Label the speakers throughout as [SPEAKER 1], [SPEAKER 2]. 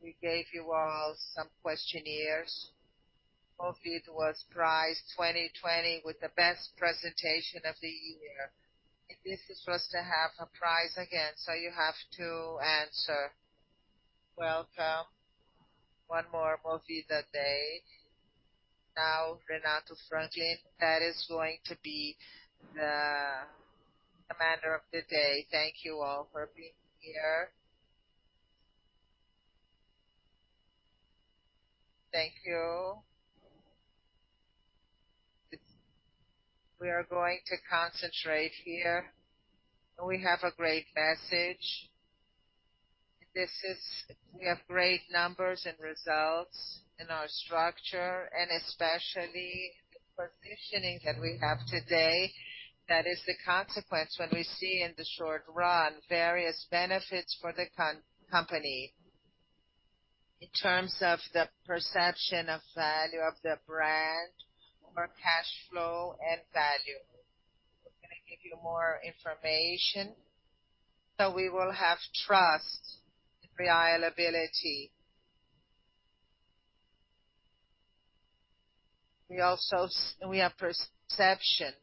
[SPEAKER 1] We gave you all some questionnaires. Movida was prized 2020 with the best presentation of the year. This is supposed to have a prize again, you have to answer. Welcome one more Movida Day. Renato Franklin, that is going to be the commander of the day. Thank you all for being here. Thank you. We are going to concentrate here, we have a great message. We have great numbers and results in our structure, especially the positioning that we have today. That is the consequence when we see in the short run various benefits for the company. In terms of the perception of value of the brand or cashflow and value. We're gonna give you more information, we will have trust and reliability. We also We have perception.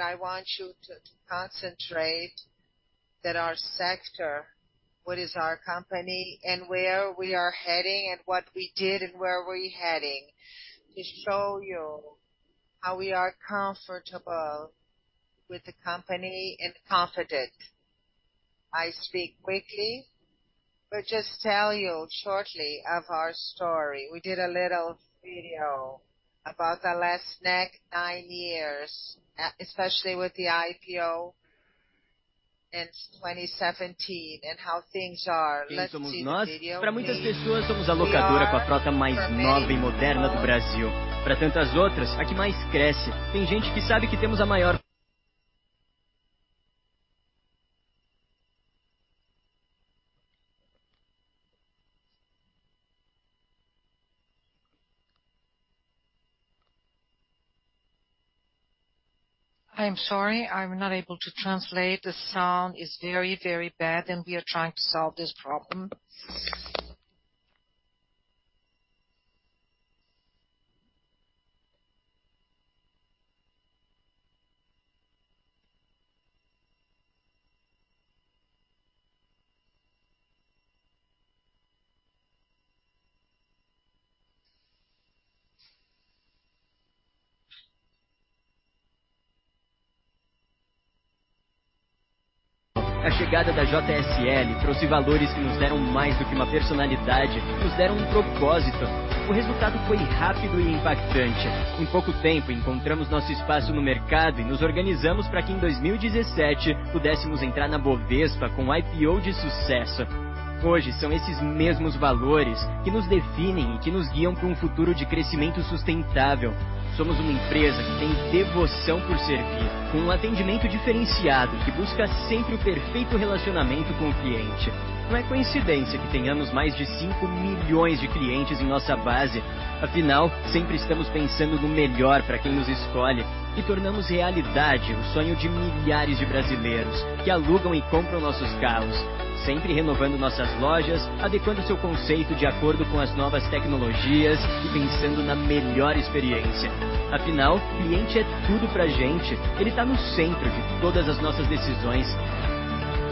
[SPEAKER 1] I want you to concentrate that our sector, what is our company and where we are heading and what we did and where we're heading, to show you how we are comfortable with the company and confident. I speak quickly, just tell you shortly of our story. We did a little video about the last nine years, especially with the IPO in 2017 and how things are. Let's see the video. Please. I am sorry. I'm not able to translate. The sound is very bad, we are trying to solve this problem. Sorry. I think the video,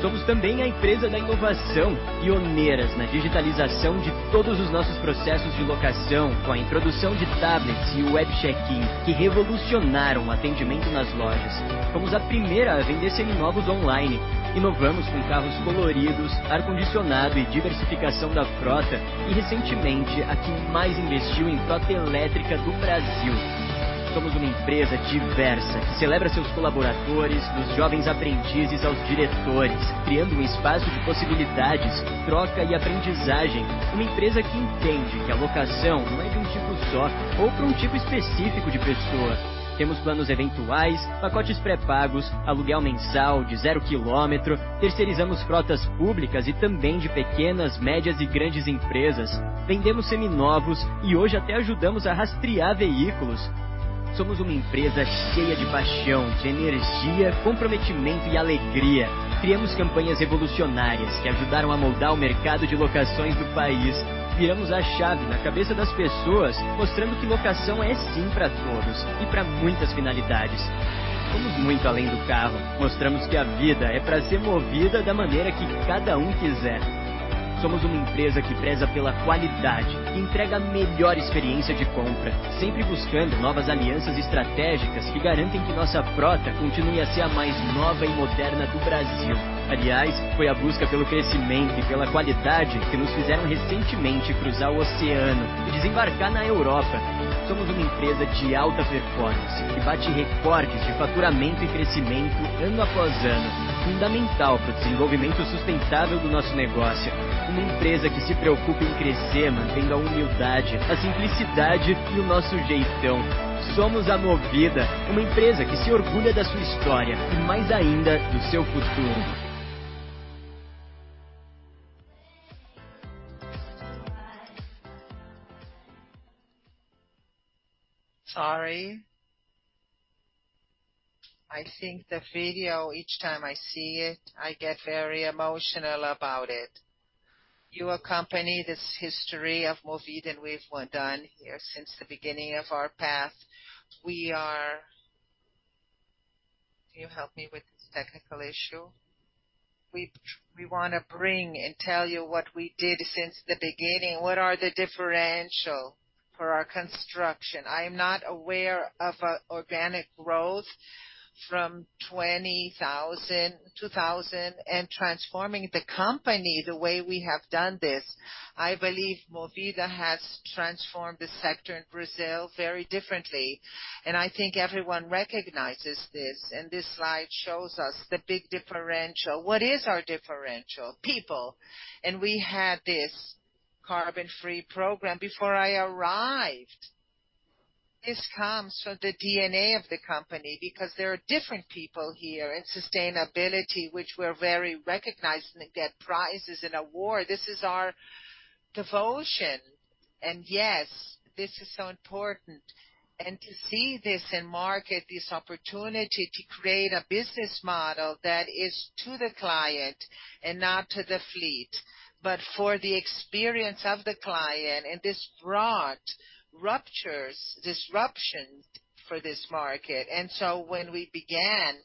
[SPEAKER 1] each time I see it, I get very emotional about it. You accompany this history of Movida, we've done here since the beginning of our path. Can you help me with this technical issue? We wanna bring and tell you what we did since the beginning. What are the differential for our construction? I'm not aware of organic growth from 20,000, 2000, and transforming the company the way we have done this. I believe Movida has transformed the sector in Brazil very differently, and I think everyone recognizes this. This slide shows us the big differential. What is our differential? People. We had this carbon-free program before I arrived. This comes from the DNA of the company because there are different people here in sustainability, which we're very recognized and get prizes and award. This is our devotion. Yes, this is so important. To see this in market, this opportunity to create a business model that is to the client and not to the fleet, but for the experience of the client. This brought ruptures, disruption for this market. When we began,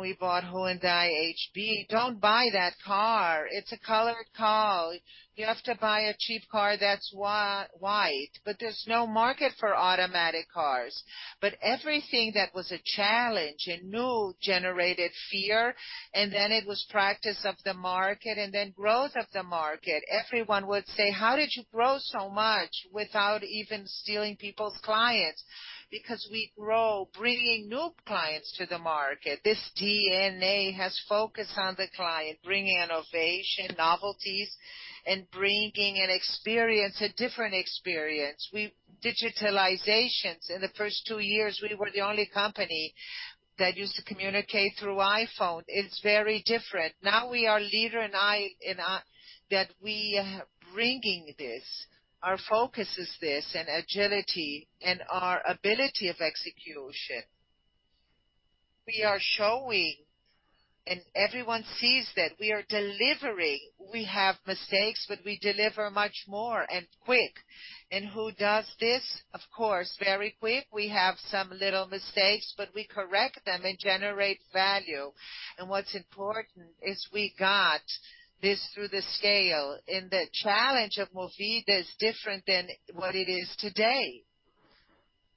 [SPEAKER 1] we bought Hyundai HB20, "Don't buy that car. It's a colored car. You have to buy a cheap car that's white. There's no market for automatic cars." Everything that was a challenge and new generated fear, and then it was practice of the market, growth of the market. Everyone would say, "How did you grow so much without even stealing people's clients?" We grow bringing new clients to the market. This DNA has focused on the client, bringing innovation, novelties, and bringing an experience, a different experience. We've digitalizations. In the first two years, we were the only company that used to communicate through iPhone. It's very different. Now we are leader in that we bringing this. Our focus is this and agility and our ability of execution. We are showing. Everyone sees that we are delivering. We have mistakes, but we deliver much more and quick. Who does this? Of course, very quick. We have some little mistakes, but we correct them and generate value. What's important is we got this through the scale. The challenge of Movida is different than what it is today.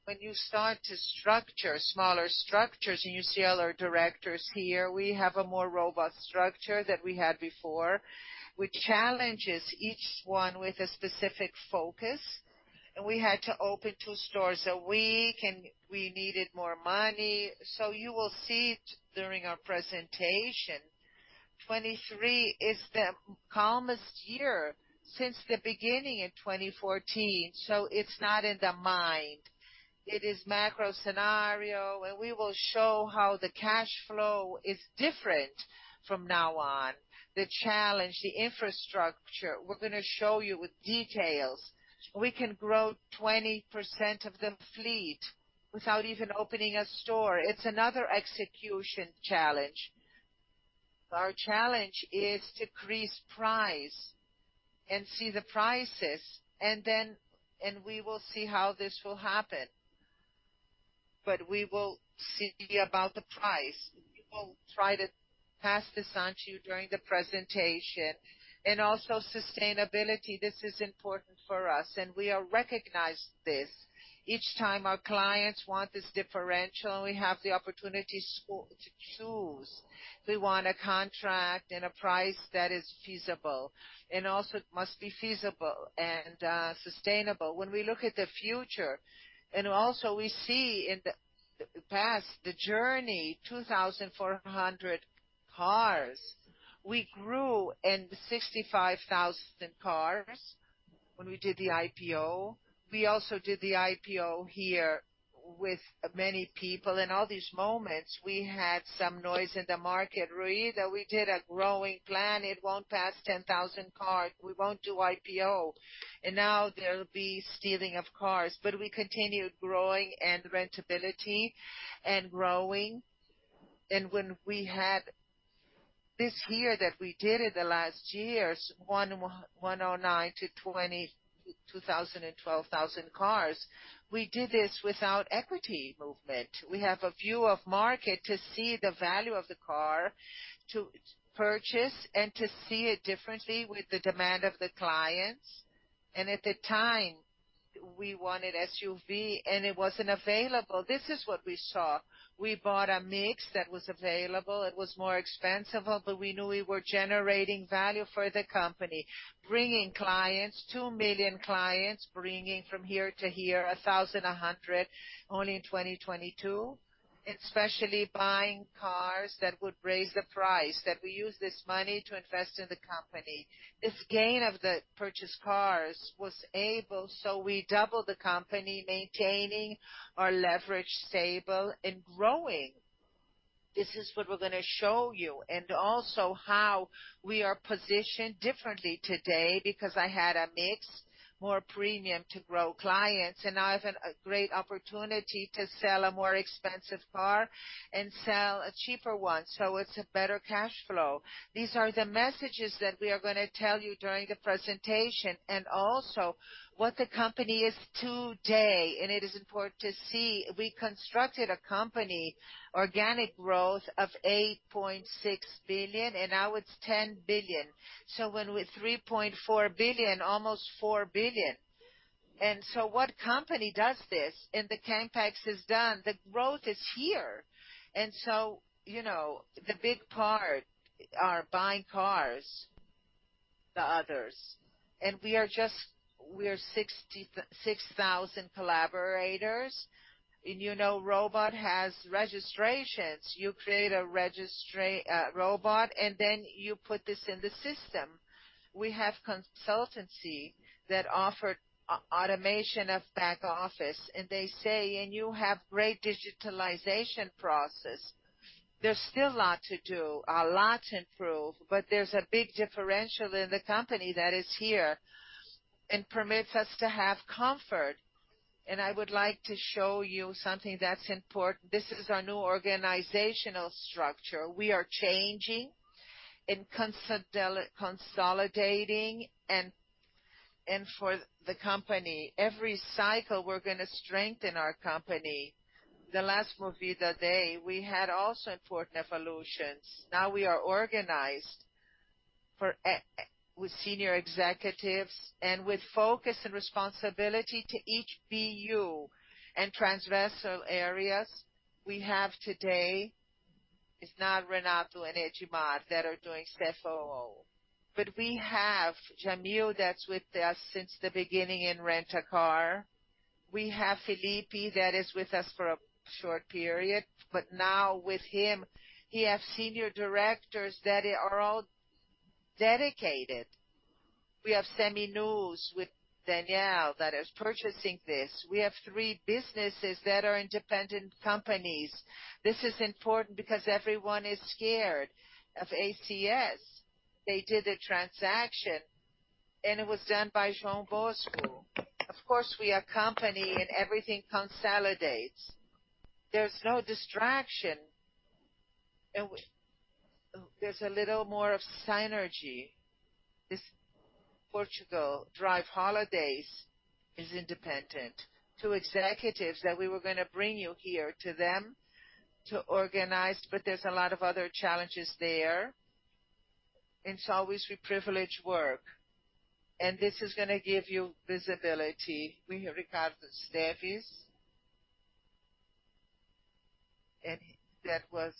[SPEAKER 1] When you start to structure smaller structures, and you see all our directors here, we have a more robust structure than we had before, which challenges each one with a specific focus. We had to open two stores a week, and we needed more money. You will see it during our presentation. 2023 is the calmest year since the beginning in 2014, so it's not in the mind. It is macro scenario. We will show how the cash flow is different from now on. The challenge, the infrastructure, we're gonna show you with details. We can grow 20% of the fleet without even opening a store. It's another execution challenge. Our challenge is to increase price and see the prices, and we will see how this will happen. We will see about the price. We will try to pass this on to you during the presentation. Also sustainability, this is important for us, and we are recognized this. Each time our clients want this differential, and we have the opportunity to choose. We want a contract and a price that is feasible, and also it must be feasible and sustainable. When we look at the future, also we see in the past, the journey, 2,400 cars, we grew, and 65,000 cars when we did the IPO. We also did the IPO here with many people. In all these moments, we had some noise in the market, Rui, that we did a growing plan. It won't pass 10,000 cars. We won't do IPO. Now there'll be stealing of cars. We continued growing and rentability and growing. When we had this year that we did in the last years, 109-2,000 and 12,000 cars, we did this without equity movement. We have a view of market to see the value of the car to purchase and to see it differently with the demand of the clients. At the time, we wanted SUV, and it wasn't available. This is what we saw. We bought a mix that was available. It was more expensive, we knew we were generating value for the company, bringing clients, 2 million clients, bringing from here to here, 1,100 only in 2022, especially buying cars that would raise the price, that we use this money to invest in the company. This gain of the purchased cars was able, we double the company, maintaining our leverage stable and growing.
[SPEAKER 2] This is what we're gonna show you, and also how we are positioned differently today because I had a mix, more premium to grow clients, and now I have a great opportunity to sell a more expensive car and sell a cheaper one, so it's a better cash flow. These are the messages that we are gonna tell you during the presentation and also what the company is today. It is important to see, we constructed a company, organic growth of 8.6 billion, and now it's 10 billion. When we're 3.4 billion, almost 4 billion. What company does this? The CapEx is done. The growth is here. You know, the big part are buying cars, the others. We are 6,000 collaborators. You know, robot has registrations. You create a robot, then you put this in the system. We have consultancy that offer automation of back office, and they say, "And you have great digitalization process." There's still a lot to do, a lot to improve, there's a big differential in the company that is here and permits us to have comfort. I would like to show you something that's important. This is our new organizational structure. We are changing and consolidating and for the company. Every cycle, we're gonna strengthen our company. The last Movida day, we had also important evolutions. Now we are organized with senior executives and with focus and responsibility to each BU and transversal areas we have today. It's not Renato and Edmar that are doing CFO. We have Jamyl that's with us since the beginning in Rent-a-Car. We have Felipe that is with us for a short period. Now with him, he has senior directors that are all dedicated. We have Seminovos with Danielle that is purchasing this. We have three businesses that are independent companies. This is important because everyone is scared of ACS. They did a transaction. It was done by João Bosco. Of course, we are company. Everything consolidates. There's no distraction. There's a little more of synergy. This Portugal Drive on Holidays is independent. two executives that we were going to bring you here to them to organize. There's a lot of other challenges there. Always we privilege work. This is going to give you visibility. We have Ricardo Esteves, and that was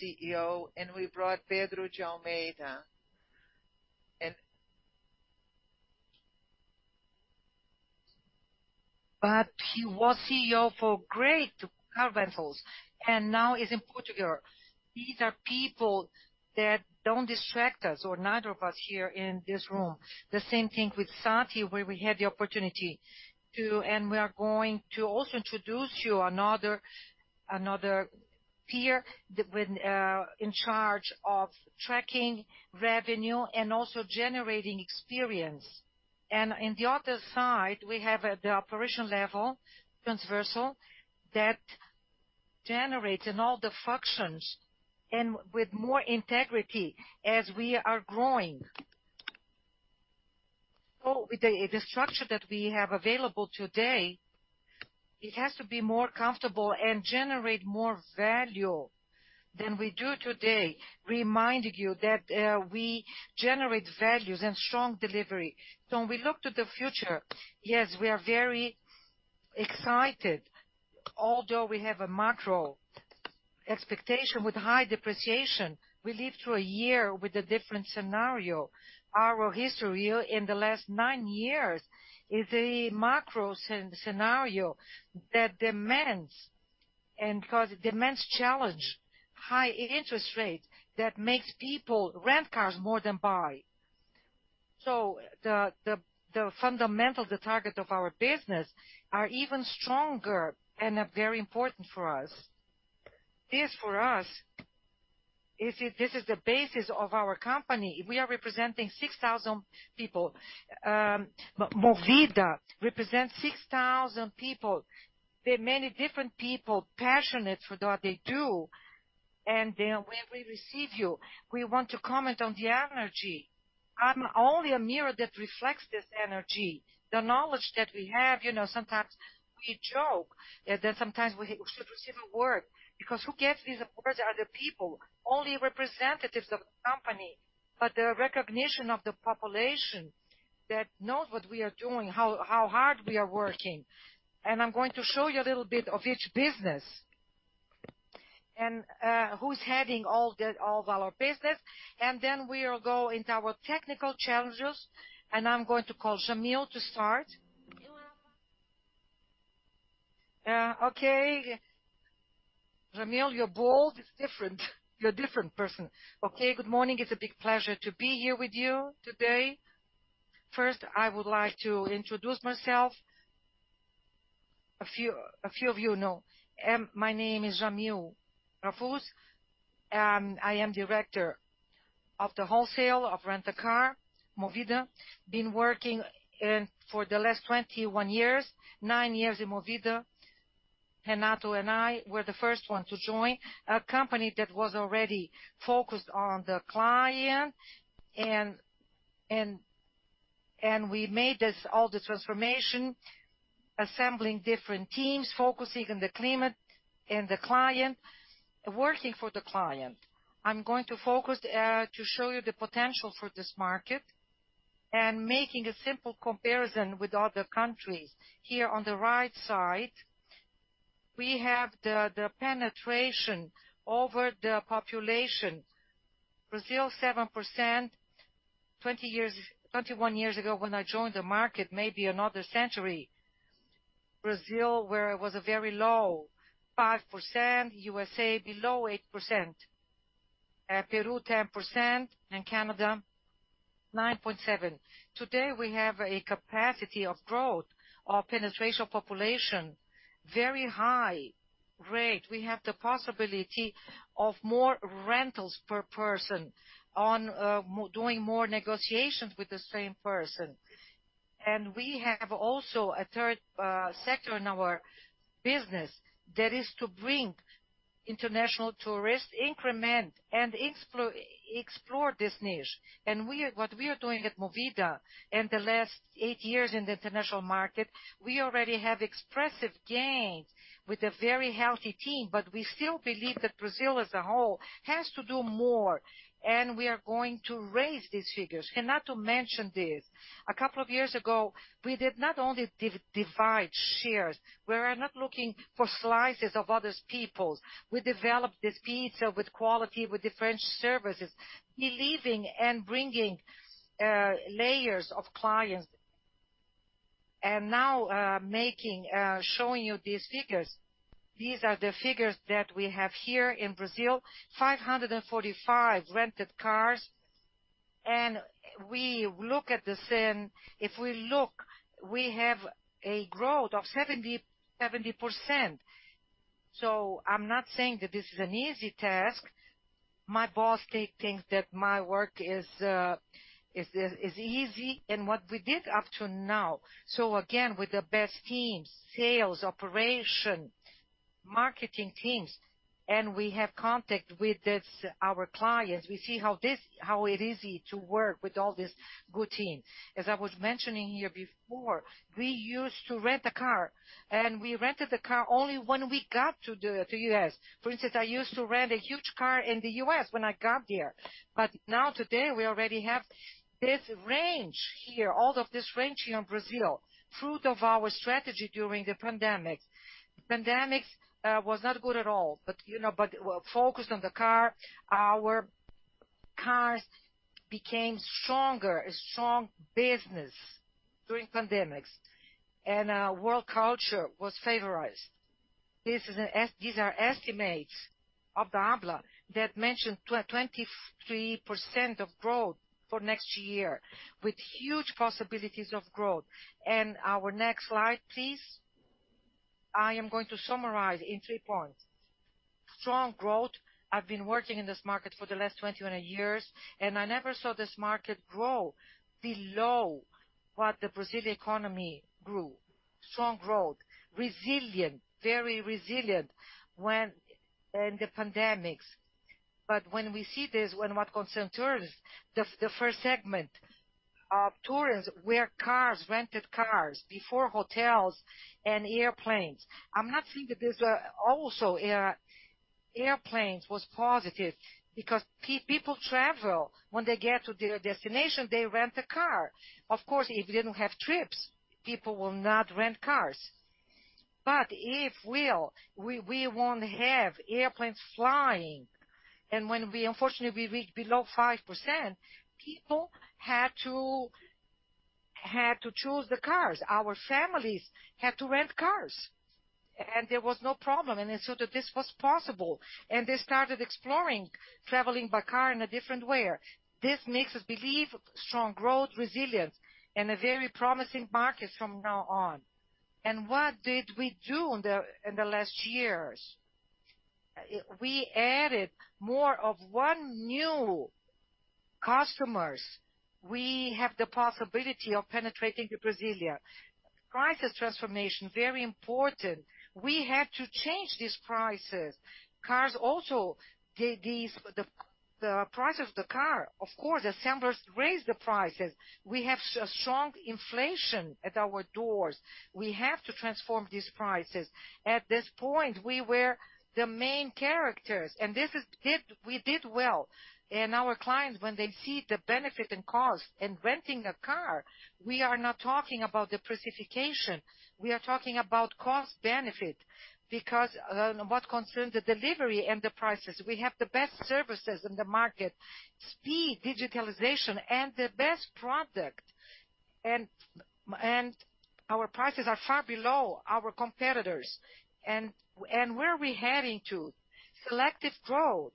[SPEAKER 2] CEO, and we brought Pedro de Almeida. He was CEO for great car rentals, and now he's in Portugal. These are people that don't distract us or neither of us here in this room. The same thing with SAT, where we had the opportunity to also introduce you another peer that we're in charge of tracking revenue and also generating experience. In the other side, we have at the operation level, transversal, that generates in all the functions and with more integrity as we are growing. With the structure that we have available today, it has to be more comfortable and generate more value than we do today, reminding you that we generate values and strong delivery. When we look to the future, yes, we are very excited. Although we have a macro expectation with high depreciation, we live through a year with a different scenario. Our history in the last nine years is a macro scenario that demands and cause demands challenge high interest rates that makes people rent cars more than buy. The fundamentals, the target of our business are even stronger and are very important for us. This, for us, this is the basis of our company. We are representing 6,000 people. Movida represents 6,000 people. They're many different people, passionate for what they do. When we receive you, we want to comment on the energy. I'm only a mirror that reflects this energy. The knowledge that we have, you know, sometimes we joke that sometimes we should receive an award because who gives these awards are the people, only representatives of the company, but the recognition of the population that knows what we are doing, how hard we are working. I'm going to show you a little bit of each business and who's heading all of our business. Then we'll go into our technical challenges, and I'm going to call Jamyl to start. Okay. Jamyl, you're bold. It's different. You're a different person.
[SPEAKER 3] Okay. Good morning. It's a big pleasure to be here with you today. First, I would like to introduce myself. A few of you know. My name is Jamyl Jarrus. I am Director of the Wholesale of Rent-a-Car Movida. Been working for the last 21 years, nine years in Movida. Renato and I were the first one to join a company that was already focused on the client. We made all the transformation, assembling different teams, focusing on the climate and the client, working for the client. I'm going to focus to show you the potential for this market and making a simple comparison with other countries. Here on the right side, we have the penetration over the population. Brazil, 7%. 21 years ago, when I joined the market, maybe another century, Brazil was a very low, 5%. USA below 8%. Peru, 10%, and Canada, 9.7%. Today, we have a capacity of growth of penetration population, very high rate. We have the possibility of more rentals per person on doing more negotiations with the same person. We have also a third sector in our business that is to bring international tourists, increment and explore this niche. What we are doing at Movida in the last eight years in the international market, we already have expressive gains with a very healthy team, but we still believe that Brazil as a whole has to do more, and we are going to raise these figures. Renato mentioned this. A couple of years ago, we did not only divide shares. We are not looking for slices of other's peoples. We developed this pizza with quality, with different services, believing and bringing layers of clients. Now showing you these figures. These are the figures that we have here in Brazil, 545 rented cars. We look at this and if we look, we have a growth of 70%. I'm not saying that this is an easy task. My boss, they think that my work is easy, and what we did up to now. Again, with the best teams, sales, operation, marketing teams, and we have contact with this, our clients. We see how easy to work with all this good team. As I was mentioning here before, we used to rent a car, and we rented the car only when we got to the U.S. For instance, I used to rent a huge car in the U.S. when I got there. Now today, we already have this range here, all of this range here in Brazil, fruit of our strategy during the pandemic. Pandemic was not good at all, but, you know, but we're focused on the car. Our cars became stronger, a strong business during pandemics, and world culture was favorized. These are estimates of the ABLA that mention 23% of growth for next year with huge possibilities of growth. Our next slide, please. I am going to summarize in three points. Strong growth. I've been working in this market for the last 21 years, and I never saw this market grow below what the Brazilian economy grew. Strong growth. Resilient, very resilient when in the pandemics. When we see this, when what concerns tourists, the first segment of tourists were cars, rented cars before hotels and airplanes. I'm not saying that this also airplanes was positive because people travel. When they get to their destination, they rent a car. Of course, if you didn't have trips, people will not rent cars. If we won't have airplanes flying, unfortunately, we reach below 5%, people had to choose the cars. Our families had to rent cars, there was no problem, so that this was possible. They started exploring, traveling by car in a different way. This makes us believe strong growth resilience and a very promising market from now on. What did we do in the last years? We added more of 1 new customers. We have the possibility of penetrating the Brasília. Prices transformation, very important. We had to change these prices. Cars also, the price of the car, of course, assemblers raised the prices. We have strong inflation at our doors. We have to transform these prices. At this point, we were the main characters, we did well. Our clients, when they see the benefit in cost in renting a car, we are not talking about the price fixation, we are talking about cost benefit because what concerns the delivery and the prices, we have the best services in the market. Speed, digitalization, and the best product. Our prices are far below our competitors. Where are we heading to? Selective growth.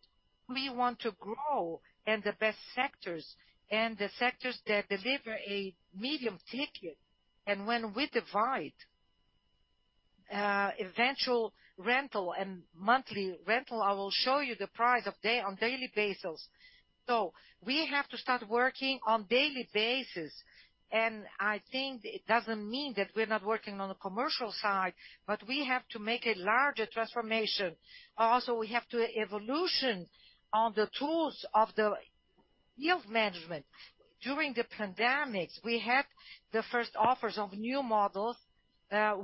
[SPEAKER 3] We want to grow in the best sectors and the sectors that deliver a medium ticket. When we divide eventual rental and monthly rental, I will show you the price on daily basis. We have to start working on daily basis, and I think it doesn't mean that we're not working on the commercial side, but we have to make a larger transformation. We have to evolution on the tools of the yield management. During the pandemic, we had the first offers of new models.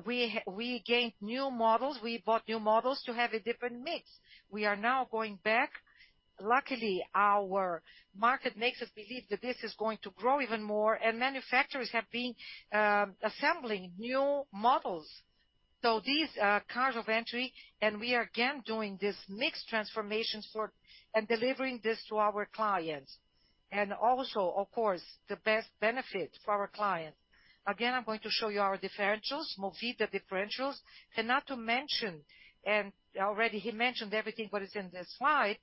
[SPEAKER 3] We gained new models, we bought new models to have a different mix. We are now going back. Luckily, our market makes us believe that this is going to grow even more, manufacturers have been assembling new models. These are cars of entry, we are again doing this mix transformations and delivering this to our clients. Also, of course, the best benefit for our clients. Again, I'm going to show you our differentials, Movida differentials. Renato mentioned, already he mentioned everything what is in the slide.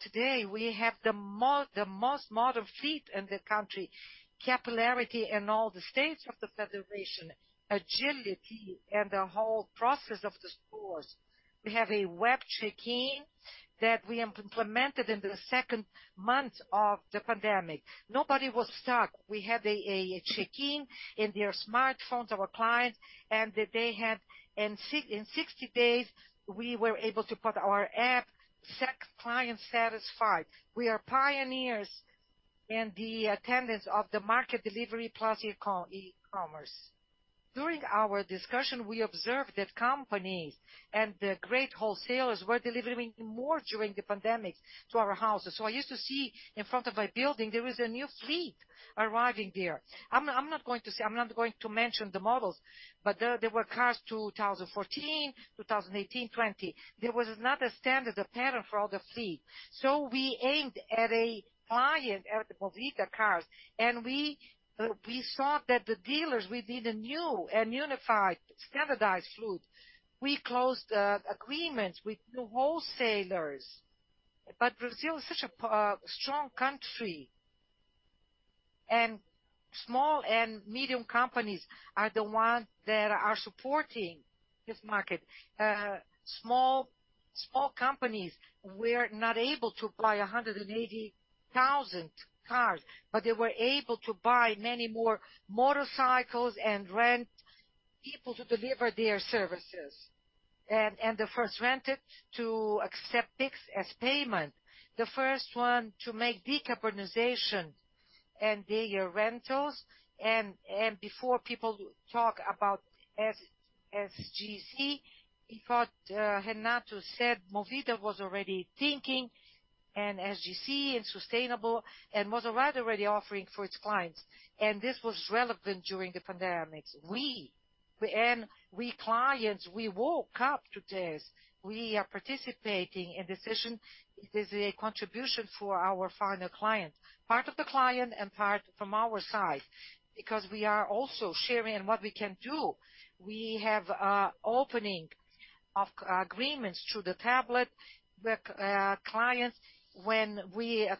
[SPEAKER 3] Today we have the most modern fleet in the country, capillarity in all the states of the confederation, agility, and the whole process of the stores. We have a web check-in that we implemented in the second month of the pandemic. Nobody was stuck. We had a check-in in their smartphones, our clients. In 60 days, we were able to put our app, set client satisfied. We are pioneers in the attendance of the market delivery plus e-commerce. During our discussion, we observed that companies and the great wholesalers were delivering more during the pandemic to our houses. I used to see in front of my building, there was a new fleet arriving there. I'm not going to say, I'm not going to mention the models, but there were cars 2014, 2018, 2020. There was not a standard, a pattern for all the fleet. We aimed at a client, at Movida cars, and we saw that the dealers, we need a new and unified standardized fleet. We closed agreements with new wholesalers. Brazil is such a strong country, and small and medium companies are the ones that are supporting this market. Small companies were not able to buy 180,000 cars, but they were able to buy many more motorcycles and rent people to deliver their services. The first rented to accept Pix as payment. The first one to make decarbonization in their rentals. Before people talk about ESG, in fact, Renato said Movida was already thinking and ESG and sustainable and was already offering for its clients. This was relevant during the pandemic. We and we clients, we woke up to this. We are participating in decision. It is a contribution for our final client, part of the client and part from our side, because we are also sharing what we can do. We have opening of agreements through the tablet with clients. When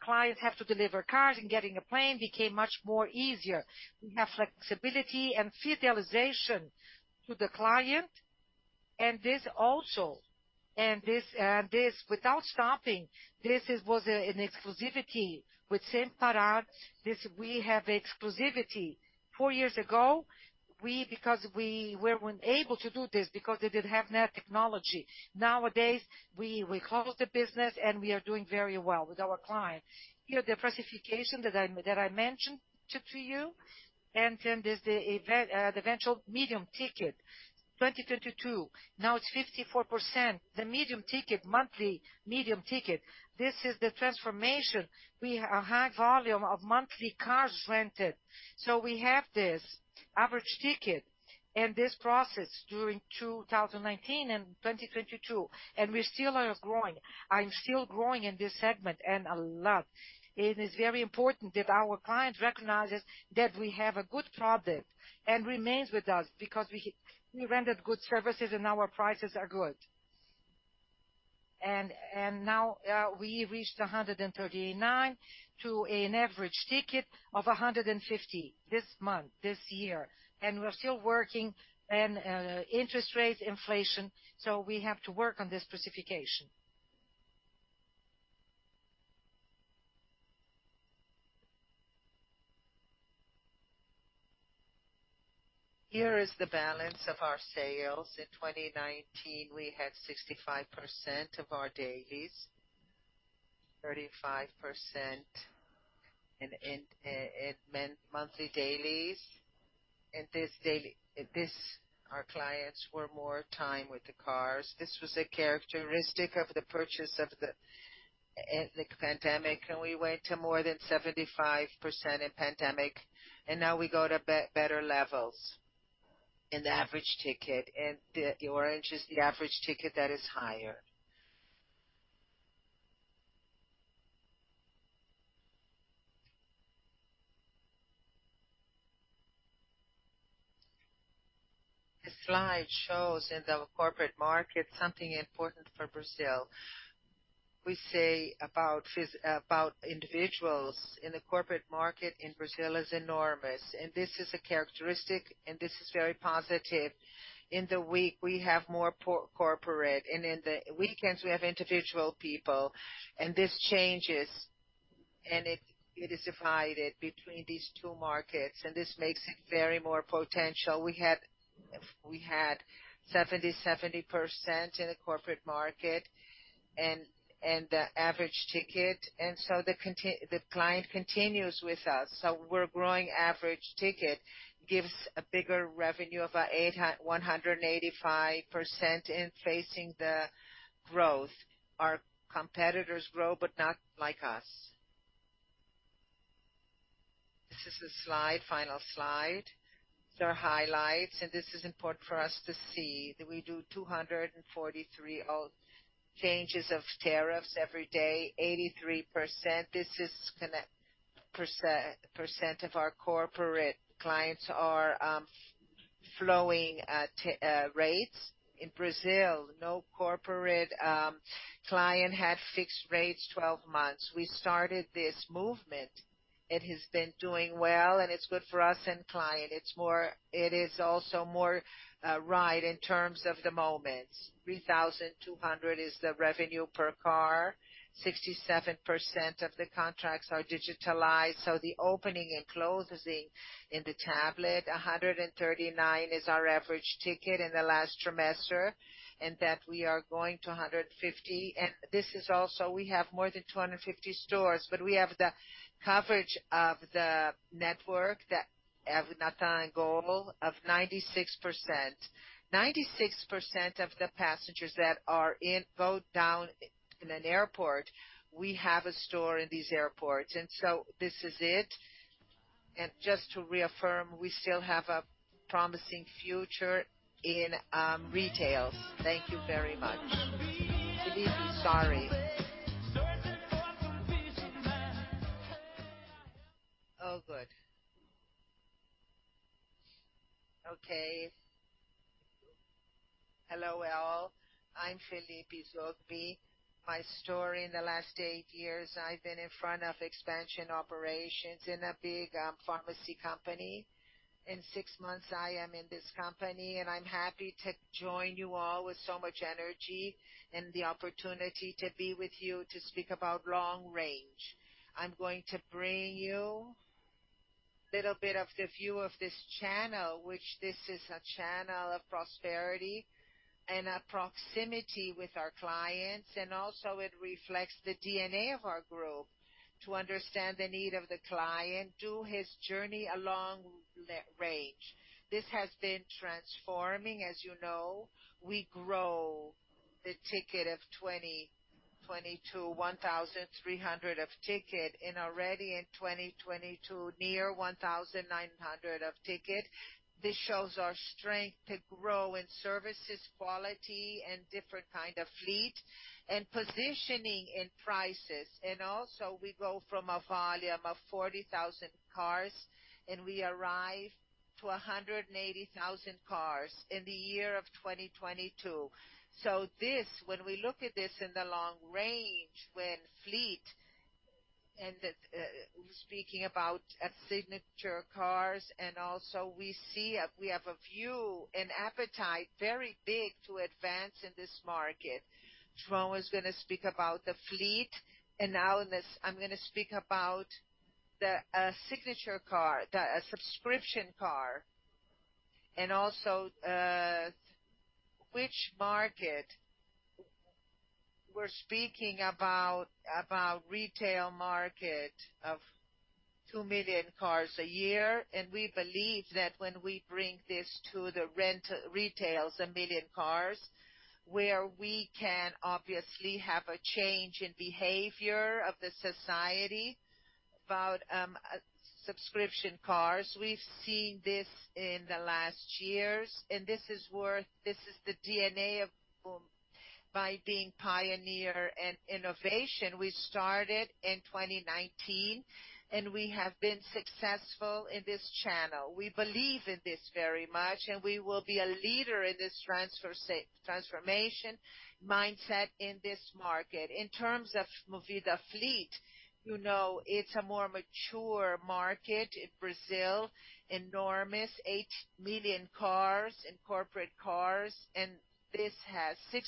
[SPEAKER 3] clients have to deliver cars and getting a plane became much more easier. We have flexibility and fidelization to the client. This without stopping, this was an exclusivity with Sem Parar. This we have exclusivity. Four years ago, because we were unable to do this because they didn't have net technology. Nowadays, we host the business, and we are doing very well with our clients. Here, the classification that I mentioned to you, there's the eventual medium ticket, 2022. Now it's 54%. The medium ticket, monthly medium ticket, this is the transformation. We have a high volume of monthly cars rented. We have this average ticket and this process during 2019 and 2022, and we still are growing. I'm still growing in this segment and a lot. It is very important that our client recognizes that we have a good product and remains with us because we rendered good services and our prices are good. Now, we reached 139 to an average ticket of 150 this month, this year. We're still working and interest rates, inflation, we have to work on this specification.
[SPEAKER 2] Here is the balance of our sales. In 2019, we had 65% of our dailies, 35% in monthly dailies. This our clients were more time with the cars. This was a characteristic of the purchase of the pandemic, and we went to more than 75% in pandemic, and now we go to better levels in the average ticket. The orange is the average ticket that is higher.
[SPEAKER 1] Slide shows in the corporate market something important for Brazil. We say about individuals in the corporate market in Brazil is enormous, and this is a characteristic, and this is very positive. In the week, we have more corporate, and in the weekends, we have individual people. This changes, it is divided between these two markets, and this makes it very more potential. We had 70% in the corporate market and the average ticket, the client continues with us. We're growing average ticket, gives a bigger revenue of a 185% in facing the growth. Our competitors grow, but not like us. This is the slide, final slide. There are highlights. This is important for us to see that we do 243 changes of tariffs every day. 83% of our corporate clients are flowing rates. In Brazil, no corporate client had fixed rates 12 months. We started this movement. It has been doing well, and it's good for us and client. It is also more right in terms of the moments. 3,200 is the revenue per car. 67% of the contracts are digitalized, the opening and closing in the tablet. 139 is our average ticket in the last trimester, and that we are going to 150. This is also... We have more than 250 stores, but we have the coverage of the network that have 96%. 96% of the passengers that go down in an airport, we have a store in these airports. This is it. Just to reaffirm, we still have a promising future in retails. Thank you very much. Felipe, sorry. Oh, good.
[SPEAKER 4] Okay. Hello, all. I'm Felipe Zogbi. My story in the last eight years, I've been in front of expansion operations in a big pharmacy company. In six months, I am in this company, and I'm happy to join you all with so much energy and the opportunity to be with you to speak about long range. I'm going to bring you little bit of the view of this channel, which this is a channel of prosperity and a proximity with our clients, and also it reflects the DNA of our group to understand the need of the client, do his journey a long range. This has been transforming, as you know. We grow the ticket of 2020 to 1,300 of ticket and already in 2022, near 1,900 of ticket. This shows our strength to grow in services quality and different kind of fleet and positioning in prices. Also we go from a volume of 40,000 cars, and we arrive to 180,000 cars in the year of 2022. This, when we look at this in the long range, when fleet and the speaking about a signature cars and also we have a view and appetite very big to advance in this market. João is gonna speak about the fleet, and now in this, I'm gonna speak about the signature car, the subscription car and also which market we're speaking about retail market of 2 million cars a year. We believe that when we bring this to the retails, 1 million cars, where we can obviously have a change in behavior of the society about subscription cars. We've seen this in the last years, and this is the DNA of Koomli by being pioneer in innovation. We started in 2019, and we have been successful in this channel. We believe in this very much. We will be a leader in this transformation mindset in this market. In terms of Movida fleet, you know it's a more mature market in Brazil, enormous 8 million cars and corporate cars. This has 6%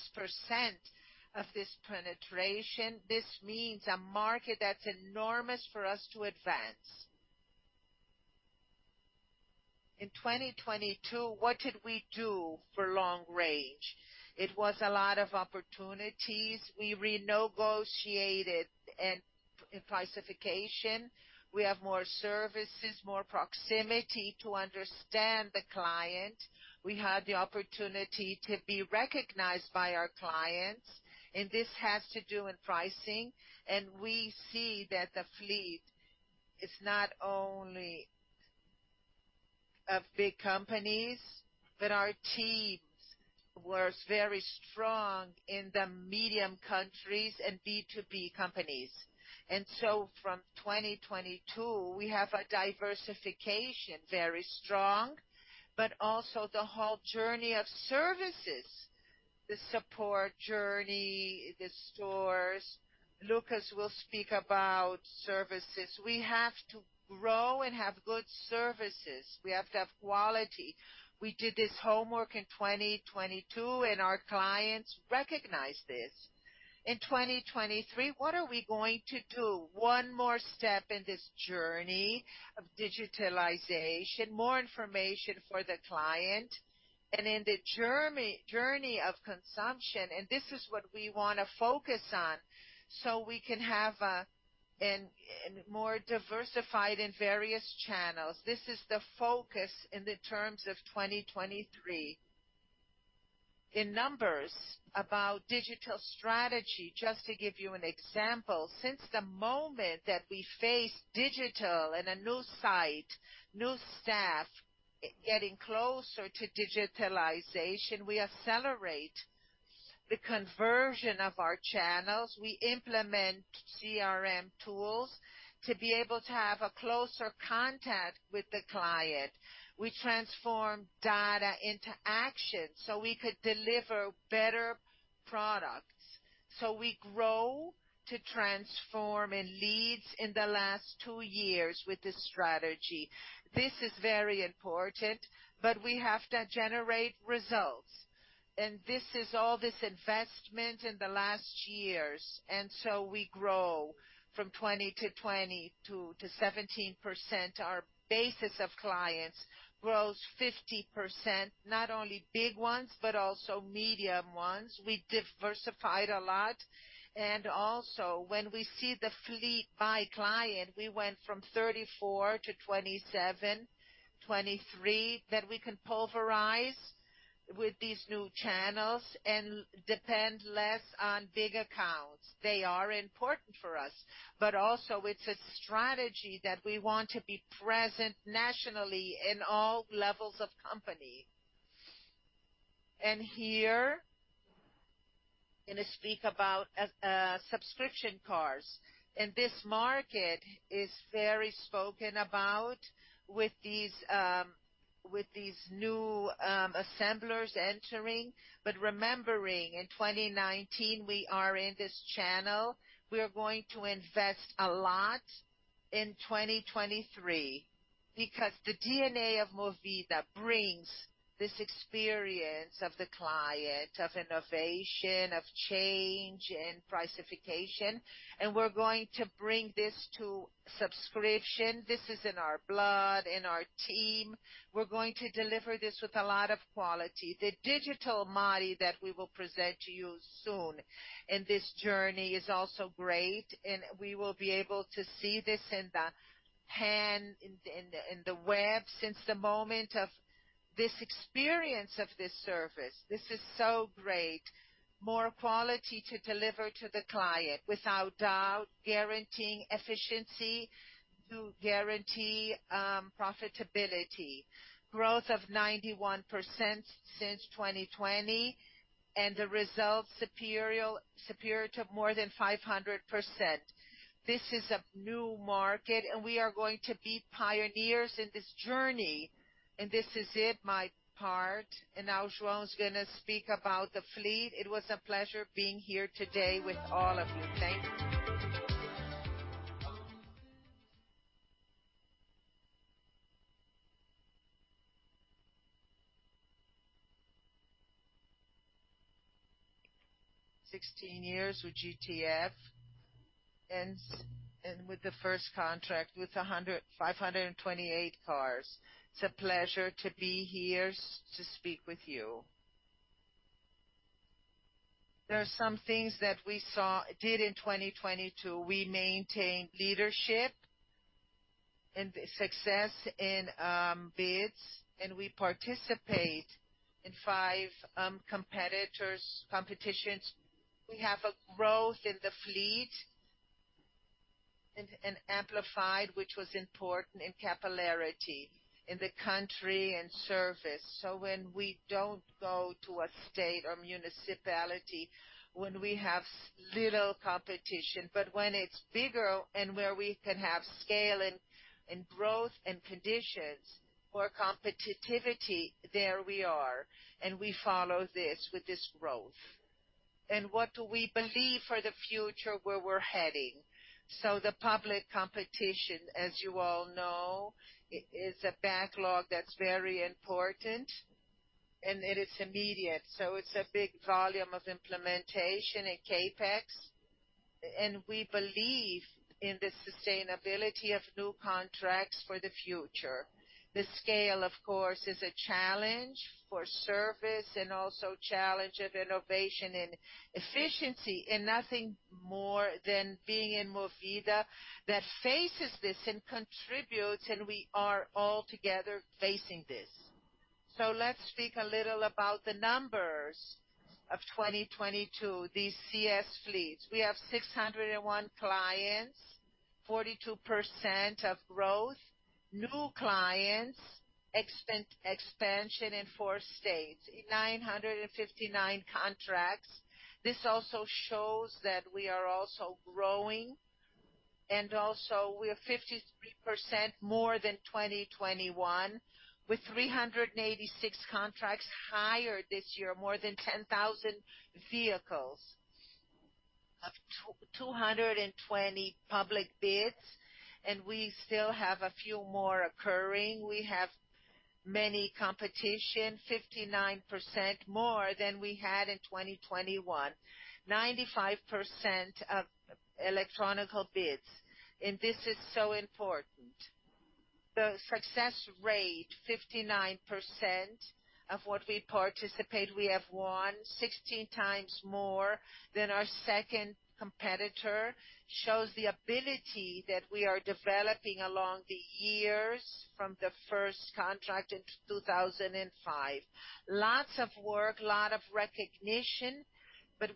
[SPEAKER 4] of this penetration. This means a market that's enormous for us to advance. In 2022, what did we do for long range? It was a lot of opportunities. We renegotiated and pricification. We have more services, more proximity to understand the client. We had the opportunity to be recognized by our clients. This has to do in pricing. We see that the fleet is not only of big companies, but our team was very strong in the medium countries and B2B companies. From 2022, we have a diversification, very strong, but also the whole journey of services, the support journey, the stores. Lucas will speak about services. We have to grow and have good services. We have to have quality. We did this homework in 2022, and our clients recognized this. In 2023, what are we going to do? One more step in this journey of digitalization, more information for the client and in the journey of consumption, and this is what we wanna focus on, so we can have a more diversified in various channels. This is the focus in the terms of 2023. In numbers about digital strategy, just to give you an example, since the moment that we faced digital and a new site, new staff getting closer to digitalization, we accelerate the conversion of our channels. We implement CRM tools to be able to have a closer contact with the client. We transform data into action so we could deliver better products. We grow to transform in leads in the last two years with this strategy. This is very important. We have to generate results. This is all this investment in the last years. We grow from 2022 to 17%. Our basis of clients grows 50%, not only big ones, but also medium ones. We diversified a lot. Also, when we see the fleet by client, we went from 34-27, 23, that we can pulverize with these new channels and depend less on big accounts. They are important for us. Also, it's a strategy that we want to be present nationally in all levels of company. Here I'm gonna speak about subscription cars, and this market is very spoken about with these new assemblers entering. Remembering in 2019, we are in this channel, we are going to invest a lot in 2023 because the DNA of Movida brings this experience of the client, of innovation, of change and pricification, and we're going to bring this to subscription. This is in our blood, in our team. We're going to deliver this with a lot of quality. The digital mod that we will present to you soon in this journey is also great, and we will be able to see this in the hand, in the web since the moment of this experience of this service. This is so great. More quality to deliver to the client, without doubt guaranteeing efficiency, to guarantee profitability. Growth of 91% since 2020, the results superior to more than 500%. This is a new market, we are going to be pioneers in this journey. This is it, my part, now João is gonna speak about the fleet. It was a pleasure being here today with all of you. Thank you.
[SPEAKER 5] 16 years with GTF and with the first contract with 528 cars. It's a pleasure to be here to speak with you. There are some things that we did in 2022. We maintained leadership and success in bids, we participate in 5 competitions. We have a growth in the fleet and amplified, which was important in capillarity in the country and service. When we don't go to a state or municipality, when we have little competition, but when it's bigger and where we can have scale and growth and conditions for competitivity, there we are, and we follow this with this growth. What do we believe for the future where we're heading? The public competition, as you all know, is a backlog that's very important, and it is immediate. It's a big volume of implementation and CapEx, and we believe in the sustainability of new contracts for the future. The scale, of course, is a challenge for service and also challenge of innovation and efficiency and nothing more than being in Movida that faces this and contributes, and we are all together facing this. Let's speak a little about the numbers. 2022, these CS Frotas. We have 601 clients, 42% of growth. New clients, expansion in four states. 959 contracts, this also shows that we are also growing, and also we are 53% more than 2021, with 386 contracts higher this year, more than 10,000 vehicles. 220 public bids, and we still have a few more occurring. We have many competition, 59% more than we had in 2021. 95% of electronic bids, and this is so important. The success rate, 59% of what we participate, we have won 16x more than our second competitor, shows the ability that we are developing along the years from the first contract in 2005. Lots of work, lot of recognition.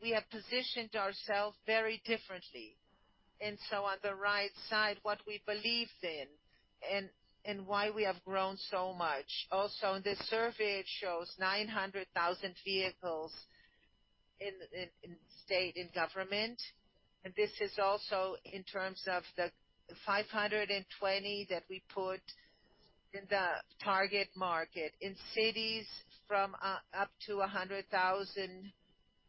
[SPEAKER 5] We have positioned ourself very differently. On the right side, what we believed in and why we have grown so much. In this survey, it shows 900,000 vehicles in state, in government. This is also in terms of the 520 that we put in the target market in cities from up to 100,000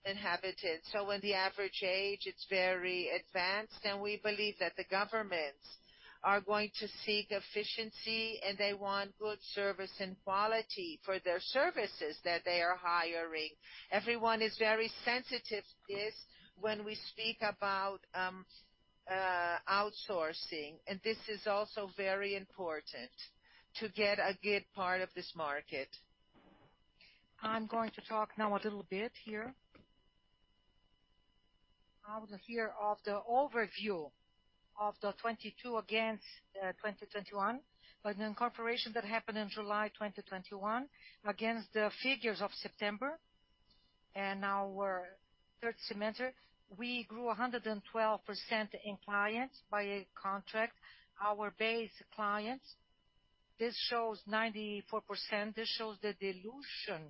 [SPEAKER 5] inhabitants. When the average age, it's very advanced, and we believe that the governments are going to seek efficiency, and they want good service and quality for their services that they are hiring. Everyone is very sensitive to this when we speak about outsourcing, and this is also very important to get a good part of this market. I'm going to talk now a little bit here. Out of here of the overview of the 2022 against 2021. The incorporation that happened in July 2021 against the figures of September and our third semester, we grew 112% in clients by a contract. Our base clients, this shows 94%. This shows the dilution.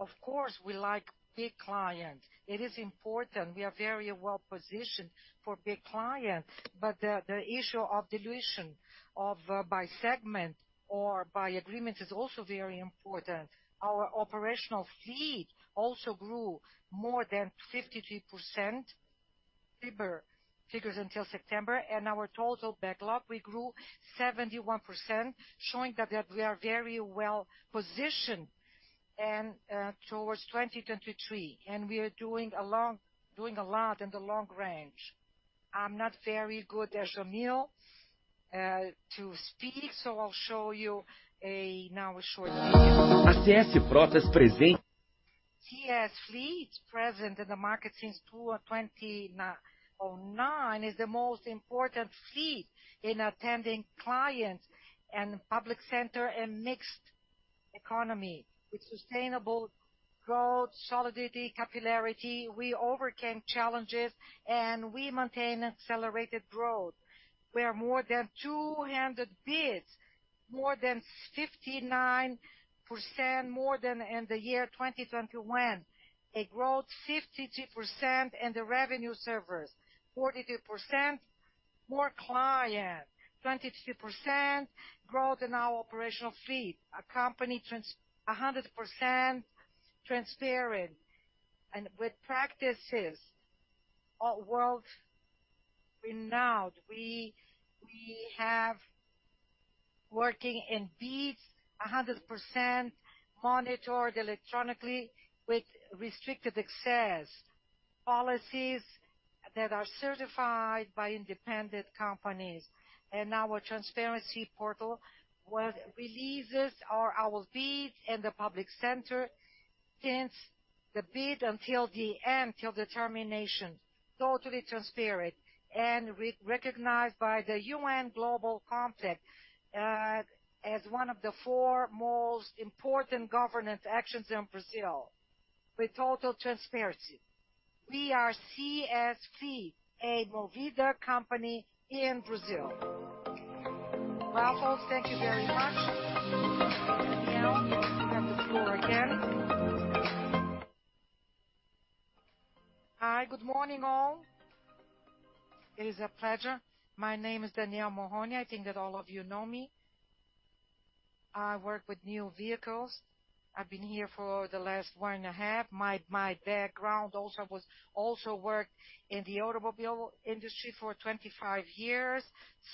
[SPEAKER 5] Of course, we like big clients. It is important. We are very well-positioned for big clients. The issue of dilution of by segment or by agreement is also very important. Our operational fleet also grew more than 53%, figures until September. Our total backlog, we grew 71%, showing that we are very well-positioned and towards 2023. We are doing a lot in the long range. I'm not very good as Jonil to speak, so I'll show you now a short video. CS Frotas present in the market since 2009 is the most important fleet in attending clients and public center and mixed economy. With sustainable growth, solidity, capillarity, we overcame challenges, and we maintain accelerated growth. We have more than 200 bids, more than 59% more than in the year 2021. A growth 52% in the revenue service. 42% more client. 22% growth in our operational fleet. A company 100% transparent and with practices world-renowned. We have working in bids 100% monitored electronically with restricted access, policies that are certified by independent companies. Our transparency portal releases our bids in the public center since the bid until the end, till the termination, totally transparent. Re-recognized by the UN Global Compact as one of the four most important governance actions in Brazil with total transparency. We are CSV, a Movida company in Brazil. Rafael, thank you very much. Danielle, you have the floor again.
[SPEAKER 6] Hi, good morning, all. It is a pleasure. My name is Daniel Morroni. I think that all of you know me. I work with new vehicles. I've been here for the last one and a half. My background also worked in the automobile industry for 25 years,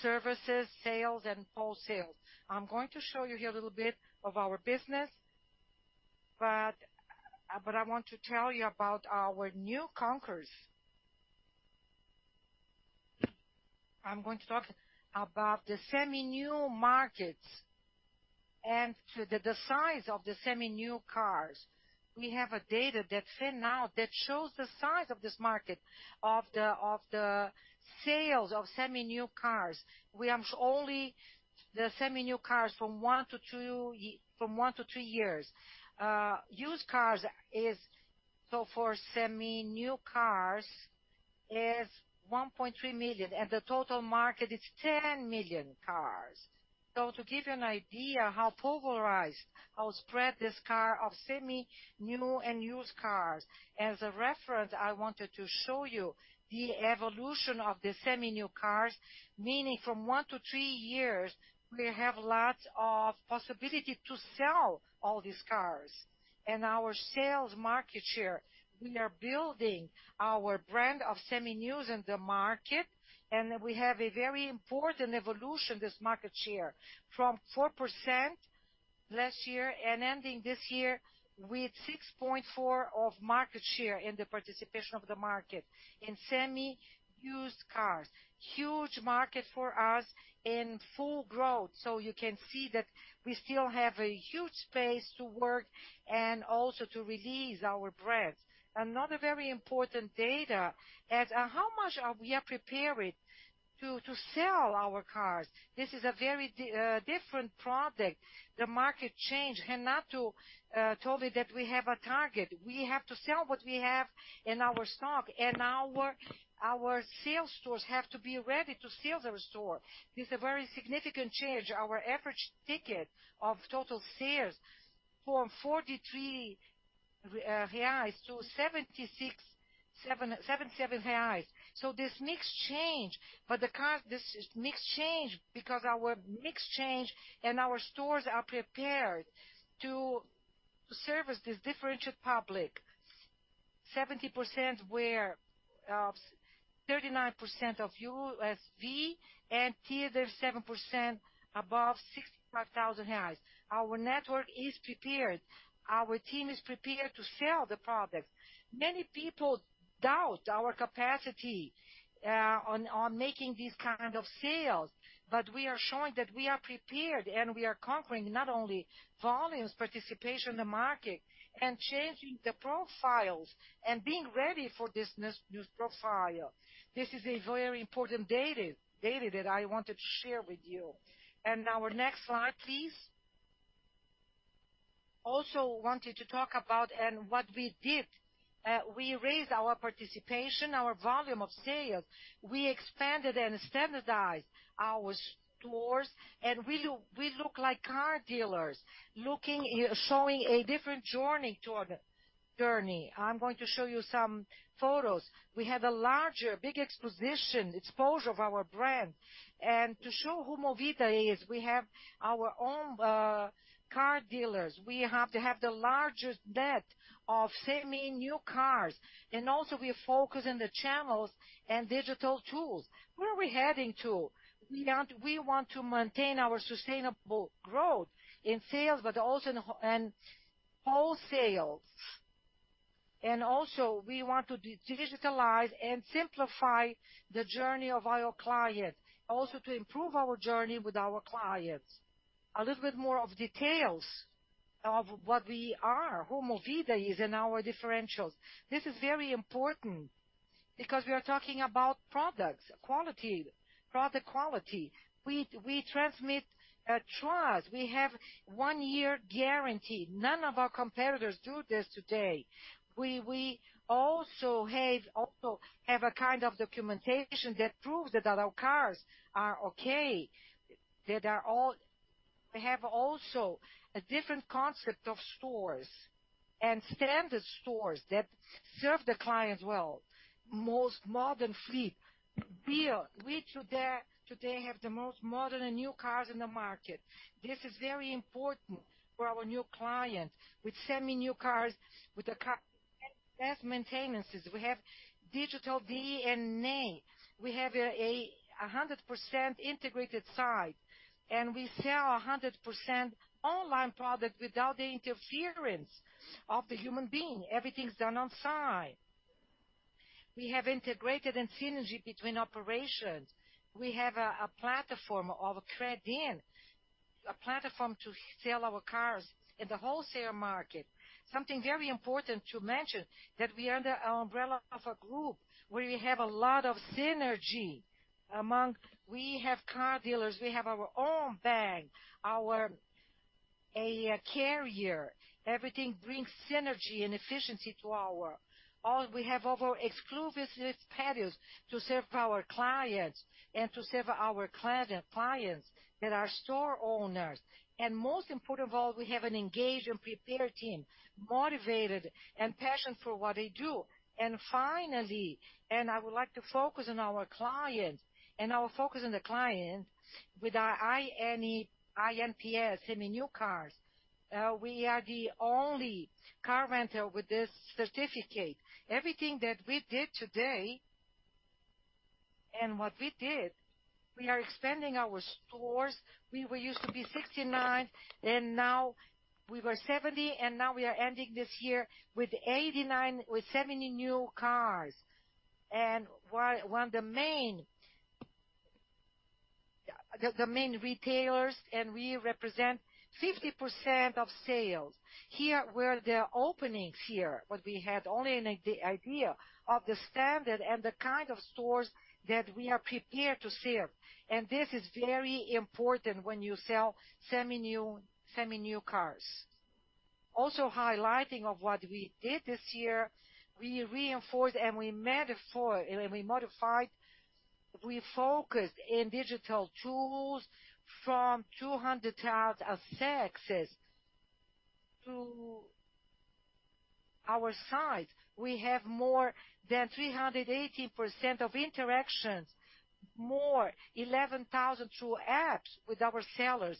[SPEAKER 6] services, sales, and post-sales. I'm going to show you here a little bit of our business, but I want to tell you about our new conquests. I'm going to talk about the semi-new markets and the size of the semi-new cars. We have a data that for now that shows the size of this market, of the sales of semi-new cars. We have only semi-new cars from one-three years. For semi-new cars is 1.3 million, and the total market is 10 million cars. To give you an idea how polarized, how spread this car of semi-new and used cars. As a reference, I wanted to show you the evolution of the semi-new cars, meaning from one-three years, we have lots of possibility to sell all these cars. Our sales market share, we are building our brand of Seminovos in the market, and we have a very important evolution, this market share, from 4% last year and ending this year with 6.4% of market share in the participation of the market in Seminovos cars. Huge market for us in full growth. You can see that we still have a huge space to work and also to release our brands. Another very important data is how much are we are preparing to sell our cars. This is a very different product. The market changed. Renato told me that we have a target. We have to sell what we have in our stock, and our sales stores have to be ready to sell the restore. It's a very significant change. Our average ticket of total sales from 43-76.77 reais. This mix change because our mix change and our stores are prepared to service this differentiated public. 70% where 39% of UVS and here there's 7% above 65,000 reais. Our network is prepared. Our team is prepared to sell the product. Many people doubt our capacity on making these kind of sales, but we are showing that we are prepared, and we are conquering not only volumes, participation in the market, and changing the profiles and being ready for this new profile. This is a very important data that I wanted to share with you. Our next slide, please. Also wanted to talk about and what we did. We raised our participation, our volume of sales. We expanded and standardized our stores, we look like car dealers looking, showing a different journey to our journey. I'm going to show you some photos. We have a larger, big exposition, exposure of our brand. To show who Movida is, we have our own car dealers. We have to have the largest debt of semi-new cars. Also, we focus on the channels and digital tools. Where are we heading to? We want to maintain our sustainable growth in sales, but also in wholesale. Also, we want to digitalize and simplify the journey of our client, also to improve our journey with our clients. A little bit more of details of what we are, who Movida is, and our differentials. This is very important because we are talking about products, quality, product quality. We transmit trust. We have one-year guarantee. None of our competitors do this today. We also have a kind of documentation that proves that our cars are okay. We have also a different concept of stores and standard stores that serve the clients well. Most modern fleet. We today have the most modern and new cars in the market. This is very important for our new client with semi-new cars, with the best maintenances. We have digital DNA. We have a 100% integrated site. We sell a 100% online product without the interference of the human being. Everything's done on site. We have integrated and synergy between operations. We have a platform of trade-in, a platform to sell our cars in the wholesale market. Something very important to mention that we are under umbrella of a group where we have a lot of synergy among. We have car dealers, we have our own bank, our a carrier. Everything brings synergy and efficiency to our. We have our exclusive patios to serve our clients and to serve our clients that are store owners. Most important of all, we have an engaged and prepared team, motivated and passionate for what they do. Finally, I would like to focus on our clients, and I will focus on the client with our iNPS, Seminovos. We are the only car rental with this certificate. Everything that we did today and what we did, we are expanding our stores. We were used to be 69, and now we were 70, and now we are ending this year with 70 new cars. One the main retailers, and we represent 50% of sales. Here were the openings here, but we had only an idea of the standard and the kind of stores that we are prepared to serve. This is very important when you sell semi-new cars. Also highlighting of what we did this year, we reinforced and we modified we focused in digital tools from 200,000 accesses to our site. We have more than 380% of interactions, more 11,000 through apps with our sellers.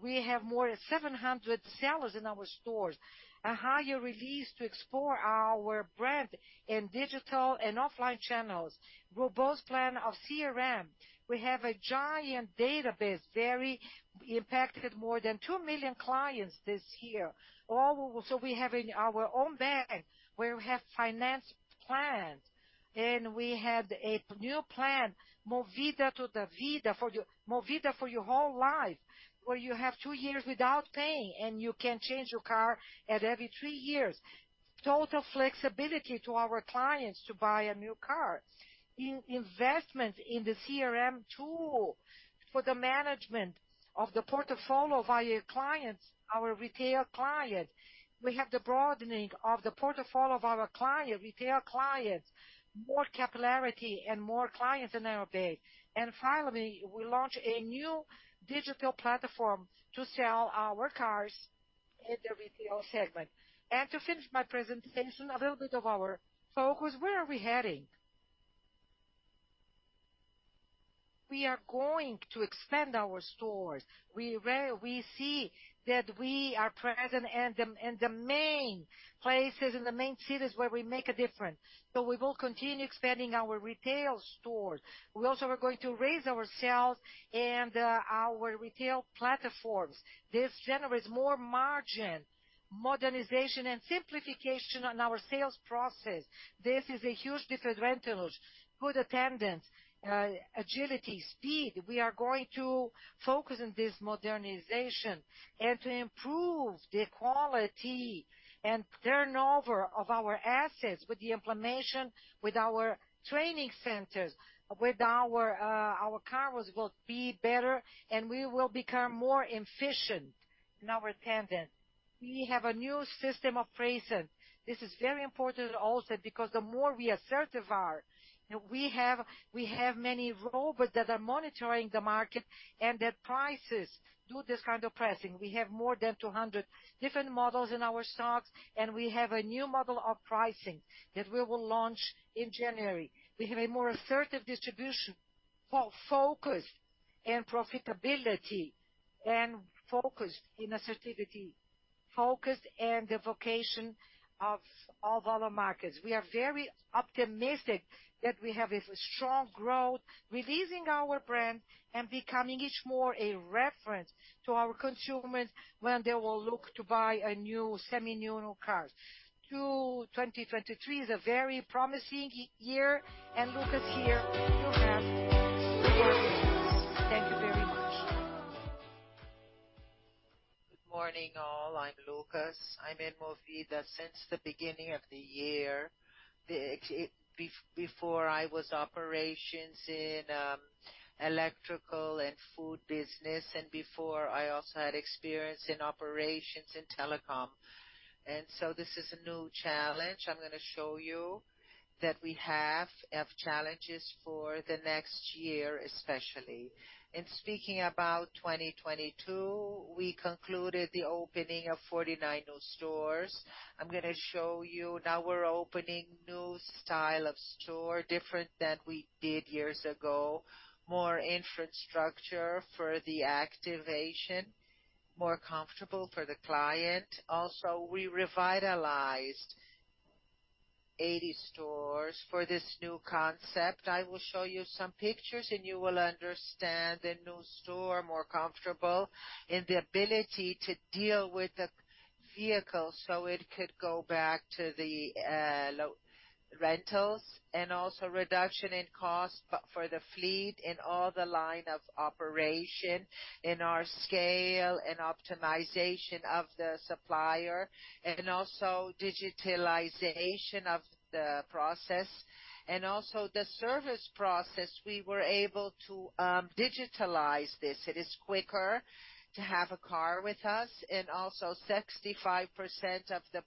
[SPEAKER 6] We have more than 700 sellers in our stores, a higher release to explore our brand in digital and offline channels. Robust plan of CRM. We have a giant database, very impacted more than 2 million clients this year. All so we have in our own bank, where we have finance plans, and we had a new plan, Movida para toda vida Movida for your whole life, where you have two years without paying, and you can change your car at every three years. Total flexibility to our clients to buy a new car. In-investment in the CRM tool for the management of the portfolio via clients, our retail clients. We have the broadening of the portfolio of our client, retail clients, more capillarity and more clients in our bank. Finally, we launched a new digital platform to sell our cars in the retail segment. To finish my presentation, a little bit of our focus. Where are we heading? We are going to expand our stores. We see that we are present and the main places and the main cities where we make a difference. We will continue expanding our retail stores. We also are going to raise our sales and our retail platforms. This generates more margin, modernization and simplification on our sales process. This is a huge differential. Good attendance, agility, speed. We are going to focus on this modernization and to improve the quality and turnover of our assets with the implementation with our training centers, with our cars will be better, and we will become more efficient in our attendance. We have a new system of pricing. This is very important also because the more we assertive are, we have many robots that are monitoring the market and that prices do this kind of pricing. We have more than 200 different models in our stocks. We have a new model of pricing that we will launch in January. We have a more assertive distribution, focused in profitability and focused in assertivity, focused in the vocation of our markets. We are very optimistic that we have a strong growth, releasing our brand and becoming each more a reference to our consumers when they will look to buy a new semi-new car. To 2023 is a very promising year. Lucas here, you have the operations. Thank you very much.
[SPEAKER 7] Good morning, all. I'm Lucas. I'm in Movida since the beginning of the year. Before I was operations in electrical and food business. Before I also had experience in operations in telecom. This is a new challenge. I'm gonna show you that we have challenges for the next year, especially. In speaking about 2022, we concluded the opening of 49 new stores. I'm gonna show you now we're opening new style of store, different than we did years ago. More infrastructure for the activation, more comfortable for the client. We revitalized 80 stores for this new concept. I will show you some pictures. You will understand the new store, more comfortable in the ability to deal with the vehicle, so it could go back to the rentals and also reduction in cost but for the fleet in all the line of operation, in our scale and optimization of the supplier, also digitalization of the process. Also the service process, we were able to digitalize this. It is quicker to have a car with us and also 65% of the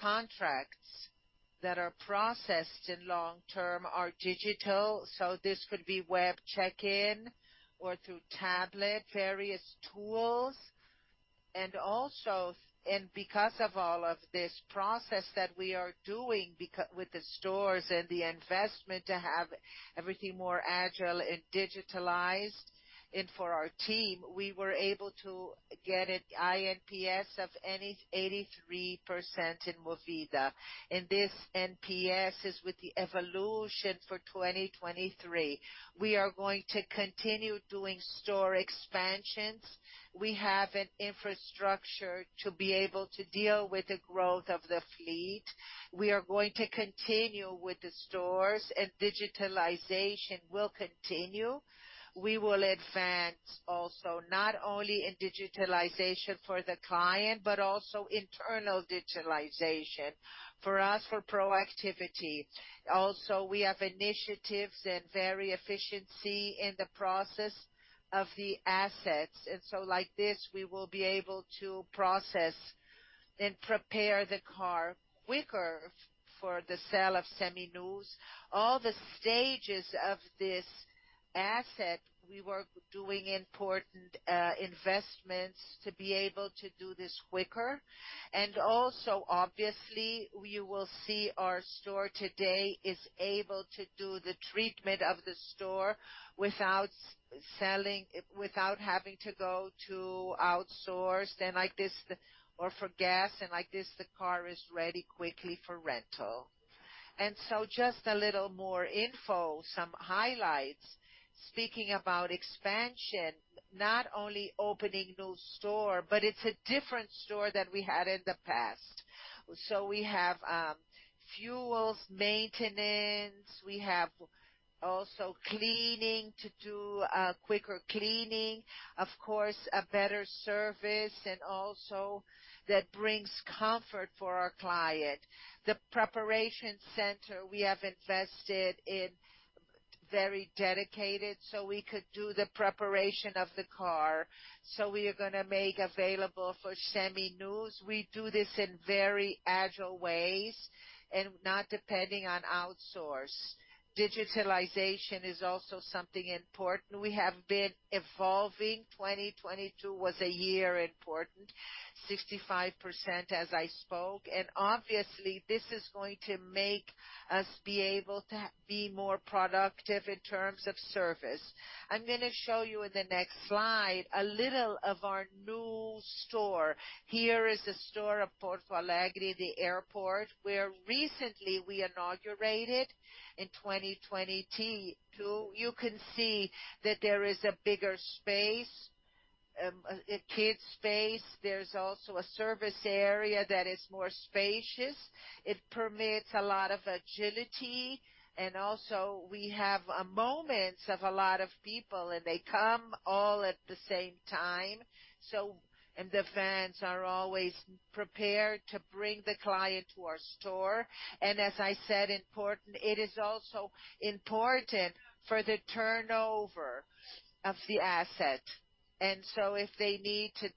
[SPEAKER 7] contracts that are processed in long term are digital. This could be web check-in or through tablet, various tools. Because of all of this process that we are doing with the stores and the investment to have everything more agile and digitalized and for our team, we were able to get an iNPS of 83% in Movida. This NPS is with the evolution for 2023. We are going to continue doing store expansions. We have an infrastructure to be able to deal with the growth of the fleet. We are going to continue with the stores and digitalization will continue. We will advance also not only in digitalization for the client, but also internal digitalization for us, for proactivity. We have initiatives and very efficiency in the process of the assets. Like this, we will be able to process. Then prepare the car quicker for the sale of Seminovos. All the stages of this asset, we were doing important investments to be able to do this quicker. Obviously, you will see our store today is able to do the treatment of the store without selling, without having to go to outsource. Or for gas, the car is ready quickly for rental. Just a little more info, some highlights. Speaking about expansion, not only opening new store, but it's a different store than we had in the past. We have fuels, maintenance, we have also cleaning to do, quicker cleaning. Of course, a better service and also that brings comfort for our client. The preparation center we have invested in very dedicated, so we could do the preparation of the car. We are gonna make available for Seminovos. We do this in very agile ways and not depending on outsource. Digitalization is also something important. We have been evolving. 2022 was a year important, 65% as I spoke. Obviously, this is going to make us be able to be more productive in terms of service. I'm gonna show you in the next slide a little of our new store. Here is a store of Porto Alegre, the airport, where recently we inaugurated in 2022. You can see that there is a bigger space, a kids space. There's also a service area that is more spacious. It permits a lot of agility. Also we have moments of a lot of people, and they come all at the same time. The vans are always prepared to bring the client to our store. As I said, it is also important for the turnover of the asset. If they need to...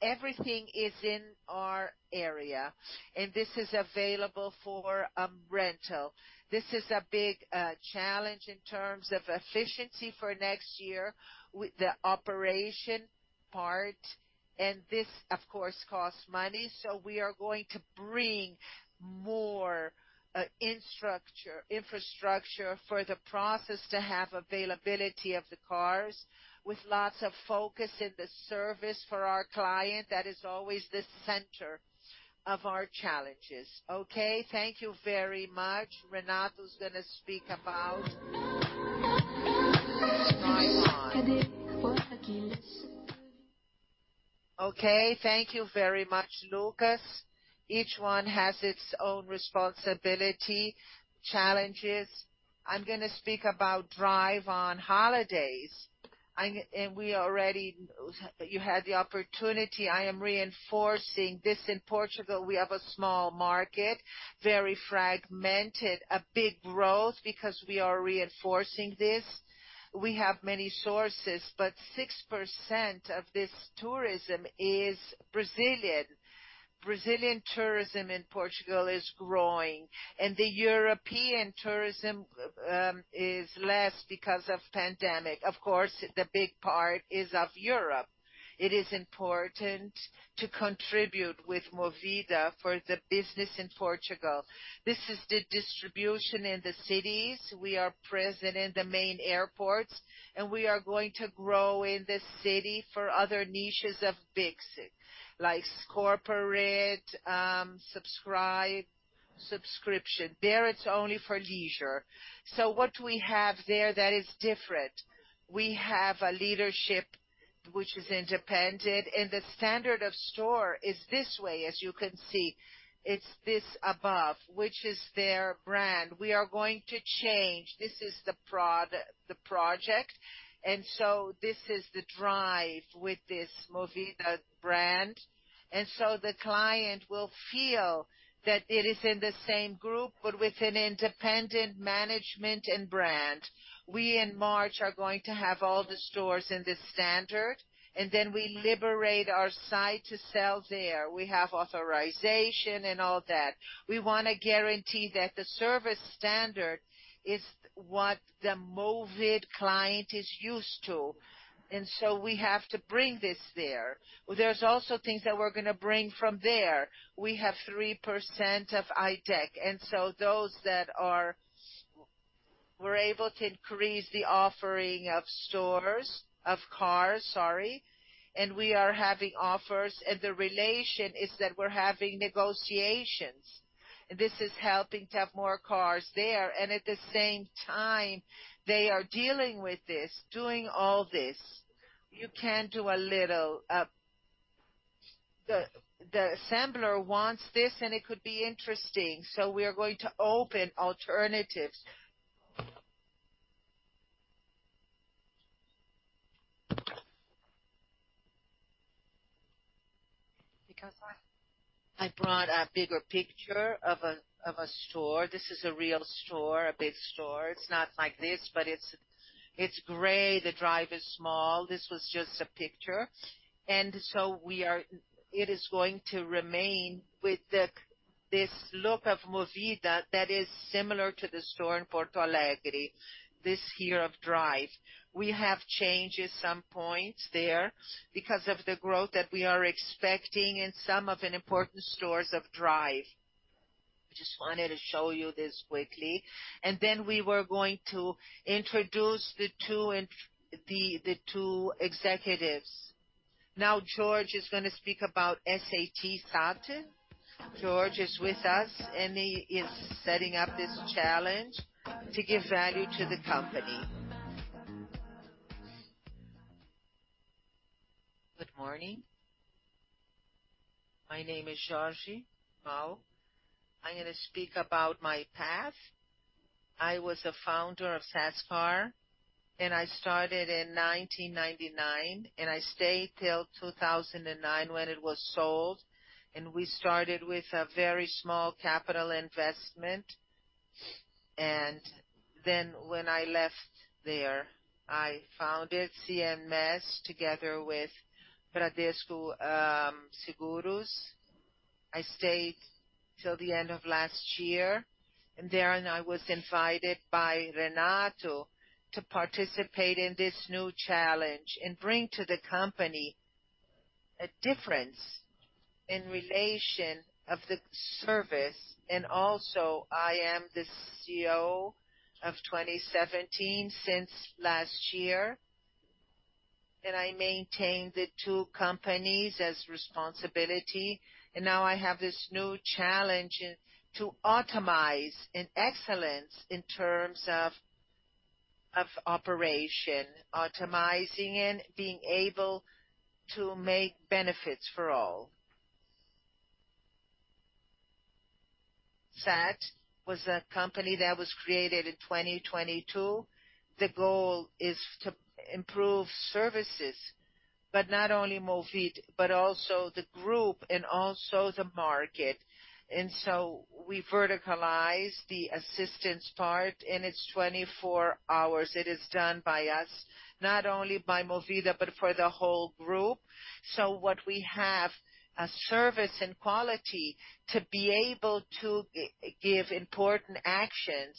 [SPEAKER 7] Everything is in our area, and this is available for rental. This is a big challenge in terms of efficiency for next year with the operation part, and this, of course, costs money. We are going to bring more infrastructure for the process to have availability of the cars with lots of focus in the service for our client. That is always the center of our challenges. Okay, thank you very much. Renato is gonna speak about DriveOn.
[SPEAKER 1] Okay, thank you very much, Lucas. Each one has its own responsibility, challenges. I'm gonna speak about Drive on Holidays. You had the opportunity. I am reinforcing this. In Portugal, we have a small market, very fragmented, a big growth because we are reinforcing this. We have many sources, but 6% of this tourism is Brazilian. Brazilian tourism in Portugal is growing, and the European tourism is less because of pandemic. Of course, the big part is of Europe. It is important to contribute with Movida for the business in Portugal. This is the distribution in the cities. We are present in the main airports, and we are going to grow in the city for other niches of Bix, like corporate, subscription. There, it's only for leisure. What we have there that is different, we have a leadership which is independent, and the standard of store is this way, as you can see. It's this above, which is their brand. We are going to change. This is the project. This is the Drive with this Movida brand. The client will feel that it is in the same group, but with an independent management and brand. We in March are going to have all the stores in this standard. Then we liberate our site to sell there. We have authorization and all that. We wanna guarantee that the service standard is what the Movida client is used to. So we have to bring this there. There's also things that we're gonna bring from there. We have 3% of Eitech. So we're able to increase the offering of stores-- of cars, sorry, and we are having offers, and the relation is that we're having negotiations. This is helping to have more cars there. At the same time, they are dealing with this, doing all this. You can do a little. The assembler wants this. It could be interesting. We are going to open alternatives. I brought a bigger picture of a, of a store. This is a real store, a big store. It's not like this, but it's gray. The Drive is small. This was just a picture. It is going to remain with the c- This look of Movida that is similar to the store in Porto Alegre, this here of Drive. We have changed some points there because of the growth that we are expecting in some of an important stores of Drive. Just wanted to show you this quickly, and then we were going to introduce the two executives. Now Jorge is gonna speak about SAT. Jorge is with us, and he is setting up this challenge to give value to the company.
[SPEAKER 8] Good morning. My name is Jorge Bau. I'm gonna speak about my path. I was the founder of Sascar, and I started in 1999, and I stayed till 2009 when it was sold, and we started with a very small capital investment. When I left there, I founded CMS together with Bradesco Seguros. I stayed till the end of last year, and then I was invited by Renato to participate in this new challenge and bring to the company a difference in relation of the service. Also, I am the CEO of 2017 since last year. I maintain the two companies as responsibility, and now I have this new challenge to automize in excellence in terms of operation, automizing and being able to make benefits for all. SAT was a company that was created in 2022. The goal is to improve services, but not only Movida, but also the group and also the market. We verticalized the assistance part, and it's 24 hours. It is done by us, not only by Movida, but for the whole group. What we have a service and quality to be able to give important actions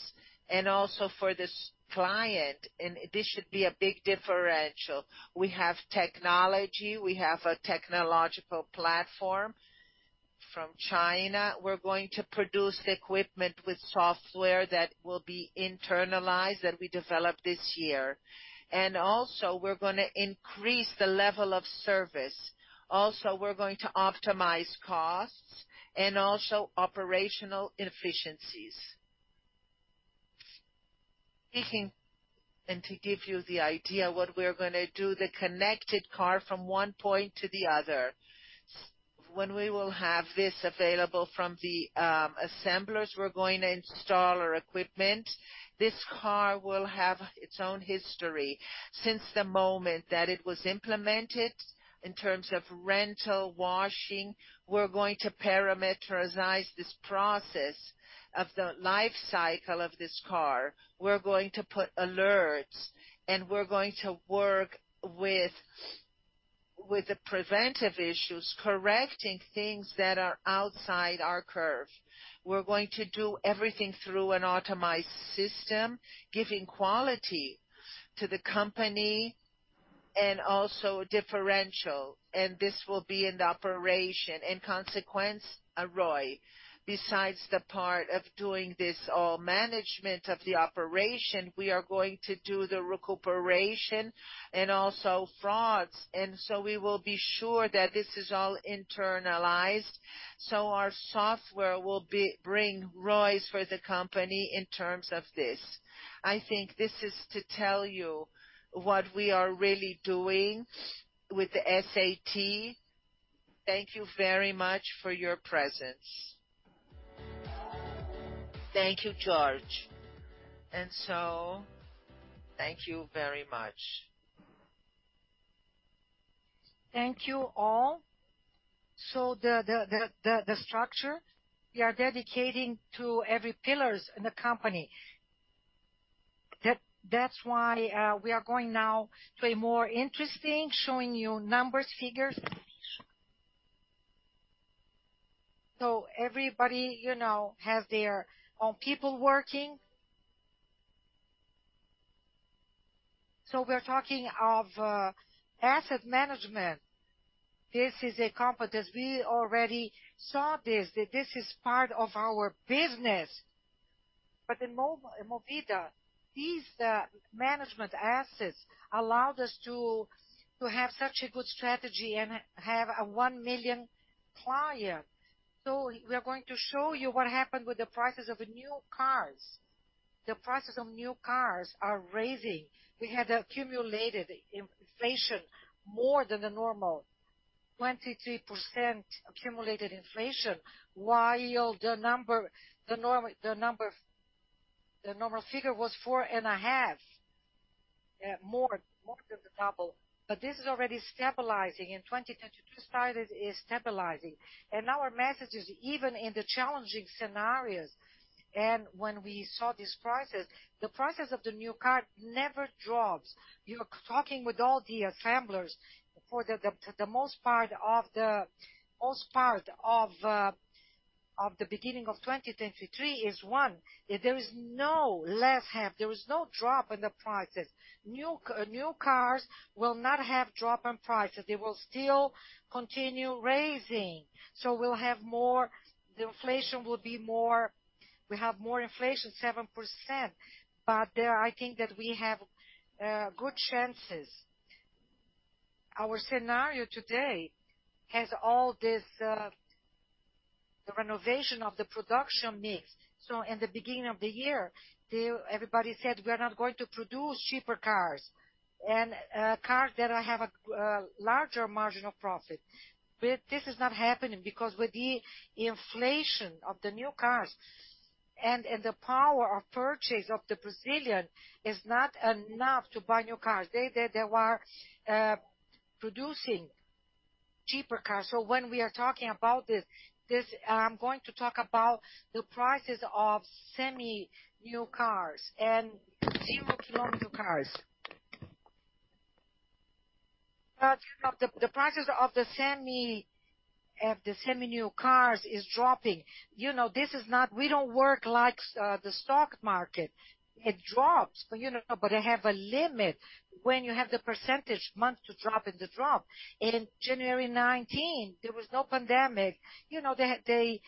[SPEAKER 8] and also for this client, and this should be a big differential. We have technology. We have a technological platform from China. We're going to produce equipment with software that will be internalized, that we developed this year. We're gonna increase the level of service. We're going to optimize costs and also operational inefficiencies. To give you the idea what we're gonna do, the connected car from one point to the other. When we will have this available from the assemblers, we're going to install our equipment. This car will have its own history since the moment that it was implemented in terms of rental, washing. We're going to parameterize this process of the life cycle of this car. We're going to put alerts, and we're going to work with the preventive issues, correcting things that are outside our curve. We're going to do everything through an automated system, giving quality to the company and also differential, and this will be in the operation. In consequence, ROI. Besides the part of doing this all management of the operation, we are going to do the recuperation and also frauds. We will be sure that this is all internalized, so our software will bring ROIs for the company in terms of this. I think this is to tell you what we are really doing with the SAT. Thank you very much for your presence.
[SPEAKER 1] Thank you, Jorge.
[SPEAKER 8] Thank you very much.
[SPEAKER 1] Thank you all. The structure, we are dedicating to every pillars in the company. That's why we are going now to a more interesting, showing you numbers, figures. Everybody, you know, have their own people working. We're talking of asset management. This is a competence. We already saw this, that this is part of our business. In Movida, these, the management assets allowed us to have such a good strategy and have a 1 million client. We are going to show you what happened with the prices of new cars. The prices of new cars are raising. We had accumulated inflation more than the normal. 23% accumulated inflation, while the normal figure was 4.5, more than the double. This is already stabilizing. In 2022, started it is stabilizing. Our message is even in the challenging scenarios. When we saw these prices, the prices of the new car never drops. You're talking with all the assemblers for the most part of the beginning of 2023 is one, that there is no less half, there is no drop in the prices. New cars will not have drop in prices. They will still continue raising. We have more inflation, 7%, but I think that we have good chances. Our scenario today has all this, the renovation of the production mix. In the beginning of the year, everybody said we are not going to produce cheaper cars and cars that have a larger margin of profit. This is not happening because with the inflation of the new cars and the power of purchase of the Brazilian is not enough to buy new cars. They are producing cheaper cars. When we are talking about this, I'm going to talk about the prices of semi-new cars and zero-kilometer cars. Of the prices of the semi-new cars is dropping. You know, this is not we don't work like the stock market. It drops, but you know, it have a limit when you have the percentage month to drop and to drop. In January 2019, there was no pandemic. You know, they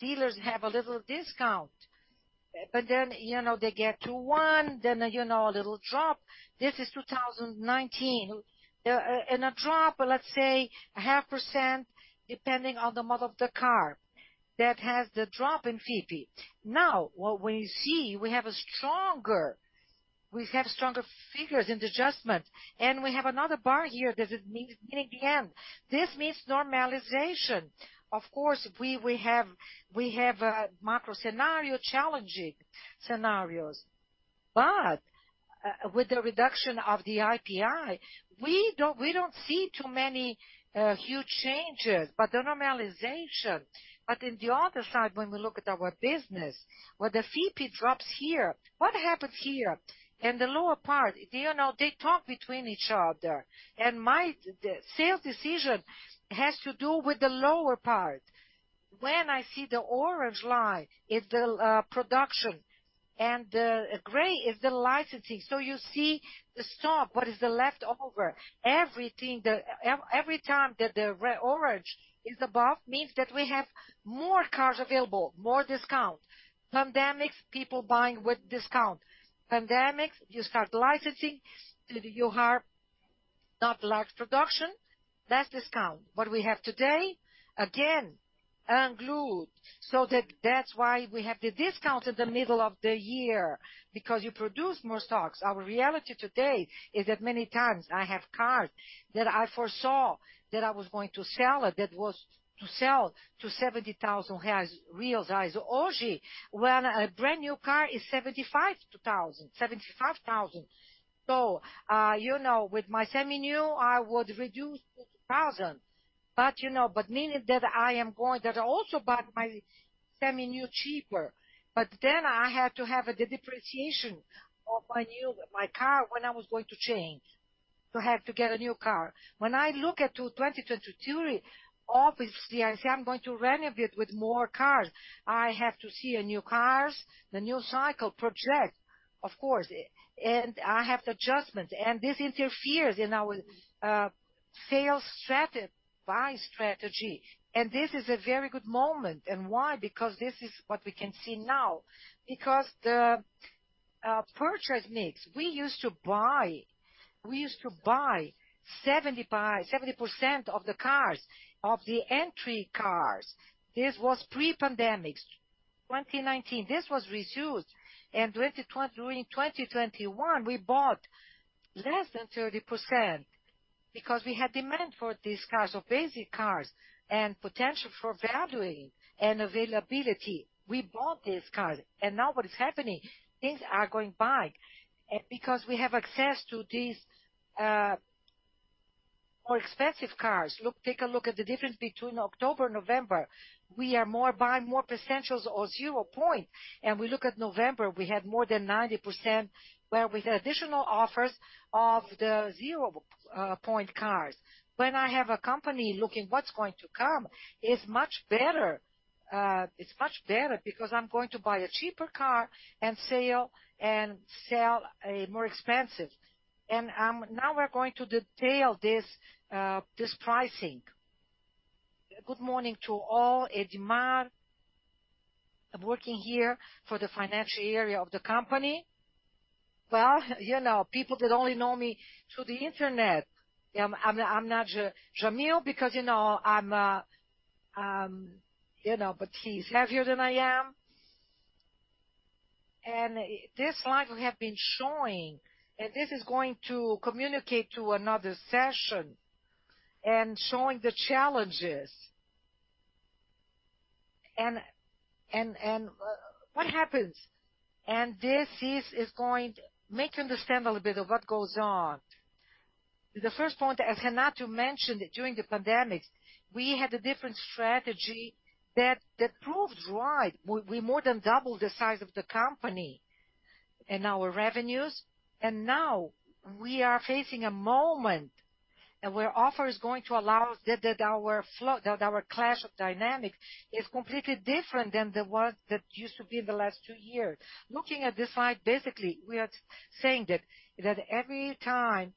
[SPEAKER 1] dealers have a little discount. Then, you know, they get to one, then, you know, a little drop. This is 2019. And a drop, let's say, a half %, depending on the model of the car that has the drop in FIPE. What we see, we have stronger figures in the adjustment, and we have another bar here that it means beginning the end. This means normalization. Of course, we have a macro scenario, challenging scenarios. With the reduction of the IPI, we don't, we don't see too many huge changes, but the normalization. In the other side, when we look at our business, when the FIPE drops here, what happens here? In the lower part, you know, they talk between each other. My sales decision has to do with the lower part. When I see the orange line is the production and the gray is the licensing. You see the stock, what is the leftover. Everything every time that the orange is above means that we have more cars available, more discount. Pandemics, people buying with discount. Pandemics, you start licensing, you have not large production, less discount. What we have today, again, unglued. That's why we have the discount in the middle of the year because you produce more stocks. Our reality today is that many times I have cars that I foresaw that I was going to sell it, that was to sell to 70,000 reais. Hoje, when a brand-new car is 75,000, 75,000. You know, with my semi-new, I would reduce 2,000. You know, but meaning that I am going that I also bought my semi-new cheaper. I had to have the depreciation of my car when I was going to change, to have to get a new car. When I look at 2023, obviously, I say I'm going to renovate with more cars. I have to see a new cars, the new cycle project, of course. I have the adjustment. This interferes in our sales strategy, buying strategy. This is a very good moment. Why? This is what we can see now. The purchase mix, we used to buy, we used to buy 70% of the cars, of the entry cars. This was pre-pandemics, 2019. This was reused. During 2021, we bought less than 30% because we had demand for these cars or basic cars and potential for valuing and availability. We bought these cars. Now what is happening, things are going back. Because we have access to these more expensive cars. Look, take a look at the difference between October, November. We are more buying more percentiles or zero point. We look at November, we had more than 90% where with additional offers of the zero point cars. When I have a company looking what's going to come, it's much better. It's much better because I'm going to buy a cheaper car and sell a more expensive. Now we're going to detail this pricing.
[SPEAKER 2] Good morning to all. Edmar. I'm working here for the financial area of the company. Well, you know, people that only know me through the internet. I'm not Jamyl because, you know, I'm, you know, but he's heavier than I am. This slide we have been showing, and this is going to communicate to another session and showing the challenges. What happens? This is going make you understand a little bit of what goes on. The first point, as Renato mentioned, during the pandemic, we had a different strategy that proved right. We more than doubled the size of the company and our revenues, and now we are facing a moment and where offer is going to allow us that our clash of dynamics is completely different than the one that used to be in the last two years. Looking at this slide, basically, we are saying that every time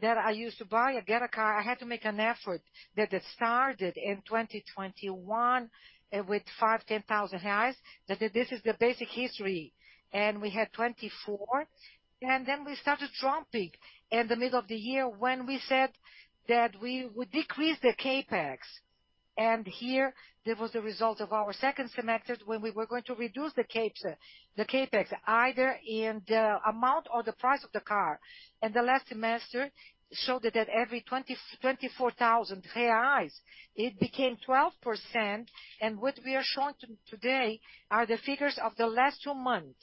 [SPEAKER 2] that I used to buy or get a car, I had to make an effort that it started in 2021, with 5,000-10,000 reais, this is the basic history. We had 24, then we started dropping in the middle of the year when we said that we would decrease the CapEx. Here, there was a result of our second semester when we were going to reduce the CapEx, either in the amount or the price of the car. The last semester showed that at every 24,000 reais, it became 12%, and what we are showing today are the figures of the last two months.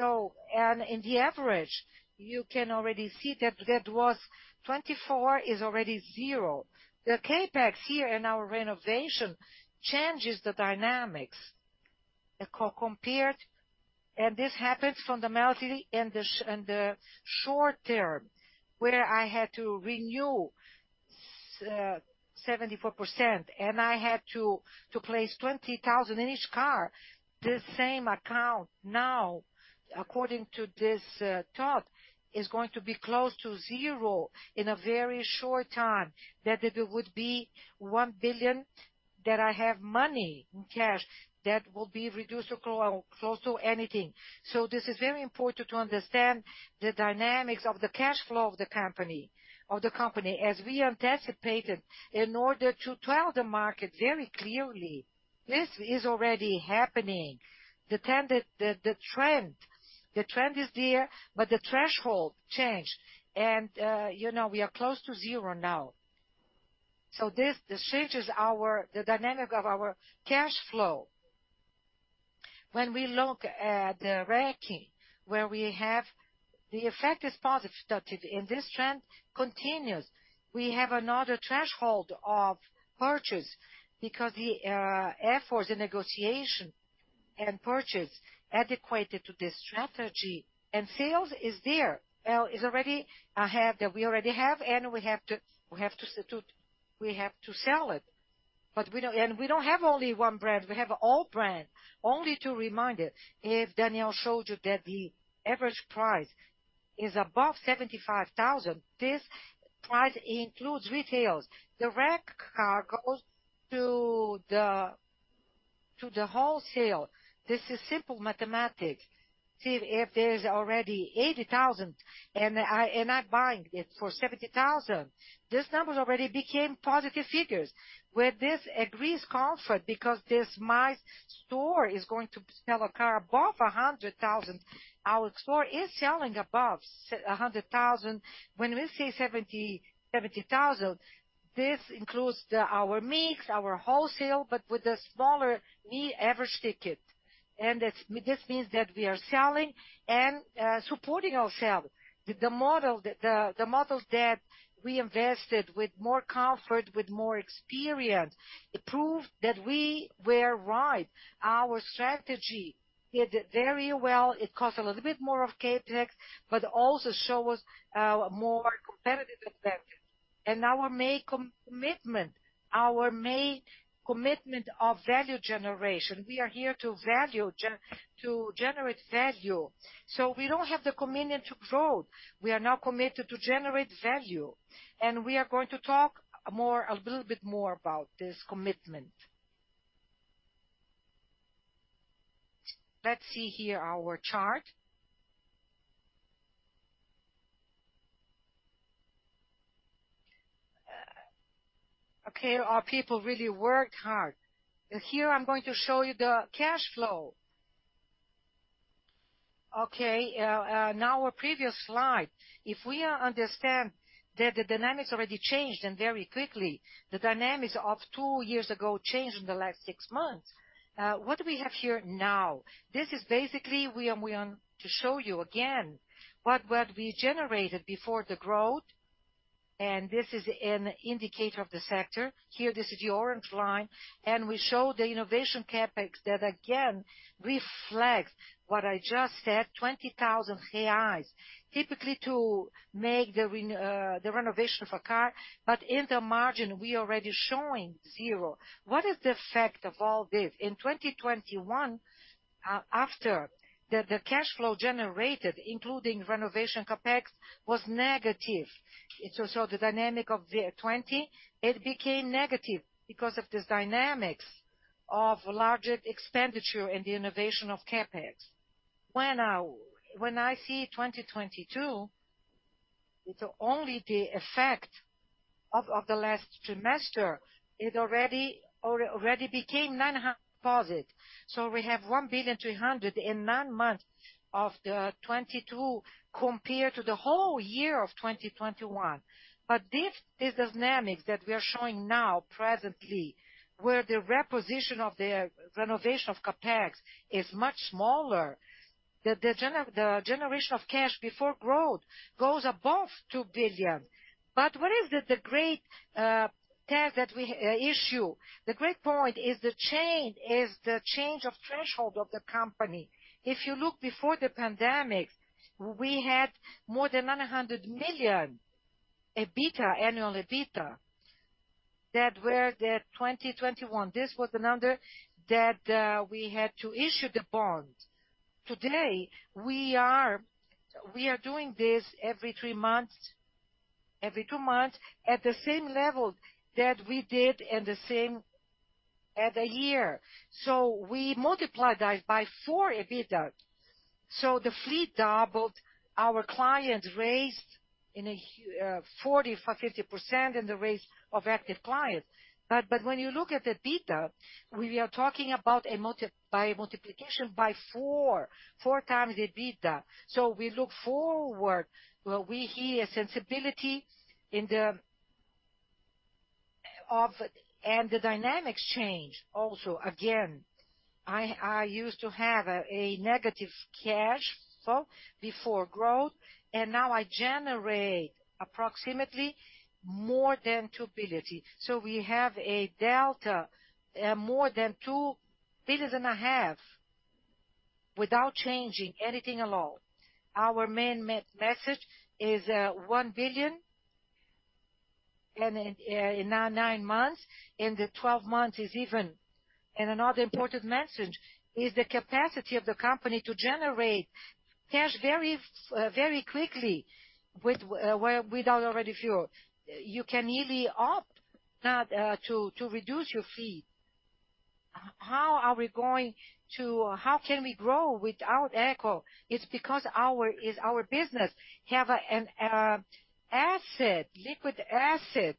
[SPEAKER 2] In the average, you can already see that that was 24 is already zero. The CapEx here in our renovation changes the dynamics, compared. This happens fundamentally in the short term, where I had to renew 74%, and I had to place 20,000 in each car. This same account now, according to this thought, is going to be close to zero in a very short time, that it would be 1 billion, that I have money in cash that will be reduced to close to anything. This is very important to understand the dynamics of the cash flow of the company. As we anticipated, in order to tell the market very clearly, this is already happening. The trend is there, but the threshold changed. You know, we are close to zero now. This changes the dynamic of our cash flow. When we look at the ROIC, where we have the effect is positive, that if in this trend continues, we have another threshold of purchase because the efforts in negotiation and purchase equated to this strategy and sales is there. Is already ahead that we already have and we have to sell it. We don't have only one brand, we have all brand. Only to remind it, if Daniel showed you that the average price is above 75,000, this price includes retails. The RAC car goes to the wholesale. This is simple mathematics. See, if there's already 80,000 and I'm buying it for 70,000, these numbers already became positive figures. Where this agrees comfort because this my store is going to sell a car above 100,000. Our store is selling above 100,000. When we say 70,000, this includes our mix, our wholesale, but with a smaller average ticket. This means that we are selling and supporting ourselves with the models that we invested with more comfort, with more experience. It proved that we were right. Our strategy did very well. It cost a little bit more of CapEx, but also show us more competitive advantage. Our main commitment, our main commitment of value generation, we are here to generate value. We don't have the commitment to grow. We are now committed to generate value. We are going to talk a little bit more about this commitment. Let's see here our chart. Okay. Our people really worked hard. Here I'm going to show you the cash flow. Okay. Now our previous slide, if we are understand that the dynamics already changed and very quickly, the dynamics of two years ago changed in the last six months, what do we have here now? This is basically we to show you again what we generated before the growth. This is an indicator of the sector. Here, this is the orange line. We show the innovation CapEx that again reflects what I just said, 20,000 reais, typically to make the renovation of a car. In the margin, we already showing zero. What is the effect of all this? In 2021, after the cash flow generated, including renovation CapEx, was negative. The dynamic of the 20, it became negative because of this dynamics of larger expenditure in the innovation of CapEx. When I see 2022, it's only the effect of the last trimester, it already became positive. We have BRL 1.3 billion in nine months of 2022 compared to the whole year of 2021. This dynamics that we are showing now presently, where the reposition of the renovation of CapEx is much smaller. The generation of cash before growth goes above 2 billion. What is the great test that we issue? The great point is the change of threshold of the company. If you look before the pandemic, we had more than 900 million EBITDA, annual EBITDA. That were the 2021. This was the number that we had to issue the bond. Today, we are doing this every months, every two months at the same level that we did in the same at a year. We multiply that by 4 EBITDA. The fleet doubled, our clients raised in a 40%-50% in the raise of active clients. When you look at EBITDA, we are talking about a multiplication by 4x the EBITDA. We look forward where we hear sensibility. The dynamics change also. Again, I used to have a negative cash flow before growth, and now I generate approximately more than 2 billion. We have a delta, more than 2 billion and a half without changing anything at all. Our main message is 1 billion in nine months. In the 12 months is even. Another important message is the capacity of the company to generate cash very quickly without already fuel. You can easily opt not to reduce your fee. How can we grow without echo? It's because our business have an asset, liquid asset,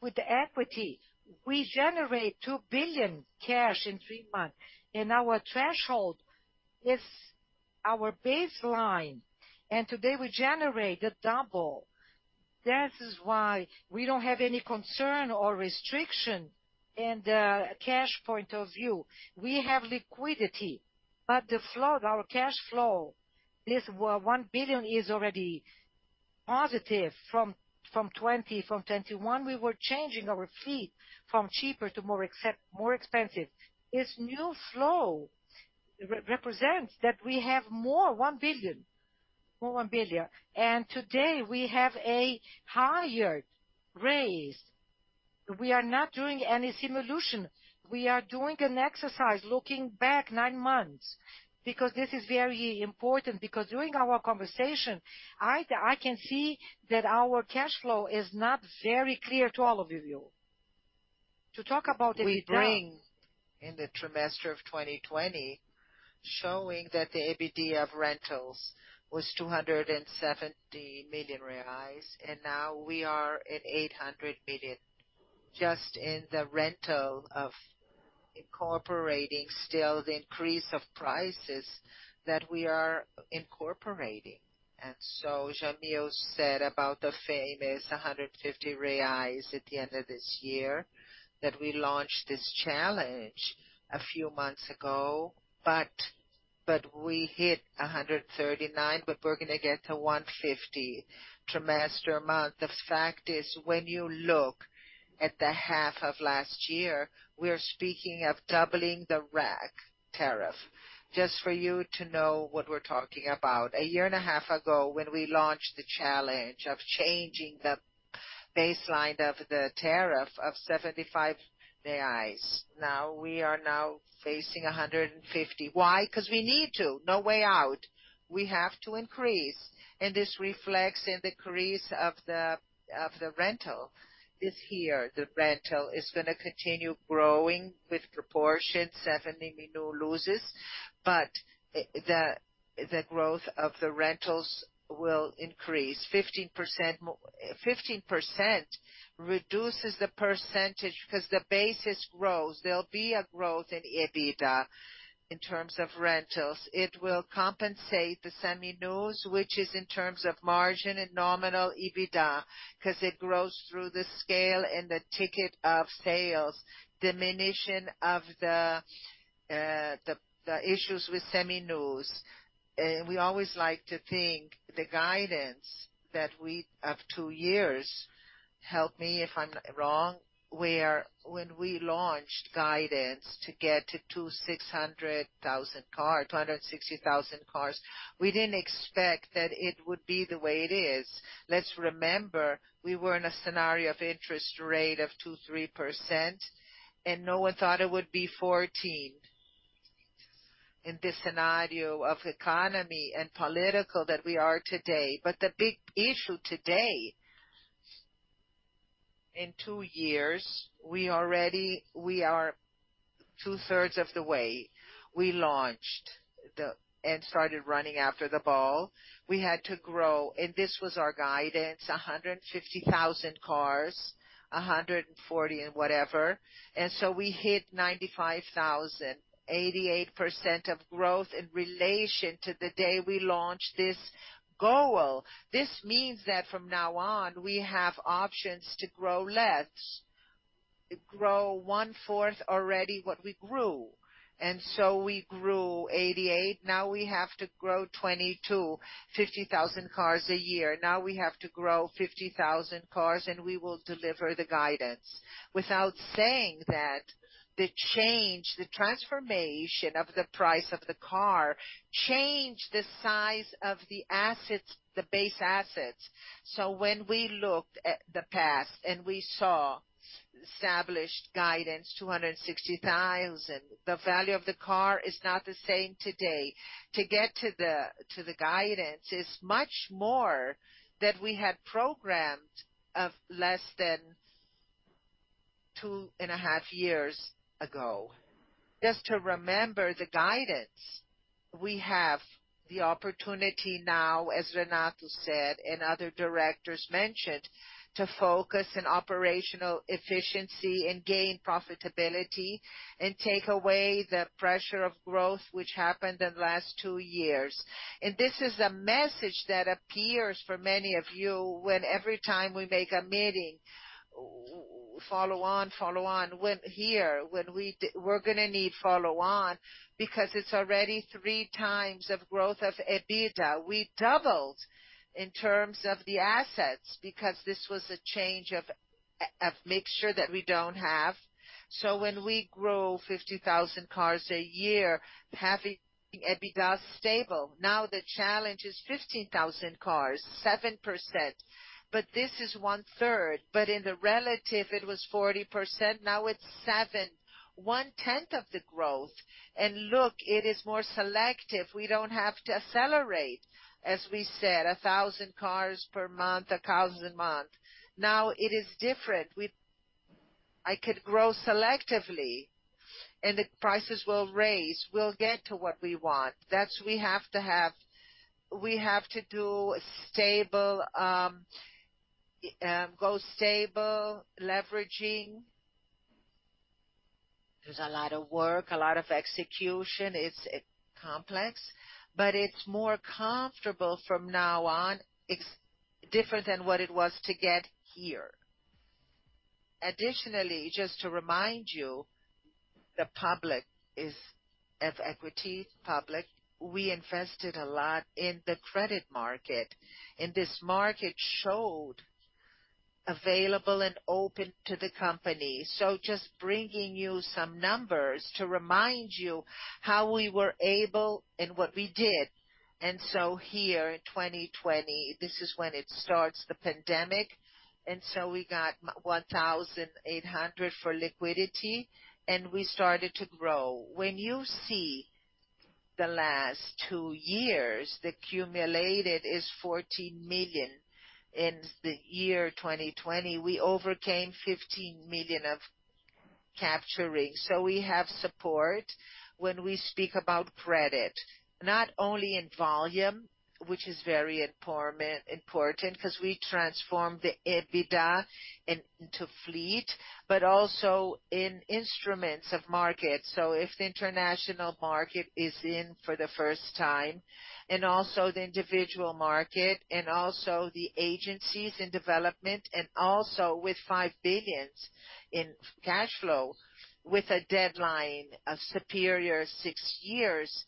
[SPEAKER 2] with the equity. We generate 2 billion cash in three months, our threshold is our baseline. Today, we generated double. That is why we don't have any concern or restriction in the cash point of view. We have liquidity, the flow, our cash flow, 1 billion is already positive from 2020, from 2021. We were changing our fleet from cheaper to more expensive. This new flow represents that we have more 1 billion BRL. Today, we have a higher raise. We are not doing any simulation. We are doing an exercise looking back nine months because this is very important because during our conversation I can see that our cash flow is not very clear to all of you. To talk about EBITDA. We bring in the trimester of 2020 showing that the EBITDA of rentals was 270 million reais, and now we are at 800 million just in the rental of incorporating still the increase of prices that we are incorporating. Jamyl said about the famous 150 reais at the end of this year that we launched this challenge a few months ago, but we hit 139, but we're going to get to 150 trimester month. The fact is when you look at the half of last year, we're speaking of doubling the rack tariff. Just for you to know what we're talking about, a year and a half ago, when we launched the challenge of changing the baseline of the tariff of 75, now we are now facing 150. Why? Because we need to. No way out. We have to increase. This reflects in the increase of the rental is here. The rental is gonna continue growing with proportion, Seminovos loses, but the growth of the rentals will increase. 15% reduces the percentage 'cause the basis grows. There'll be a growth in EBITDA in terms of rentals. It will compensate the Seminovos, which is in terms of margin and nominal EBITDA 'cause it grows through the scale and the ticket of sales, diminution of the issues with Seminovos. We always like to think the guidance that we have two years, help me if I'm wrong, where when we launched guidance to get to 260,000 cars, we didn't expect that it would be the way it is. Let's remember, we were in a scenario of interest rate of 2%, 3%, and no one thought it would be 14 in this scenario of economy and political that we are today. The big issue today, in two years, we are two-thirds of the way. We launched and started running after the ball. We had to grow, and this was our guidance, 150,000 cars, 140 and whatever. We hit 95,000, 88% of growth in relation to the day we launched this goal. This means that from now on, we have options to grow less. Grow 1/4 already what we grew, and so we grew 88. Now we have to grow 22, 50,000 cars a year. Now we have to grow 50,000 cars, and we will deliver the guidance. Without saying that the change, the transformation of the price of the car changed the size of the assets, the base assets. When we looked at the past and we saw established guidance, 260,000, the value of the car is not the same today. To get to the guidance is much more than we had programmed of less than two and a half years ago. Just to remember the guidance, we have the opportunity now, as Renato said and other directors mentioned, to focus on operational efficiency and gain profitability and take away the pressure of growth which happened in the last two years. This is a message that appears for many of you when every time we make a meeting, follow on, follow on. We're gonna need follow on because it's already 3x of growth of EBITDA. We doubled in terms of the assets because this was a change of a mixture that we don't have. When we grow 50,000 cars a year, having EBITDA stable, now the challenge is 15,000 cars, 7%, but this is one-third. In the relative it was 40%, now it's 7%, one-tenth of the growth. Look, it is more selective. We don't have to accelerate, as we said, 1,000 cars per month, 1,000 a month. Now it is different. I could grow selectively and the prices will raise. We'll get to what we want. That's we have to have. We have to do stable, go stable, leveraging. There's a lot of work, a lot of execution. It's complex, but it's more comfortable from now on. It's different than what it was to get here. Additionally, just to remind you, the public is of equity public. We invested a lot in the credit market, and this market showed available and open to the company. Just bringing you some numbers to remind you how we were able and what we did. Here in 2020, this is when it starts the pandemic. We got 1,800 for liquidity, and we started to grow. When you see the last two years, the cumulated is 14 million. In the year 2020, we overcame 15 million of capturing. We have support when we speak about credit, not only in volume, which is very important because we transformed the EBITDA into fleet, but also in instruments of market. If the international market is in for the first time, and also the individual market, and also the agencies in development, and also with 5 billion in cash flow, with a deadline of superior six years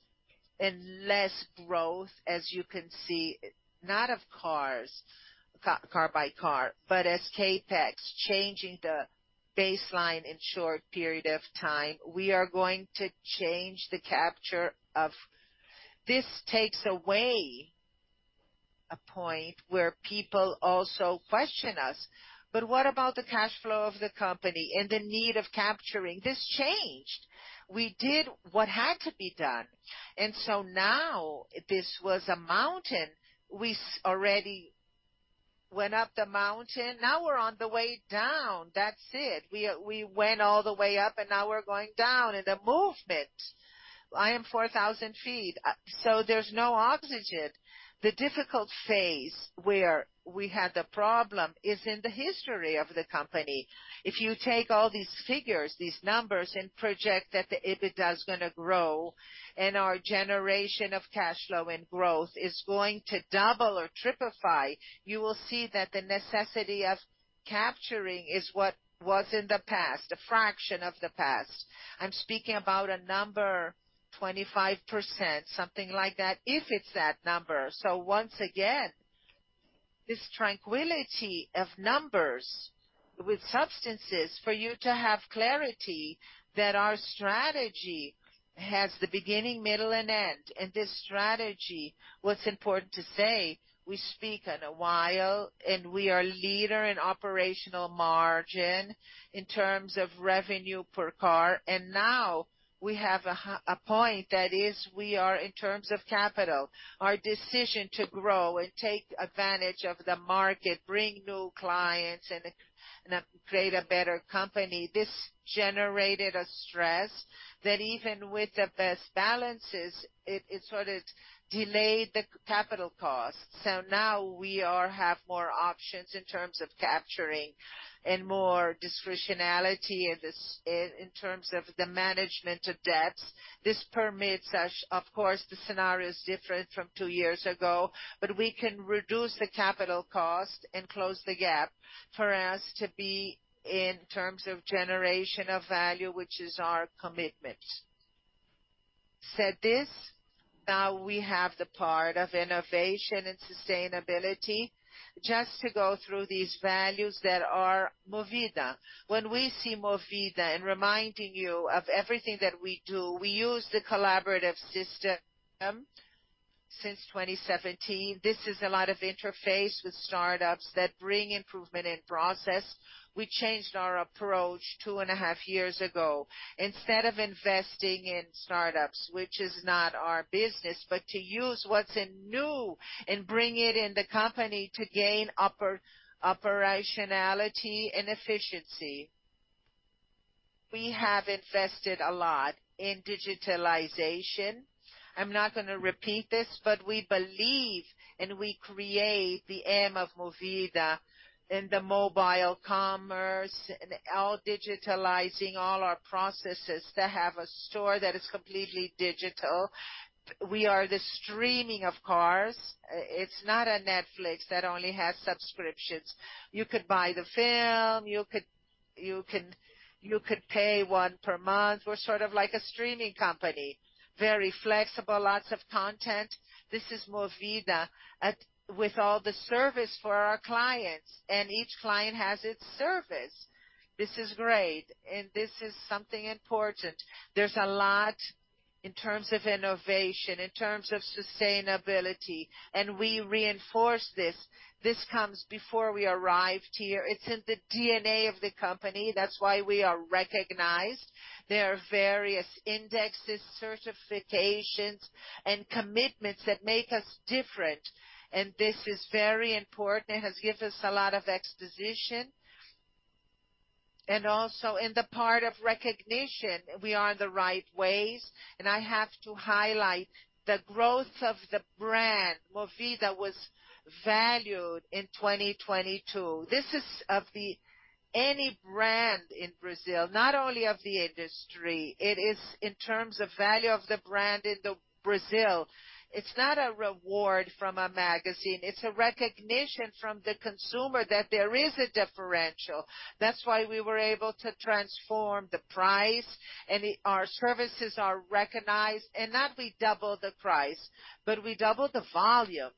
[SPEAKER 2] and less growth, as you can see, not of cars, car by car, but as CapEx, changing the baseline in short period of time, we are going to change the capture of... This takes away a point where people also question us, "What about the cash flow of the company and the need of capturing?" This changed. We did what had to be done. Now this was a mountain. We already went up the mountain. Now we're on the way down. That's it. We went all the way up, and now we're going down. The movement, I am 4,000 feet, so there's no oxygen. The difficult phase where we had the problem is in the history of the company. If you take all these figures, these numbers, and project that the EBITDA is gonna grow and our generation of cash flow and growth is going to double or tripify, you will see that the necessity of capturing is what was in the past, a fraction of the past. I'm speaking about a number, 25%, something like that, if it's that number. Once again, this tranquility of numbers with substances for you to have clarity that our strategy has the beginning, middle and end. This strategy, what's important to say, we speak in a while and we are leader in operational margin in terms of revenue per car. Now we have a point that is we are in terms of capital. Our decision to grow and take advantage of the market, bring new clients and create a better company, this generated a stress that even with the best balances, it sort of delayed the capital costs. Now we are have more options in terms of capturing and more discretionality in this, in terms of the management of debts. This permits us, of course, the scenario is different from two years ago, but we can reduce the capital cost and close the gap for us to be in terms of generation of value, which is our commitment. Said this, now we have the part of innovation and sustainability. Just to go through these values that are Movida. When we see Movida, and reminding you of everything that we do, we use the collaborative system since 2017. This is a lot of interface with startups that bring improvement in process. We changed our approach two and a half years ago. Instead of investing in startups, which is not our business, but to use what's in new and bring it in the company to gain operationality and efficiency. We have invested a lot in digitalization. I'm not gonna repeat this. We believe and we create the M of Movida in the mobile commerce and all, digitalizing all our processes to have a store that is completely digital. We are the streaming of cars. It's not a Netflix that only has subscriptions. You could buy the film, you could pay 1 per month. We're sort of like a streaming company, very flexible, lots of content. This is Movida with all the service for our clients, and each client has its service. This is great, and this is something important. There's a lot in terms of innovation, in terms of sustainability, and we reinforce this. This comes before we arrived here. It's in the DNA of the company. That's why we are recognized. There are various indexes, certifications, and commitments that make us different, and this is very important. It has given us a lot of exposition. Also in the part of recognition, we are in the right ways. I have to highlight the growth of the brand. Movida was valued in 2022. This is of the any brand in Brazil, not only of the industry. It is in terms of value of the brand in the Brazil. It's not a reward from a magazine. It's a recognition from the consumer that there is a differential. That's why we were able to transform the price, and our services are recognized. Not we double the price, but we double the volume.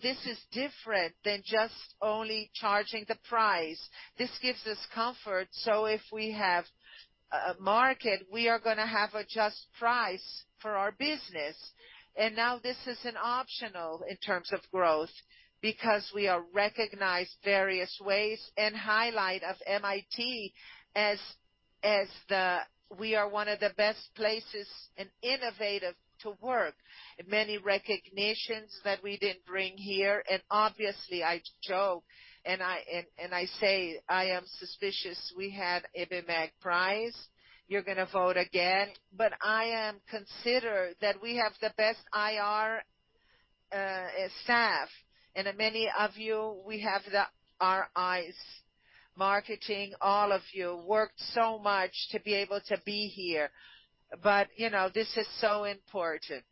[SPEAKER 2] This is different than just only charging the price. This gives us comfort. If we have a market, we are gonna have a just price for our business. Now this is an optional in terms of growth because we are recognized various ways and highlight of MIT as we are one of the best places and innovative to work. Many recognitions that we didn't bring here. Obviously, I joke and I say I am suspicious we have Apimec prize. You're gonna vote again. I am consider that we have the best IR staff. Many of you, we have our eyes, marketing, all of you, worked so much to be able to be here. You know, this is so important.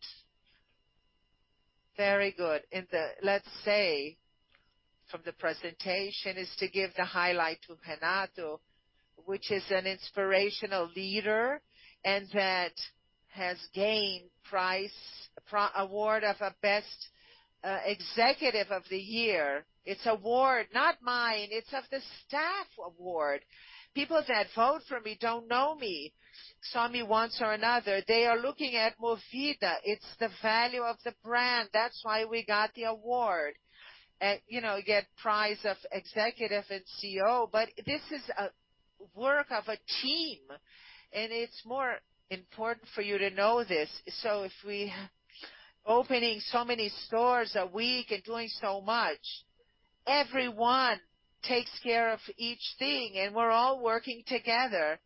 [SPEAKER 2] Very good. Let's say, from the presentation is to give the highlight to Renato, which is an inspirational leader and that has gained award of a best executive of the year. It's award, not mine, it's of the staff award. People that vote for me don't know me, saw me once or another. They are looking at Movida. It's the value of the brand. That's why we got the award. you know, you get prize of executive and CEO. This is a work of a team, and it's more important for you to know this. If we opening so many stores a week and doing so much, everyone takes care of each thing, and we're all working together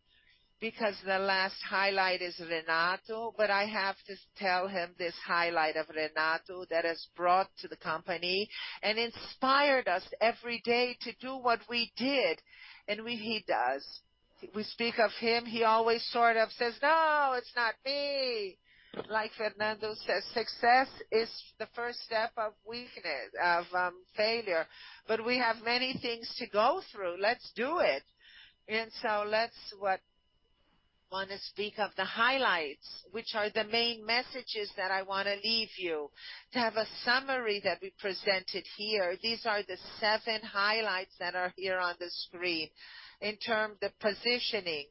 [SPEAKER 2] because the last highlight is Renato. I have to tell him this highlight of Renato that has brought to the company and inspired us every day to do what we did, and he does. We speak of him, he always sort of says, "No, it's not me." Like Fernando says, "Success is the first step of weakness, of failure." We have many things to go through. Let's do it. Let's wanna speak of the highlights, which are the main messages that I wanna leave you. To have a summary that we presented here, these are the 7 highlights that are here on the screen. In term the positioning.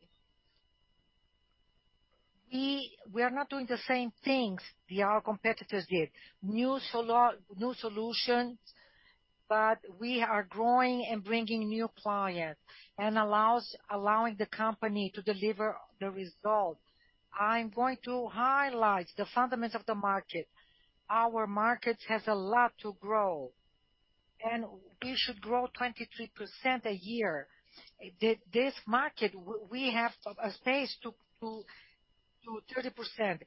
[SPEAKER 1] We are not doing the same things the our competitors did. New solutions, we are growing and bringing new clients and allowing the company to deliver the result. I'm going to highlight the fundamentals of the market. Our market has a lot to grow, we should grow 23% a year. This market, we have a space to 30%.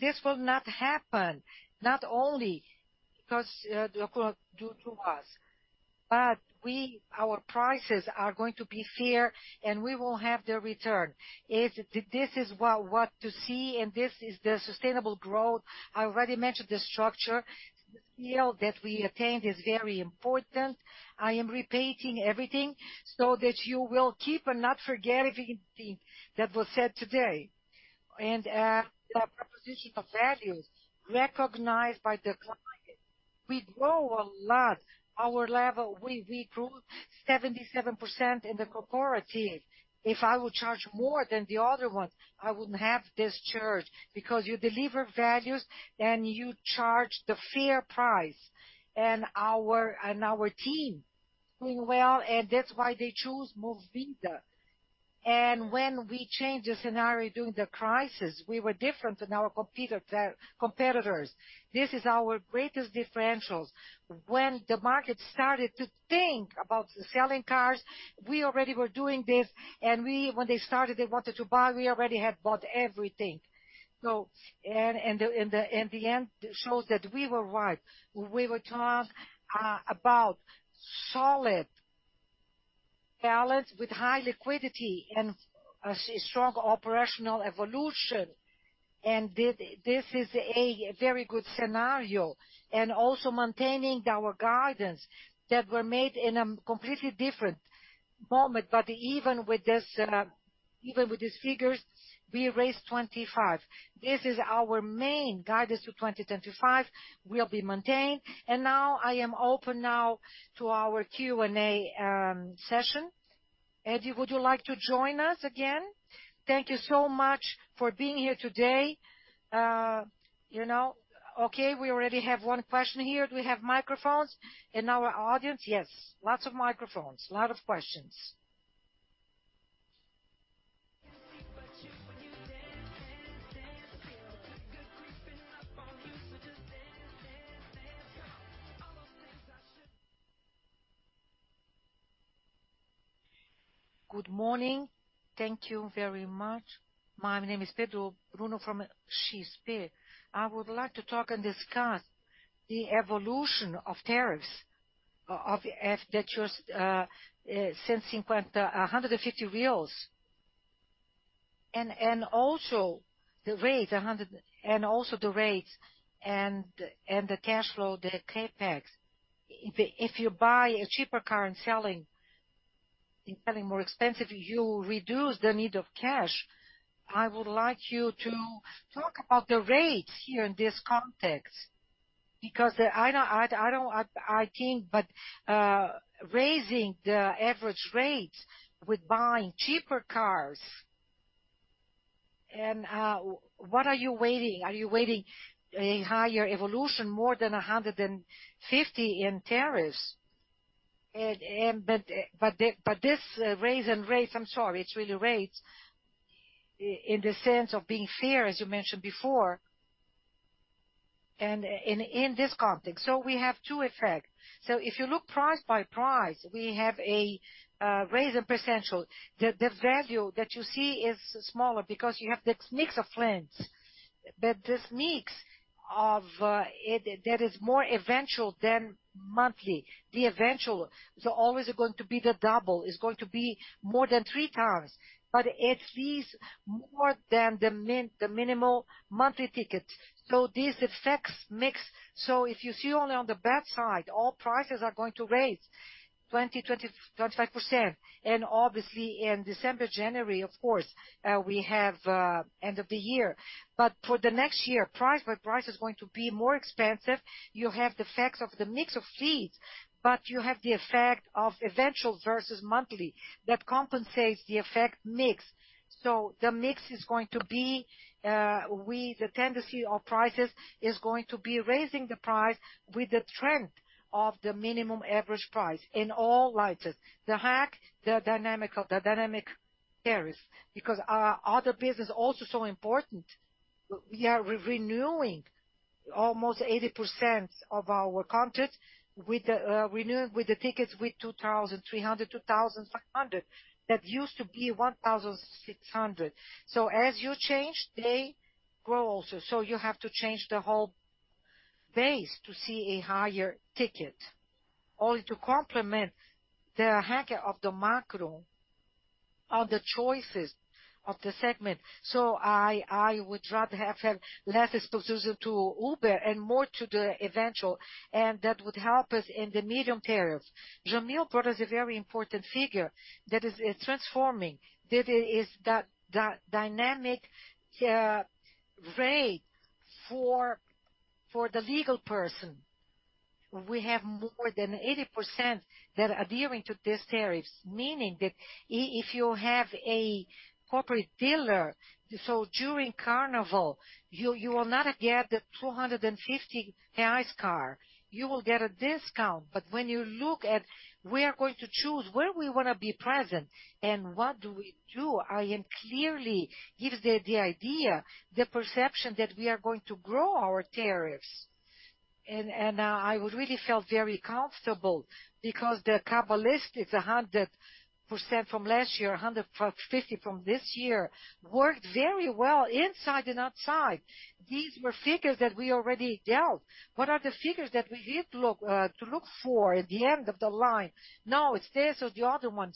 [SPEAKER 1] This will not happen, not only because due to us. Our prices are going to be fair, and we will have the return. If this is what to see, and this is the sustainable growth. I already mentioned the structure. You know, that we attained is very important. I am repeating everything so that you will keep and not forget everything that was said today. The proposition of values recognized by the client. We grow a lot our level. We grew 77% in the corporate team. If I would charge more than the other ones, I wouldn't have this charge because you deliver values, and you charge the fair price. Our team doing well, and that's why they choose Movida. When we changed the scenario during the crisis, we were different than our competitors. This is our greatest differentials. When the market started to think about selling cars, we already were doing this, and when they started, they wanted to buy, we already had bought everything. The end shows that we were right. We were talking about solid balance with high liquidity and a strong operational evolution. This is a very good scenario. Also maintaining our guidance that were made in a completely different moment. Even with this, even with these figures, we raised 25. This is our main guidance for 2025 will be maintained. Now I am open now to our Q&A session. Edmar, would you like to join us again? Thank you so much for being here today. You know. Okay, we already have one question here. Do we have microphones in our audience? Yes. Lots of microphones. Lot of questions.
[SPEAKER 9] Good morning. Thank you very much. My name is Pedro Bruno from XP. I would like to talk and discuss the evolution of tariffs that you're since 150. Also the rates and the cash flow, the CapEx. If you buy a cheaper car and selling more expensive, you reduce the need of cash. I would like you to talk about the rates here in this context, because I think but raising the average rates with buying cheaper cars. What are you waiting? Are you waiting a higher evolution, more than 150 in tariffs? But this raise and rates, I'm sorry, it's really rates in the sense of being fair, as you mentioned before, and in this context.
[SPEAKER 2] We have two effect. If you look price by price, we have a raise in percentual. The value that you see is smaller because you have this mix of plans. This mix of that is more eventual than monthly. The eventual is always going to be the double. It's going to be more than 3x, but it's least more than the minimal monthly ticket. This affects mix. If you see only on the back side, all prices are going to raise 20%, 20%, 25%. Obviously in December, January of course, we have end of the year. For the next year, price by price is going to be more expensive. You have the effects of the mix of fees, but you have the effect of eventual versus monthly that compensates the effect mix. The mix is going to be with the tendency of prices, is going to be raising the price with the trend of the minimum average price in all lights. The hack, the dynamic tariffs, because our other business also so important. We are renewing almost 80% of our contract with the tickets with 2,300, 2,500. That used to be 1,600. As you change, they grow also. You have to change the whole base to see a higher ticket, only to complement the hacker of the macro on the choices of the segment. I would rather have less exposure to Uber and more to the eventual, and that would help us in the medium tariffs. Jamyl brought us a very important figure that is transforming. That is that dynamic rate for the legal person. We have more than 80% that adhering to this tariffs, meaning that if you have a corporate dealer, during Carnival, you will not get the 250 BRL car, you will get a discount. When you look at we are going to choose where we want to be present and what do we do, I am clearly give the idea, the perception that we are going to grow our tariffs. I would really feel very comfortable because the cabbalistic, 100% from last year, 150% from this year, worked very well inside and outside. These were figures that we already dealt. What are the figures that we need to look to look for at the end of the line? It's this or the other one.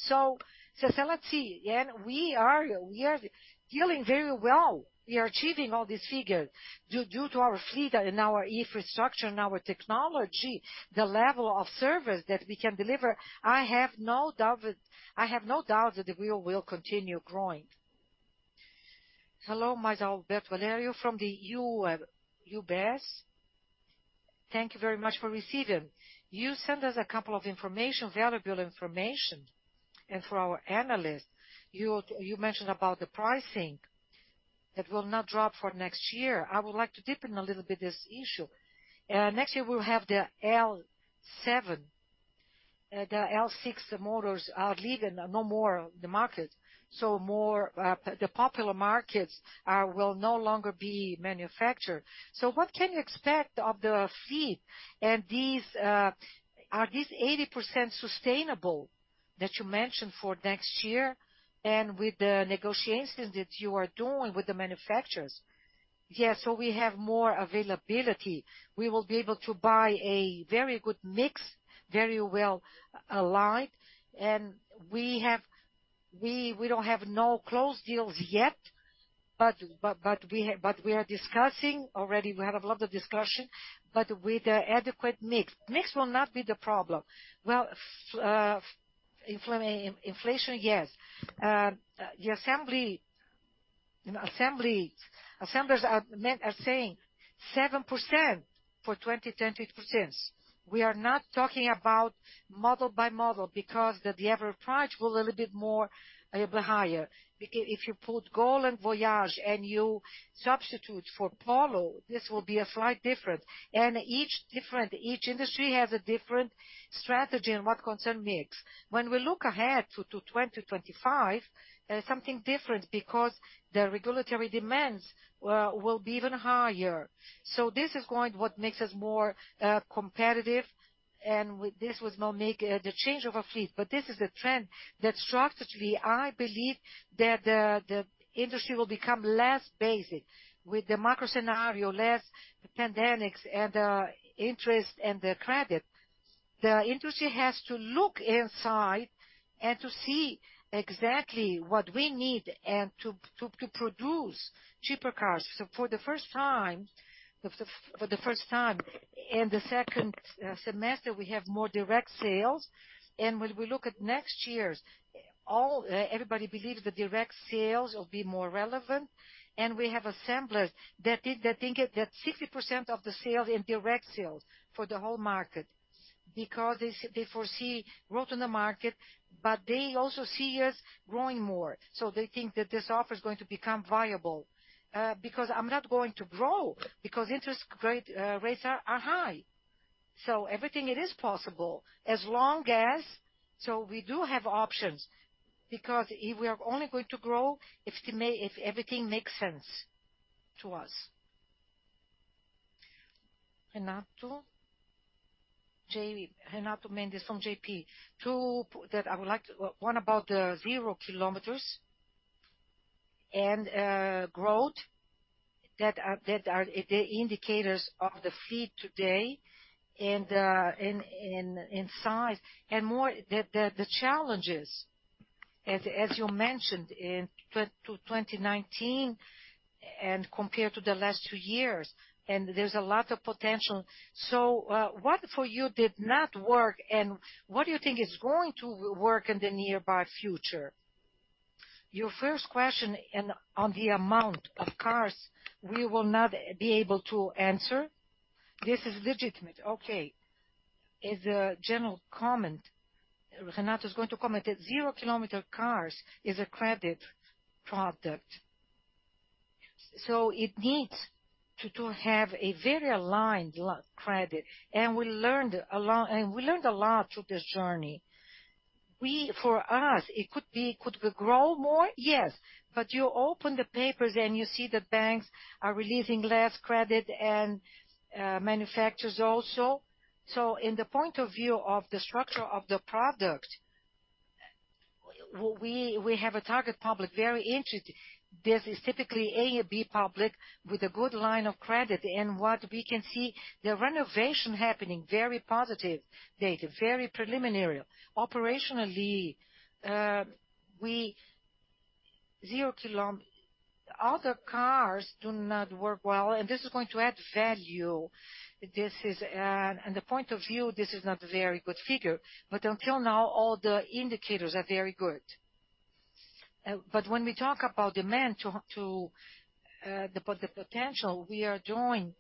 [SPEAKER 2] Let's see. We are dealing very well. We are achieving all these figures due to our fleet and our infrastructure and our technology, the level of service that we can deliver. I have no doubt that we will continue growing.
[SPEAKER 10] Hello, my is Alberto Valerio from UBS. Thank you very much for receiving. You sent us a couple of information, valuable information and for our analyst, you mentioned about the pricing that will not drop for next year. I would like to deepen a little bit this issue. Next year, we'll have the L7. The L6 motors are leaving no more the market, the popular markets will no longer be manufactured. What can you expect of the fleet and these are these 80% sustainable that you mentioned for next year and with the negotiations that you are doing with the manufacturers?
[SPEAKER 2] Yes. We have more availability. We will be able to buy a very good mix, very well aligned. We don't have no closed deals yet, but we are discussing already. We have a lot of discussion, but with adequate mix. Mix will not be the problem. Inflation, yes. The assembly, you know, assemblers are saying 7% for 2023%. We are not talking about model by model because the average price will a little bit more, a little bit higher. If you put Gol and Voyage and you substitute for Polo, this will be a slight different. Each different, each industry has a different strategy in what concern mix. When we look ahead to 2025, something different because the regulatory demands will be even higher. This is going what makes us more competitive. With this was no make the change of a fleet. This is a trend that structurally, I believe that the industry will become less basic with the macro scenario, less pandemics and interest and the credit. The industry has to look inside and to see exactly what we need and to produce cheaper cars. For the first time in the second semester, we have more direct sales. When we look at next year's everybody believes the direct sales will be more relevant. We have assemblers that think that 60% of the sales in direct sales for the whole market because they foresee growth in the market, but they also see us growing more. They think that this offer is going to become viable, because I'm not going to grow because interest grade rates are high. Everything it is possible as long as so we do have options because if we are only going to grow, if everything makes sense to us. Renato?
[SPEAKER 11] Guilherme Mendes from JPMorgan. Two that I would like to what about the zero km and growth that are the indicators of the fleet today in size and more the challenges as you mentioned to 2019 and compared to the last two years. There's a lot of potential. What for you did not work and what do you think is going to work in the nearby future?
[SPEAKER 2] Your first question and on the amount of cars we will not be able to answer. This is legitimate. Okay. As a general comment, Renato is going to comment that zero kilometer cars is a credit product. It needs to have a very aligned credit. We learned a lot through this journey. For us, could we grow more? Yes. You open the papers and you see the banks are releasing less credit and manufacturers also. In the point of view of the structure of the product, we have a target public very interested. This is typically A and B public with a good line of credit. What we can see the renovation happening, very positive data, very preliminary. Operationally, other cars do not work well, and this is going to add value. This is, and the point of view, this is not a very good figure, but until now all the indicators are very good. When we talk about demand to the potential, we are doing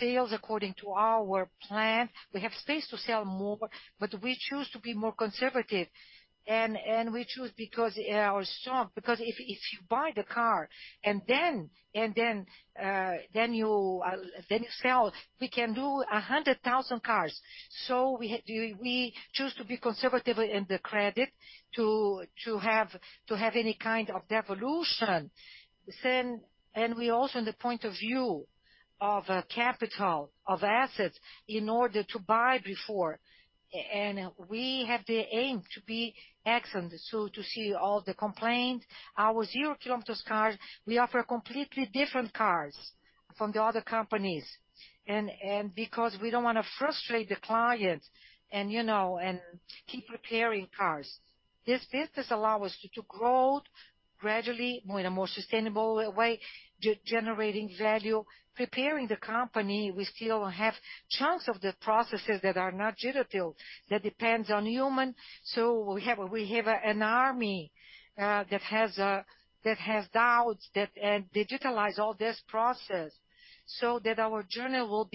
[SPEAKER 2] sales according to our plan. We have space to sell more, but we choose to be more conservative and we choose because if you buy the car and then you sell, we can do 100,000 cars. We choose to be conservative in the credit to have any kind of devolution then. We also in the point of view of capital, of assets in order to buy before. We have the aim to be excellent. To see all the complaint, our zero kilometers cars, we offer completely different cars from the other companies. Because we don't want to frustrate the client and, you know, and keep repairing cars. This business allow us to grow gradually, more in a more sustainable way, generating value, preparing the company. We still have chunks of the processes that are not digital, that depends on human. We have an army, that has doubts that digitalize all this process so that our journey will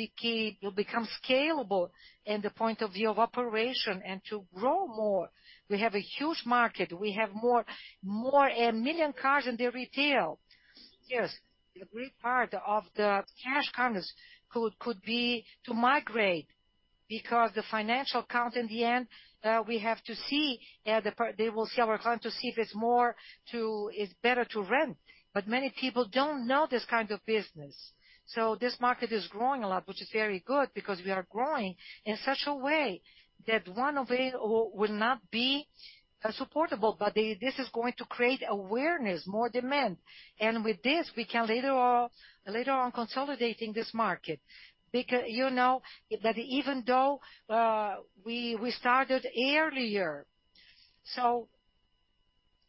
[SPEAKER 2] become scalable in the point of view of operation and to grow more. We have a huge market. We have more million cars in the retail.
[SPEAKER 1] Yes. A great part of the cash counters could be to migrate because the financial count in the end, we have to see, they will see our account to see if it's more to. It's better to rent. Many people don't know this kind of business. This market is growing a lot, which is very good because we are growing in such a way that one of it will not be supportable. This is going to create awareness, more demand. With this, we can later on consolidating this market. You know, that even though we started earlier,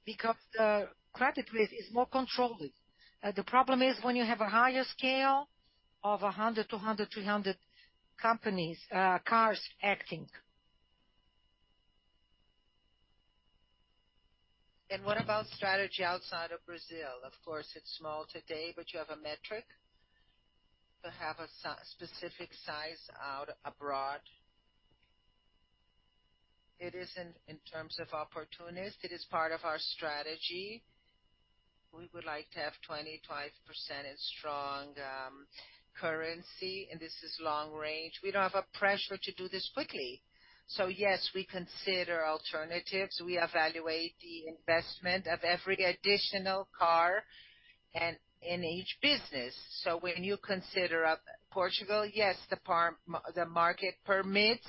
[SPEAKER 1] because the credit risk is more controlled. The problem is when you have a higher scale of 100, 200, 300 companies, cars acting. What about strategy outside of Brazil? Of course, it's small today, but you have a metric to have a specific size out abroad. It isn't in terms of opportunist. It is part of our strategy. We would like to have 25% in strong currency, and this is long range. We don't have a pressure to do this quickly. Yes, we consider alternatives. We evaluate the investment of every additional car and in each business. When you consider Portugal, yes, the market permits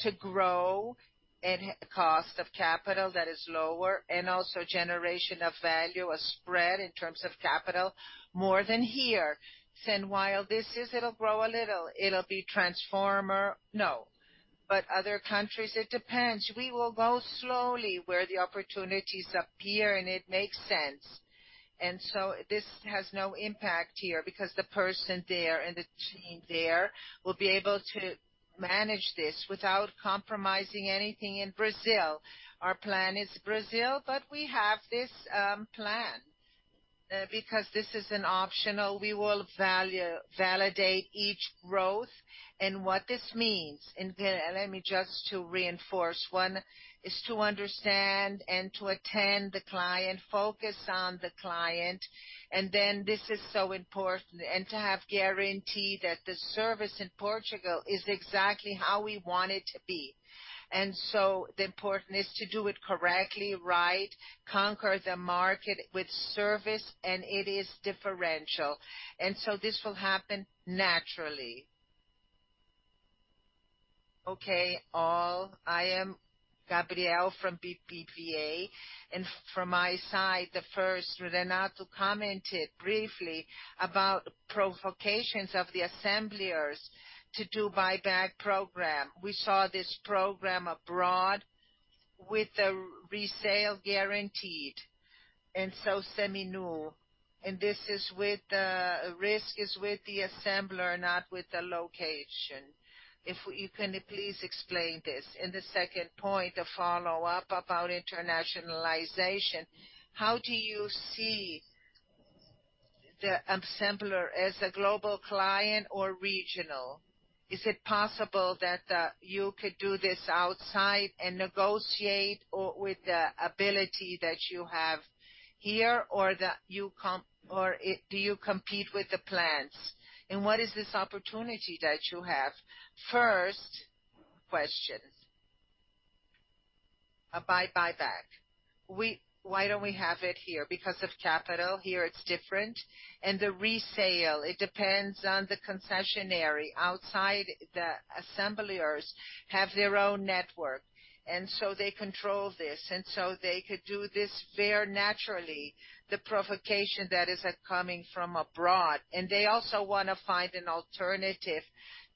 [SPEAKER 1] to grow and cost of capital that is lower and also generation of value, a spread in terms of capital, more than here. While this is, it'll grow a little. It'll be transformer? No. Other countries, it depends. We will go slowly where the opportunities appear, and it makes sense. This has no impact here because the person there and the team there will be able to manage this without compromising anything in Brazil. Our plan is Brazil, but we have this plan. Because this is an optional, we will value-validate each growth. What this means. Then let me just to reinforce. One is to understand and to attend the client, focus on the client, and then this is so important, and to have guarantee that the service in Portugal is exactly how we want it to be. The important is to do it correctly, right, conquer the market with service, and it is differential. This will happen naturally.
[SPEAKER 12] Okay, all. I am Gabrielle from BBVA. From my side, the first, Renato commented briefly about provocations of the assemblers to do buyback program. We saw this program abroad with the resale guaranteed, so semi-new. This is with the risk is with the assembler, not with the location. If you can please explain this. The second point, a follow-up about internationalization. How do you see the assembler as a global client or regional? Is it possible that you could do this outside and negotiate or with the ability that you have here or do you compete with the plans? What is this opportunity that you have?
[SPEAKER 1] First questions. About buyback. Why don't we have it here? Because of capital. Here, it's different. The resale, it depends on the concessionary. Outside, the assemblers have their own network, so they control this. So they could do this very naturally, the provocation that is coming from abroad. They also wanna find an alternative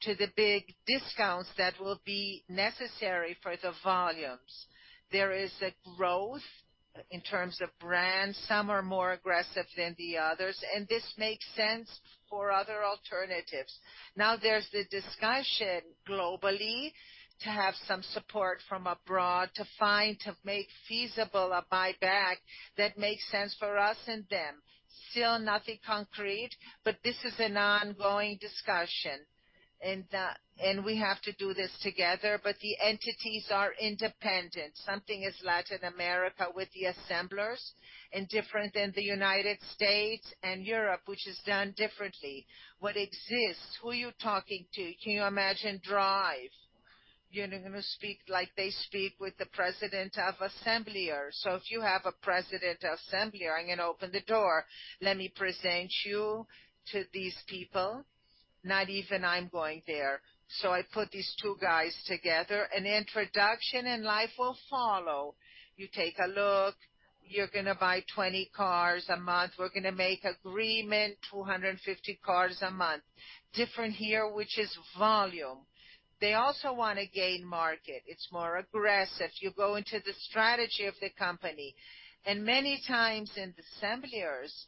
[SPEAKER 1] to the big discounts that will be necessary for the volumes. There is a growth in terms of brands. Some are more aggressive than the others, and this makes sense for other alternatives. Now, there's the discussion globally to have some support from abroad to find, to make feasible a buyback that makes sense for us and them. Still nothing concrete, but this is an ongoing discussion. We have to do this together, but the entities are independent. Something is Latin America with the assemblers and different than the United States and Europe, which is done differently. What exists, who are you talking to? Can you imagine Drive? You're gonna speak like they speak with the president of assembler. If you have a president assembler, I'm gonna open the door. Let me present you to these people. I put these two guys together. An introduction and life will follow. You take a look. You're gonna buy 20 cars a month. We're gonna make agreement, 250 cars a month. Different here, which is volume. They also wanna gain market. It's more aggressive. You go into the strategy of the company. Many times in the assemblers,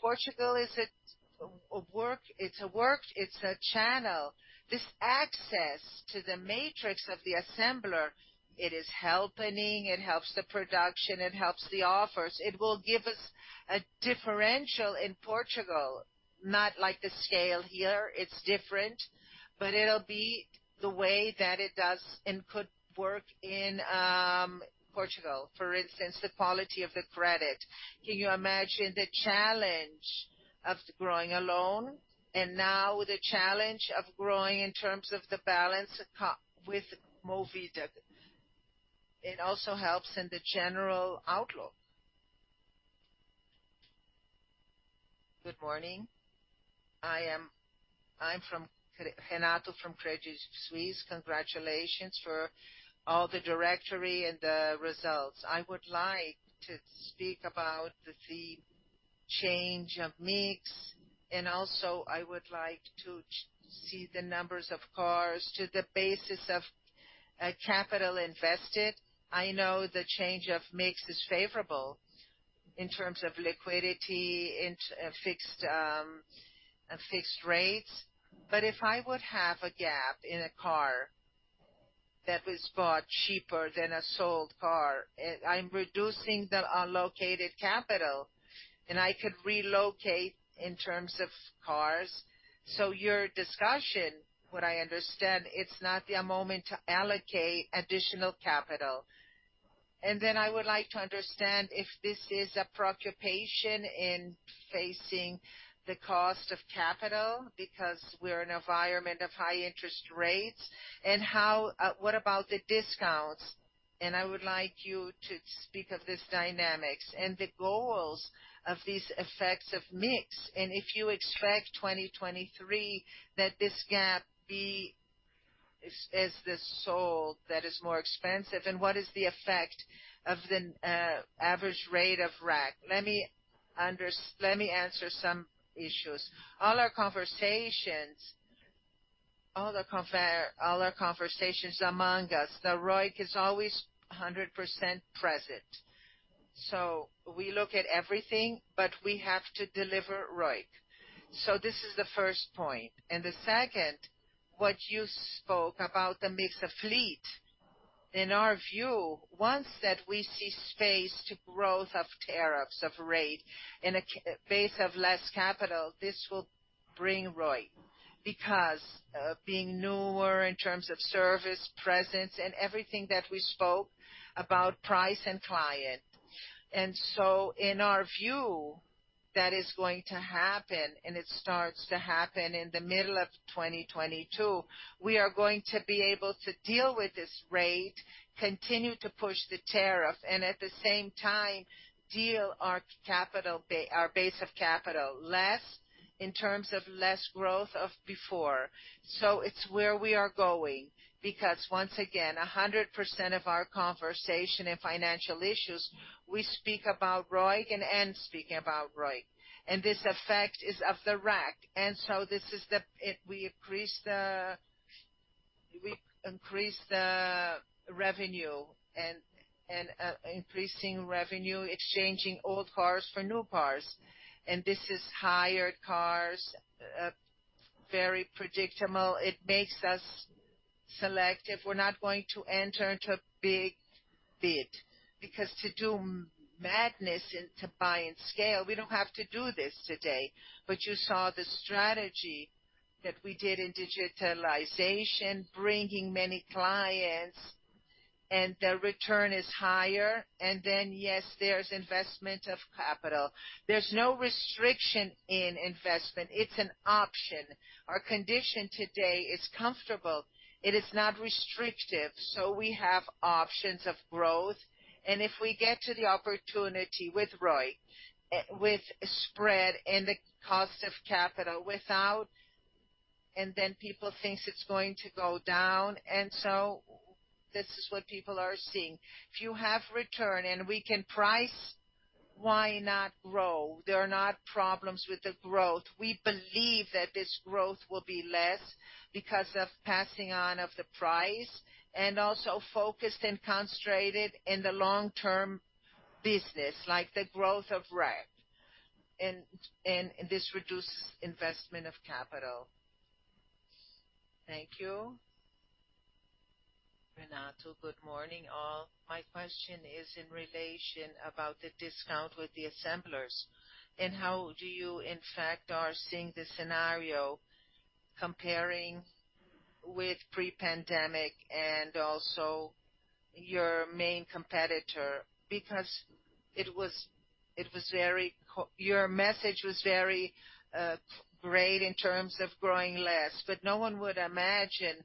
[SPEAKER 1] Portugal is it, a work, it's a work, it's a channel. This access to the matrix of the assembler, it is helping, it helps the production, it helps the offers. It will give us a differential in Portugal, not like the scale here. It's different, but it'll be the way that it does and could work in Portugal. For instance, the quality of the credit. Can you imagine the challenge of growing alone. Now the chance of growing in terms of the balance with Movida. It also helps in the general outlook.
[SPEAKER 13] Good morning. I'm Renato from Credit Suisse. Congratulations for all the directory and the results. I would like to speak about the change of mix, and also I would like to see the numbers of cars to the basis of capital invested. I know the change of mix is favorable in terms of liquidity, fixed rates. If I would have a gap in a car that was bought cheaper than a sold car, I'm reducing the allocated capital, and I could relocate in terms of cars. Your discussion, what I understand, it's not the moment to allocate additional capital. I would like to understand if this is a preoccupation in facing the cost of capital, because we're in an environment of high interest rates. How, what about the discounts? I would like you to speak of this dynamics and the goals of these effects of mix. If you expect 2023 that this gap be as the sold that is more expensive, and what is the effect of the average rate of RAC?
[SPEAKER 1] Let me answer some issues. All our conversations, all our conversations among us, the ROIC is always 100% present. We look at everything, but we have to deliver ROIC. This is the first point. The second, what you spoke about the mix of fleet. In our view, once that we see space to growth of tariffs, of rate, in a base of less capital, this will bring ROIC. Because, being newer in terms of service, presence, and everything that we spoke about price and client. In our view, that is going to happen, and it starts to happen in the middle of 2022. We are going to be able to deal with this rate, continue to push the tariff, and at the same time deal our base of capital less in terms of less growth of before. It's where we are going, because once again, 100% of our conversation in financial issues, we speak about ROIC and end speaking about ROIC. This effect is of the RAC. This is the... We increase the revenue and, increasing revenue, exchanging old cars for new cars. This is higher cars, very predictable. It makes us selective. We're not going to enter into a big bid because to do madness and to buy in scale, we don't have to do this today. You saw the strategy that we did in digitalization, bringing many clients, and the return is higher. Yes, there's investment of capital. There's no restriction in investment. It's an option. Our condition today is comfortable. It is not restrictive, so we have options of growth. If we get to the opportunity with ROIC, with spread and the cost of capital without... People thinks it's going to go down. This is what people are seeing. If you have return and we can price, why not grow? There are not problems with the growth. We believe that this growth will be less because of passing on of the price and also focused and concentrated in the long-term business, like the growth of RAC. This reduces investment of capital.
[SPEAKER 14] Thank you. Renato, good morning all. My question is in relation about the discount with the assemblers, how do you in fact are seeing the scenario comparing with pre-pandemic and also your main competitor? It was very your message was very great in terms of growing less. No one would imagine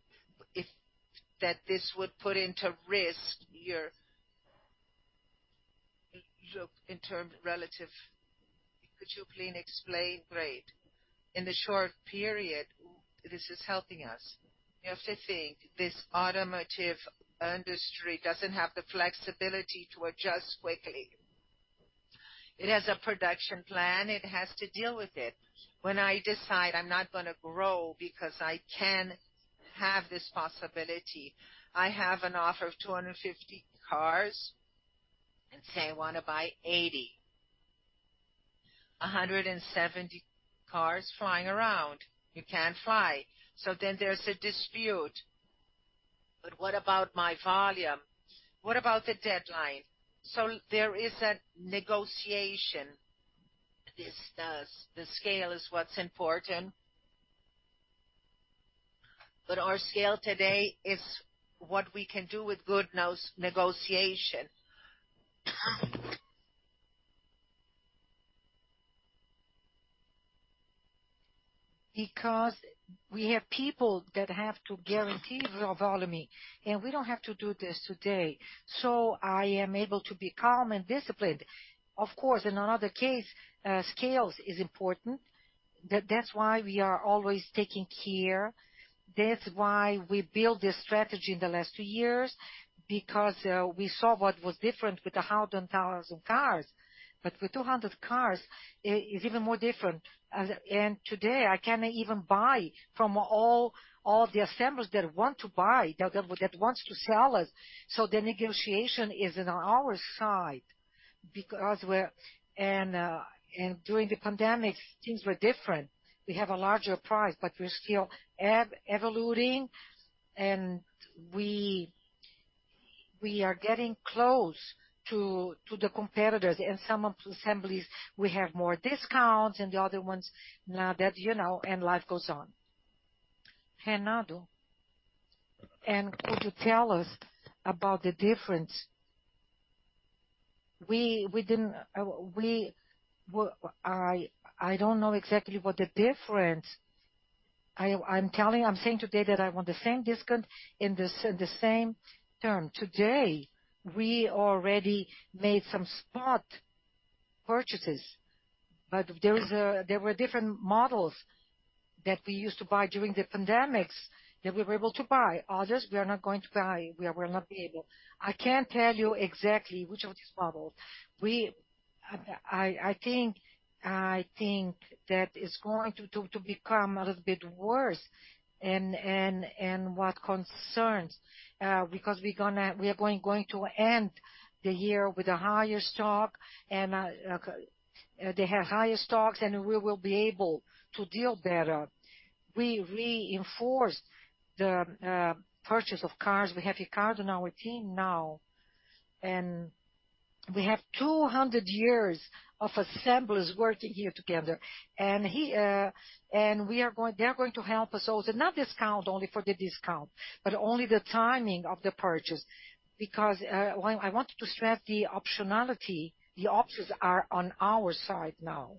[SPEAKER 14] that this would put into risk your. Look, in terms relative. Could you please explain?
[SPEAKER 1] Great. In the short period, this is helping us. You know, Fifi, this automotive industry doesn't have the flexibility to adjust quickly. It has a production plan, it has to deal with it. When I decide I'm not gonna grow because I can have this possibility, I have an offer of 250 cars, and say I wanna buy 80. 170 cars flying around. You can't fly. There's a dispute. What about my volume? What about the deadline? There is a negotiation. This does. The scale is what's important. Our scale today is what we can do with good nose negotiation. We have people that have to guarantee their volume, and we don't have to do this today. I am able to be calm and disciplined. Of course, in another case, scales is important. That's why we are always taking care. That's why we built this strategy in the last two years, because we saw what was different with 100,000 cars. With 200 cars, it's even more different. Today, I can even buy from all the assemblers that want to buy, that wants to sell us. The negotiation is on our side because we're. During the pandemic, things were different. We have a larger price, but we're still evolving, and we are getting close to the competitors. In some of the assemblies, we have more discounts, the other ones, now that, you know, life goes on.
[SPEAKER 14] Renato. Could you tell us about the difference?
[SPEAKER 1] I don't know exactly what the difference. I'm saying today that I want the same discount in the same term. Today, we already made some spot purchases. There were different models that we used to buy during the pandemics that we were able to buy. Others, we are not going to buy. We will not be able. I can't tell you exactly which of these models. I think that it's going to become a little bit worse in what concerns. Because we are going to end the year with a higher stock, and they have higher stocks, and we will be able to deal better. We reinforced the purchase of cars. We have Ricardo on our team now, and we have 200 years of assemblers working here together. And he and they are going to help us also. Not discount only for the discount, but only the timing of the purchase. I want to stress the optionality, the options are on our side now.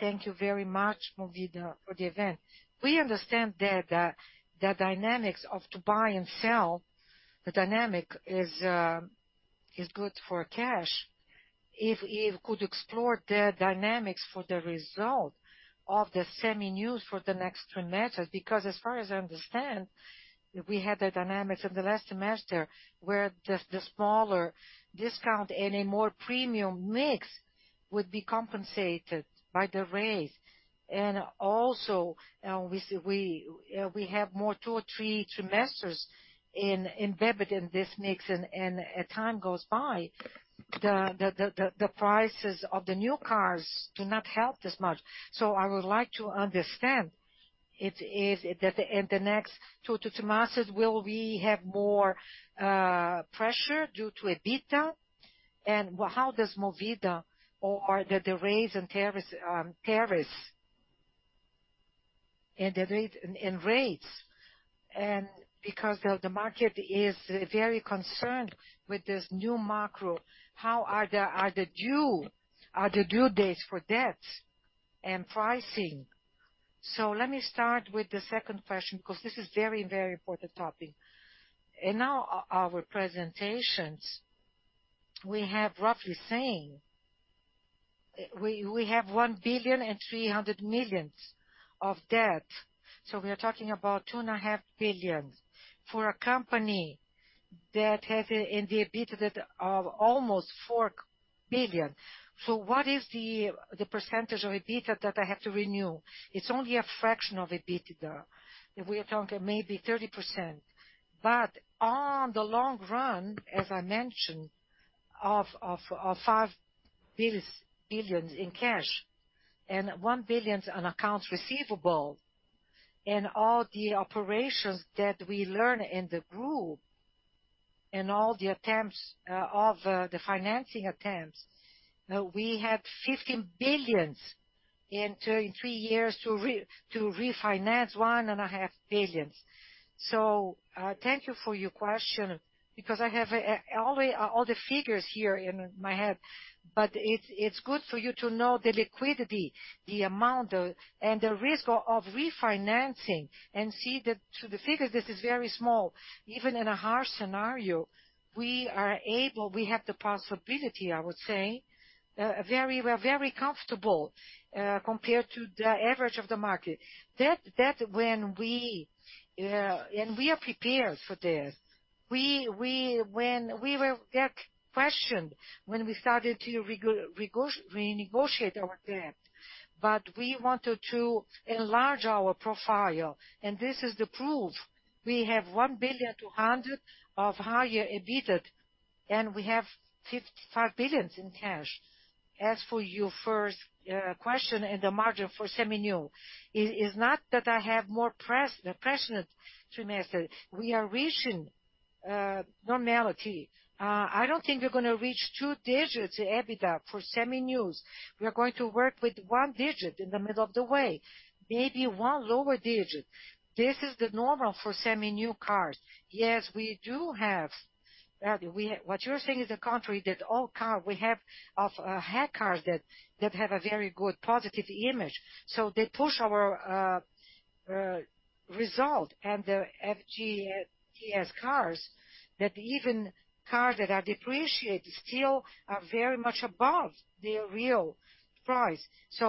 [SPEAKER 15] Thank you very much, Movida, for the event. We understand that the dynamics of to buy and sell, the dynamic is good for cash. If we could explore the dynamics for the result of the Seminovos for the next trimester. As far as I understand, we had the dynamics in the last semester where the smaller discount and a more premium mix would be compensated by the raise. Also, we have more two or three trimesters in EBITDA in this mix. As time goes by, the prices of the new cars do not help this much. I would like to understand if that in the next two trimesters, will we have more pressure due to EBITDA? How does Movida or the raise in terrace, Paris in the rates. Because the market is very concerned with this new macro, how are the due dates for debts and pricing?
[SPEAKER 2] Let me start with the second question because this is very, very important topic. In our presentations, we have roughly same. We have 1.3 billion of debt. We are talking about two and a half billion for a company that has in the EBITDA of almost 4 billion. What is the % of EBITDA that I have to renew? It's only a fraction of EBITDA. We are talking maybe 30%. On the long run, as I mentioned, of 5 billion in cash and 1 billion on accounts receivable, and all the operations that we learn in the group and all the attempts of the financing attempts, we have 15 billion in three years to refinance one and a half billion. Thank you for your question because I have all the figures here in my head. It's good for you to know the liquidity, the amount, and the risk of refinancing and see that to the figures, this is very small. Even in a harsh scenario, we are able, we have the possibility, I would say, we are very comfortable compared to the average of the market. That when we are prepared for that. When we were questioned when we started to renegotiate our debt, we wanted to enlarge our profile, this is the proof. We have 1.2 billion of higher EBITDA, we have 55 billion in cash. As for your first question and the margin for semi-new. It is not that I have more pressured trimester. We are reaching normality. I don't think we're gonna reach 2 digits EBITDA for Seminovos. We are going to work with 1 digit in the middle of the way, maybe 1 lower digit. This is the normal for Seminovos cars. What you're saying is the contrary that all car we have of had cars that have a very good positive image, so they push our result. The FGTS cars that even cars that are depreciated still are very much above their real price.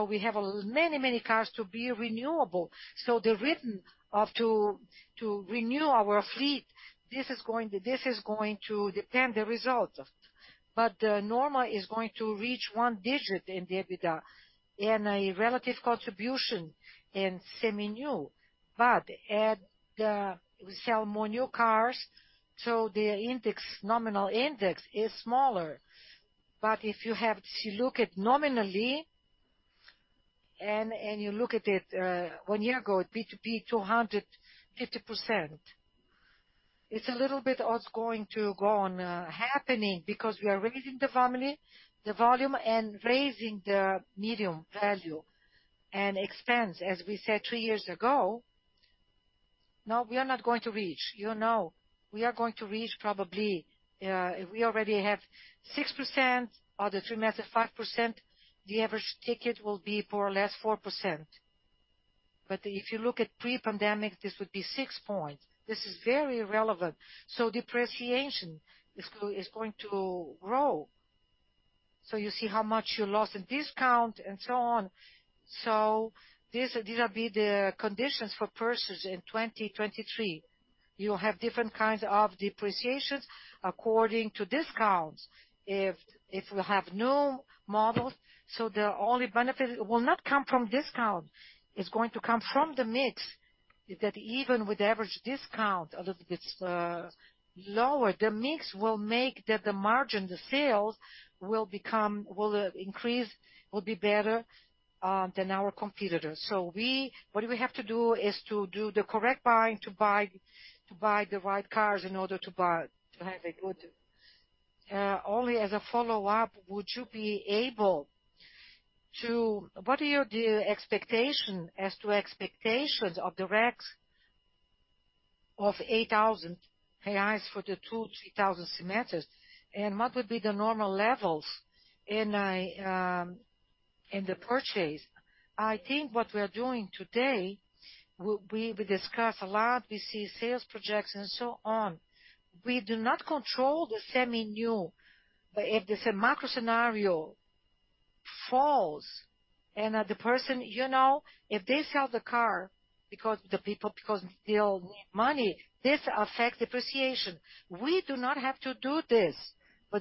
[SPEAKER 2] We have many cars to be renewable. The rhythm of to renew our fleet, this is going to determine the result. The normal is going to reach one digit in the EBITDA and a relative contribution in semi-new. We sell more new cars, so the index, nominal index is smaller. If you have to look at nominally and you look at it, one year ago, it B2B 250%. It's a little bit what's going to go on happening because we are raising the volume and raising the medium value and expense, as we said two years ago. No, we are not going to reach. You know, we are going to reach probably, we already have 6% or the three months at 5%. The average ticket will be more or less 4%. If you look at pre-pandemic, this would be six points. This is very relevant. Depreciation is going to grow. You see how much you lost in discount and so on. These will be the conditions for purchases in 2023. You'll have different kinds of depreciations according to discounts. If you have no models, the only benefit will not come from discount, it's going to come from the mix that even with average discount a little bit lower, the mix will make that the margin, the sales will become will increase, will be better than our competitors. What we have to do is to do the correct buying to buy the right cars in order to buy, to have a good. Only as a follow-up, what are your expectations of the RACs of 8,000 reais for the 2,000, 3,000 semesters? What would be the normal levels in the purchase? I think what we are doing today, we discuss a lot, we see sales projects and so on. We do not control the Seminovos. If the macro scenario falls and the person, you know, if they sell the car because they all need money, this affects depreciation. We do not have to do this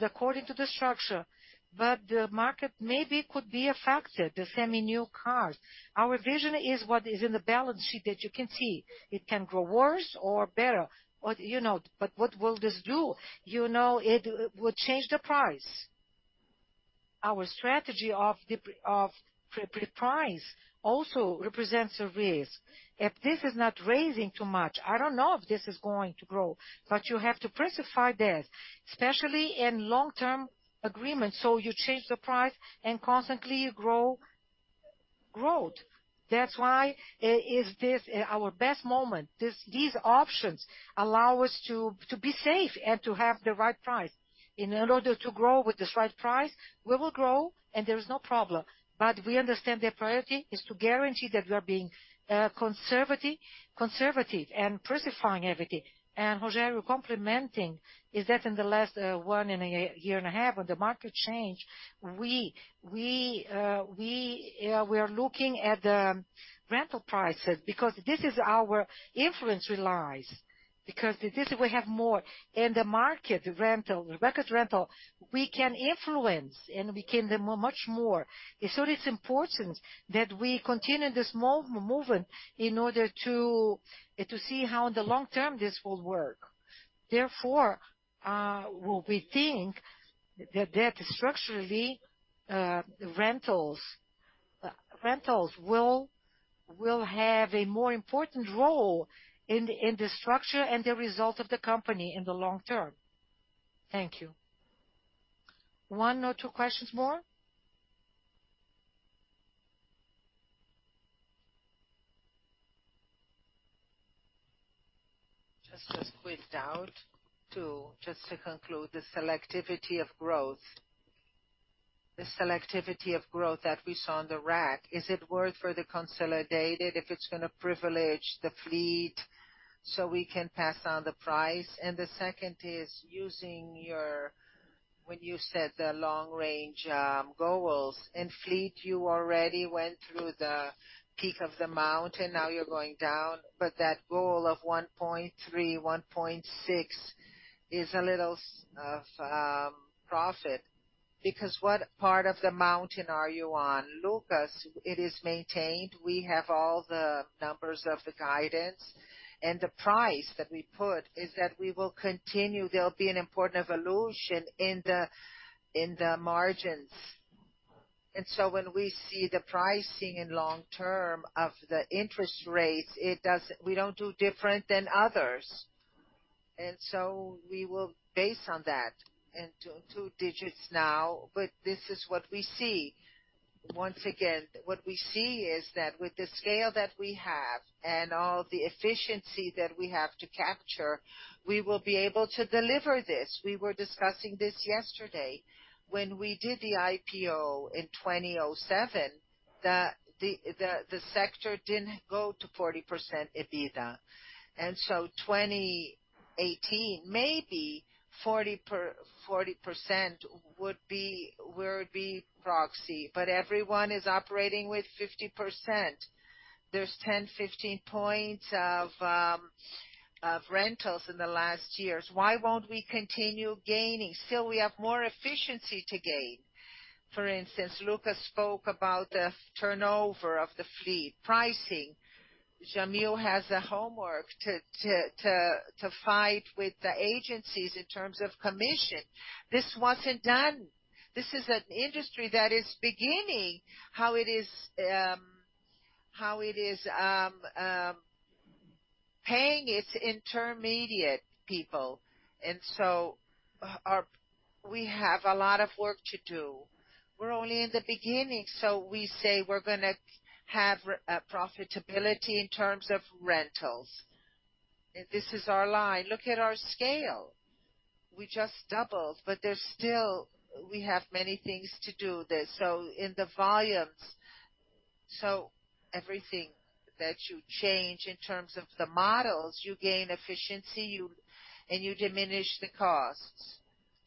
[SPEAKER 2] according to the structure. The market maybe could be affected, the Seminovos cars. Our vision is what is in the balance sheet that you can see. It can grow worse or better or, you know. What will this do? You know, it will change the price. Our strategy of pre-price also represents a risk. If this is not raising too much, I don't know if this is going to grow, but you have to precify that, especially in long-term agreements. You change the price and constantly you grow growth. That's why is this our best moment. These options allow us to be safe and to have the right price. In order to grow with the right price, we will grow and there is no problem. We understand the priority is to guarantee that we are being conservative and precifying everything. José, you're complementing is that in the last one and a year and a half, when the market changed, we are looking at the rental prices because this is our influence relies. If this we have more in the market, the rental, the record rental, we can influence and we can do much more. It is important that we continue this movement in order to see how in the long term this will work. We think that structurally, rentals will have a more important role in the structure and the result of the company in the long term. Thank you.
[SPEAKER 1] One or two questions more.
[SPEAKER 16] Just to squeeze out. Just to conclude the selectivity of growth. The selectivity of growth that we saw on the RAC, is it worth for the consolidated if it's gonna privilege the fleet so we can pass on the price? The second is using your when you set the long-range goals. In fleet, you already went through the peak of the mountain, now you're going down. That goal of 1.3, 1.6 is a little profit because what part of the mountain are you on?
[SPEAKER 1] Lucas, it is maintained. We have all the numbers of the guidance and the price that we put is that we will continue. There'll be an important evolution in the, in the margins. When we see the pricing in long term of the interest rates, it doesn't we don't do different than others. We will base on that and 2 digits now, but this is what we see. Once again, what we see is that with the scale that we have and all the efficiency that we have to capture, we will be able to deliver this. We were discussing this yesterday. When we did the IPO in 2007, the sector didn't go to 40% EBITDA. 2018, maybe 40% would be, would be proxy. Everyone is operating with 50%. There's 10, 15 points of rentals in the last years. Why won't we continue gaining? Still, we have more efficiency to gain. For instance, Lucas spoke about the turnover of the fleet pricing. Jamyl has the homework to fight with the agencies in terms of commission. This wasn't done. This is an industry that is beginning how it is paying its intermediate people. We have a lot of work to do. We're only in the beginning, so we say we're gonna have a profitability in terms of rentals. This is our line. Look at our scale. We just doubled, but there's still, we have many things to do there. In the volumes. Everything that you change in terms of the models, you gain efficiency, and you diminish the costs.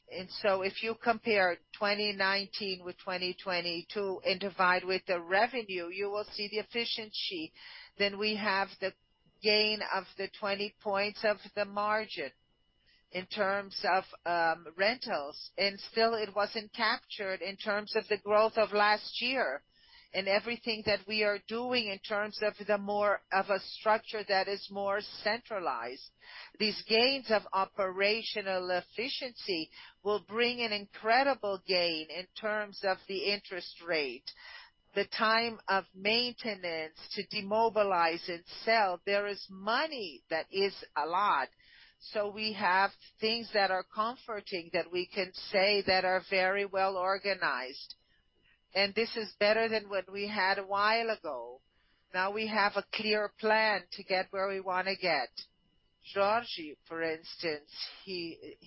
[SPEAKER 1] If you compare 2019 with 2022 and divide with the revenue, you will see the efficiency. We have the gain of the 20 points of the margin in terms of rentals, and still, it wasn't captured in terms of the growth of last year. Everything that we are doing in terms of a structure that is more centralized, these gains of operational efficiency will bring an incredible gain in terms of the interest rate, the time of maintenance to demobilize and sell. There is money that is a lot. We have things that are comforting that we can say that are very well-organized. This is better than what we had a while ago. We have a clear plan to get where we wanna get. Jorge, for instance, he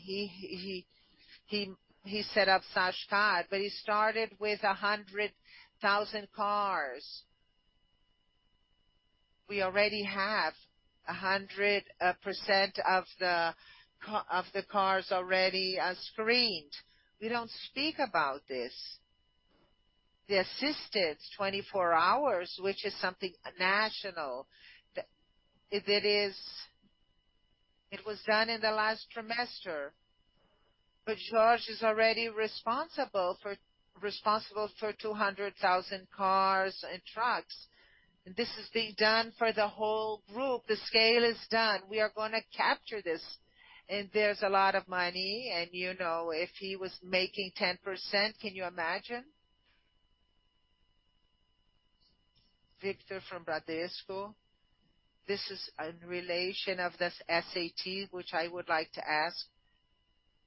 [SPEAKER 1] set up Sascar, but he started with 100,000 cars. We already have 100% of the cars already screened. We don't speak about this. The assistance, 24 hours, which is something national. It was done in the last trimester. Jorge is already responsible for 200,000 cars and trucks. This is being done for the whole group. The scale is done. We are gonna capture this. There's a lot of money, and you know, if he was making 10%, can you imagine? Victor from Bradesco, this is in relation of this SAT, which I would like to ask.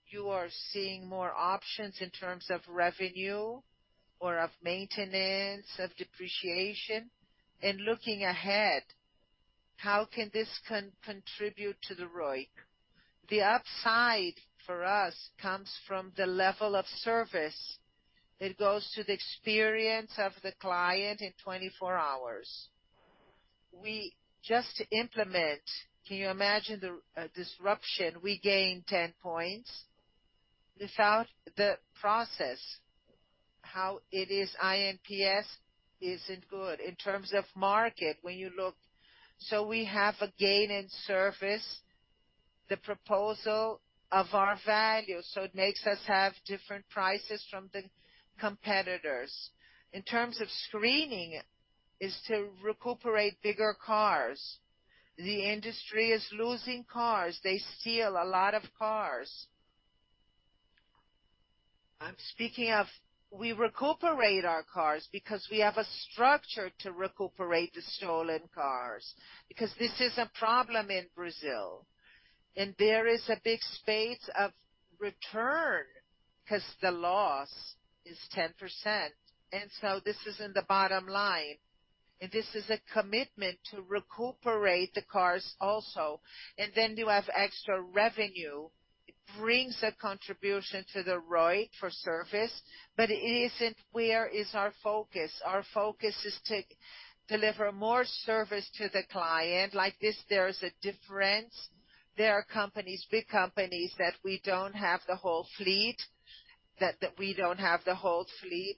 [SPEAKER 1] You are seeing more options in terms of revenue or of maintenance, of depreciation. In looking ahead, how can this contribute to the ROIC? The upside for us comes from the level of service. It goes to the experience of the client in 24 hours. We just implement. Can you imagine the disruption? We gain 10 points without the process. How it is iNPS isn't good. In terms of market, when you look... we have a gain in service, the proposal of our value, so it makes us have different prices from the competitors. In terms of screening is to recuperate bigger cars. The industry is losing cars. They steal a lot of cars. I'm speaking of we recuperate our cars because we have a structure to recuperate the stolen cars, because this is a problem in Brazil. There is a big space of return 'cause the loss is 10%, and so this is in the bottom line. This is a commitment to recuperate the cars also. Then you have extra revenue. It brings a contribution to the ROIC for service, but it isn't where is our focus. Our focus is to deliver more service to the client. Like this, there is a difference. There are companies, big companies, that we don't have the whole fleet, that we don't have the whole fleet.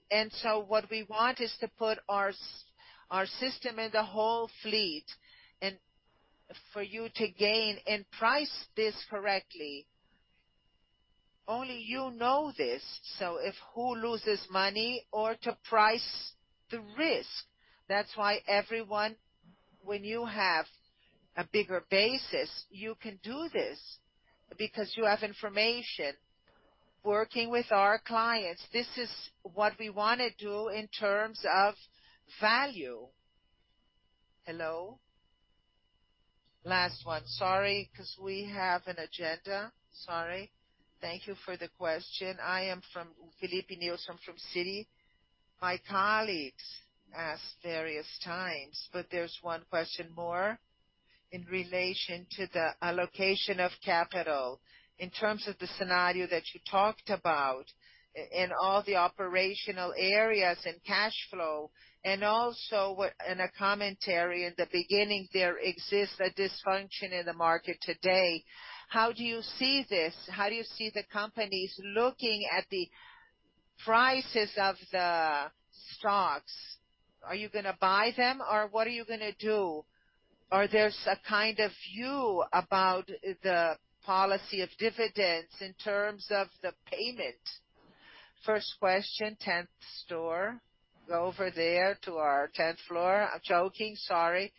[SPEAKER 1] What we want is to put our system in the whole fleet and for you to gain and price this correctly. Only you know this. If who loses money or The risk. That's why everyone, when you have a bigger basis, you can do this because you have information. Working with our clients, this is what we wanna do in terms of value.
[SPEAKER 17] Hello? Last one. Sorry, 'cause we have an agenda. Sorry. Thank you for the question. I am from Filipe Nielsen from Citi. My colleagues asked various times, there's one question more in relation to the allocation of capital in terms of the scenario that you talked about in all the operational areas and cash flow, also in a commentary in the beginning, there exists a dysfunction in the market today. How do you see this? How do you see the companies looking at the prices of the stocks? Are you gonna buy them or what are you gonna do? Are there a kind of view about the policy of dividends in terms of the payment?
[SPEAKER 1] First question, 10th store. Go over there to our 10th floor. I'm joking. Sorry.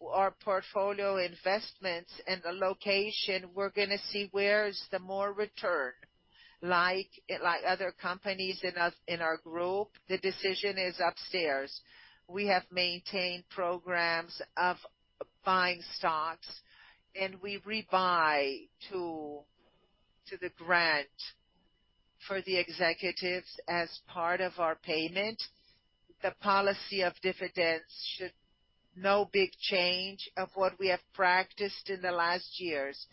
[SPEAKER 1] Our portfolio investments and the location, we're gonna see where is the more return. Like other companies in our group, the decision is upstairs. We have maintained programs of buying stocks. We rebuy to the grant for the executives as part of our payment. The policy of dividends should no big change of what we have practiced in the last years.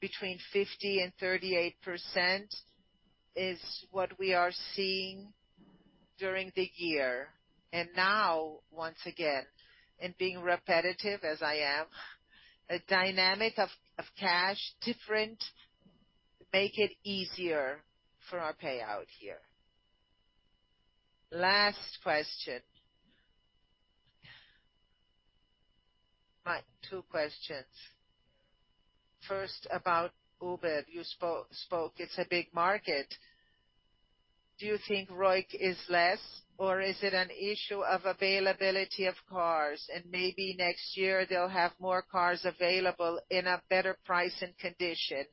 [SPEAKER 1] Between 50% and 38% is what we are seeing during the year. Now, once again, being repetitive as I am, a dynamic of cash different make it easier for our payout here.
[SPEAKER 17] Last question. My two questions. First, about Uber. You spoke. It's a big market. Do you think ROIC is less, or is it an issue of availability of cars, and maybe next year they'll have more cars available in a better price and condition,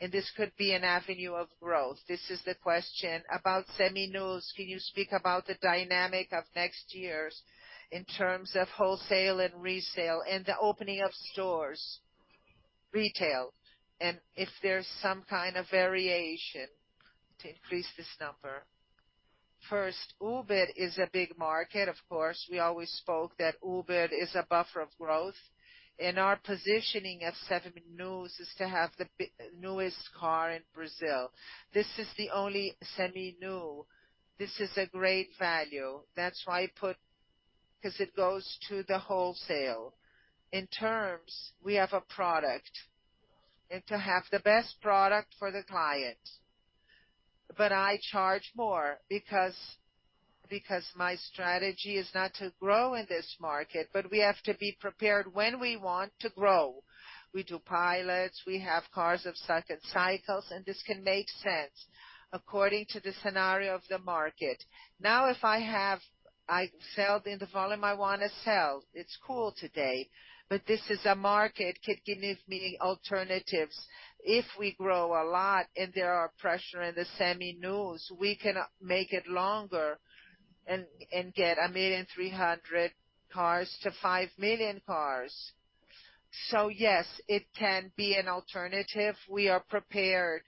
[SPEAKER 17] and this could be an avenue of growth? This is the question. About Seminovos, can you speak about the dynamic of next year's in terms of wholesale and resale and the opening of stores, retail, and if there's some kind of variation to increase this number?
[SPEAKER 1] First, Uber is a big market. Of course, we always spoke that Uber is a buffer of growth. Our positioning of Seminovos is to have the newest car in Brazil. This is the only semi-new. This is a great value. That's why 'cause it goes to the wholesale. In terms, we have a product, and to have the best product for the client. I charge more because my strategy is not to grow in this market, but we have to be prepared when we want to grow. We do pilots, we have cars of second cycles, and this can make sense according to the scenario of the market. Now, if I sell in the volume I wanna sell, it's cool today. This is a market can give me alternatives. If we grow a lot and there are pressure in the Seminovos, we can make it longer and get 1.3 million cars to 5 million cars. Yes, it can be an alternative. We are prepared.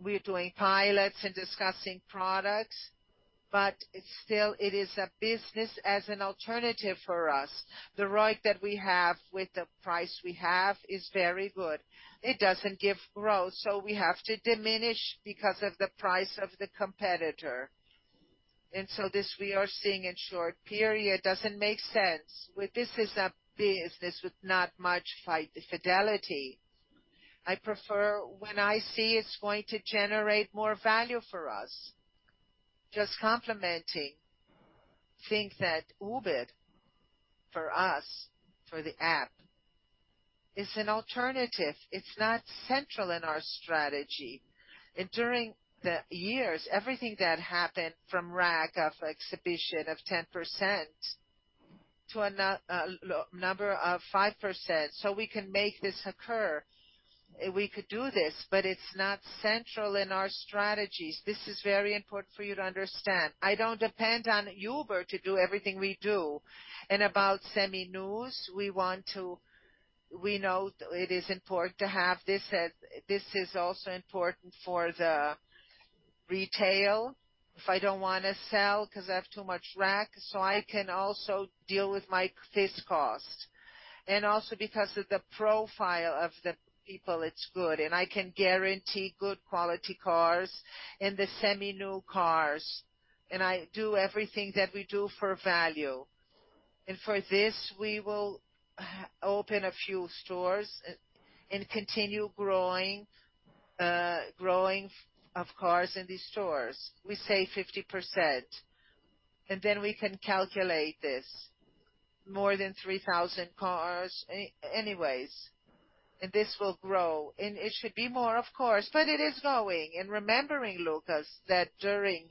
[SPEAKER 1] We're doing pilots and discussing products, it is a business as an alternative for us. The ROIC that we have with the price we have is very good. It doesn't give growth, we have to diminish because of the price of the competitor. This we are seeing in short period doesn't make sense. With this is a business with not much fidelity. I prefer when I see it's going to generate more value for us. Just complementing, think that Uber, for us, for the app, is an alternative. It's not central in our strategy. During the years, everything that happened from rack of exhibition of 10% to a number of 5%, we can make this occur. We could do this, it's not central in our strategies. This is very important for you to understand. I don't depend on Uber to do everything we do. About Seminovos, we know it is important to have this is also important for the retail. If I don't wanna sell 'cause I have too much rack, I can also deal with my fixed cost. Also because of the profile of the people, it's good, I can guarantee good quality cars in the semi-new cars. I do everything that we do for value. For this, we will open a few stores and continue growing of cars in these stores. We say 50%, then we can calculate this. More than 3,000 cars anyways, this will grow. It should be more, of course, but it is growing. Remembering, Lucas, that during.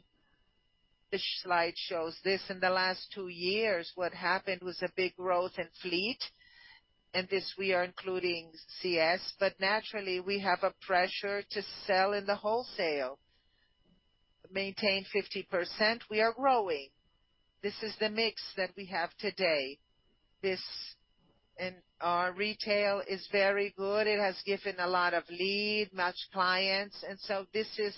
[SPEAKER 1] The slide shows this in the last two years, what happened was a big growth in fleet, and this we are including CS. Naturally, we have a pressure to sell in the wholesale. Maintain 50%, we are growing. This is the mix that we have today. Our retail is very good. It has given a lot of lead, much clients. This is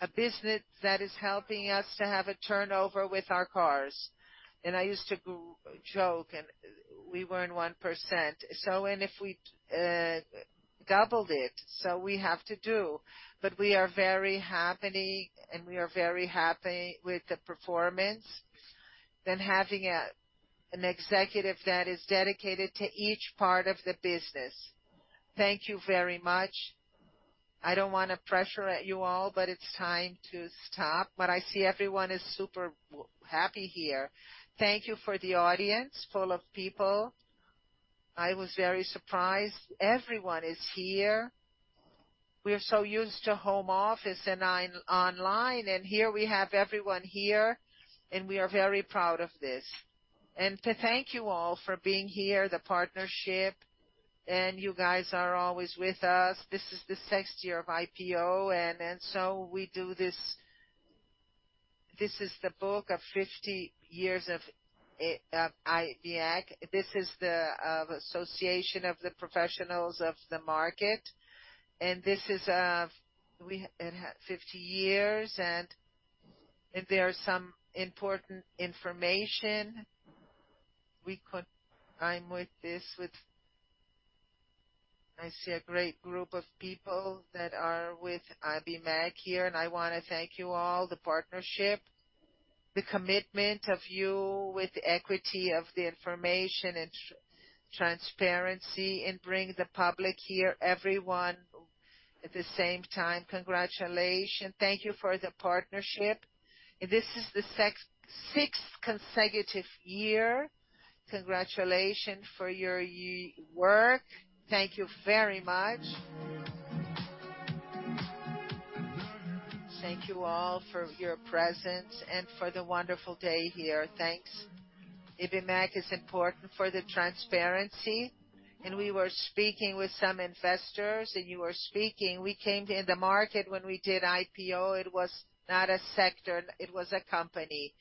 [SPEAKER 1] a business that is helping us to have a turnover with our cars. I used to joke and we were in 1%. If we doubled it, we have to do. We are very happily, and we are very happy with the performance. Having an executive that is dedicated to each part of the business. Thank you very much. I don't wanna pressure at you all, but it's time to stop. I see everyone is super happy here. Thank you for the audience, full of people. I was very surprised everyone is here. We're so used to home office and online, and here we have everyone here, and we are very proud of this. To thank you all for being here, the partnership, and you guys are always with us. This is the sixth year of IPO, and so we do this. This is the book of 50 years of Ibmec. This is the association of the professionals of the market, and this is, it had 50 years, and there are some important information. I see a great group of people that are with Ibmec here, I wanna thank you all, the partnership. The commitment of you with equity of the information and transparency and bring the public here, everyone at the same time. Congratulation. Thank you for the partnership. This is the 6th consecutive year. Congratulation for your work. Thank you very much. Thank you all for your presence and for the wonderful day here. Thanks. Ibmec is important for the transparency, we were speaking with some investors, you were speaking. We came in the market when we did IPO. It was not a sector, it was a company.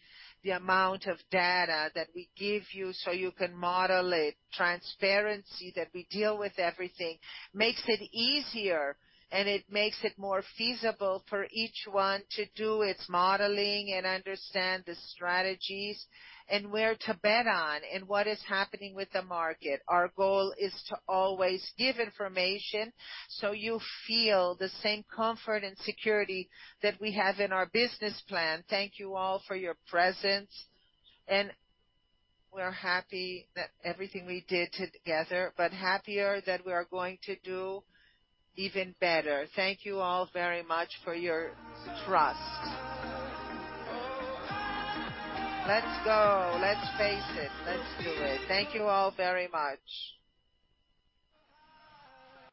[SPEAKER 1] The amount of data that we give you so you can model it, transparency that we deal with everything, makes it easier and it makes it more feasible for each one to do its modeling and understand the strategies and where to bet on and what is happening with the market. Our goal is to always give information so you feel the same comfort and security that we have in our business plan. Thank you all for your presence, and we're happy that everything we did together, but happier that we are going to do even better. Thank you all very much for your trust. Let's go. Let's face it. Let's do it. Thank you all very much.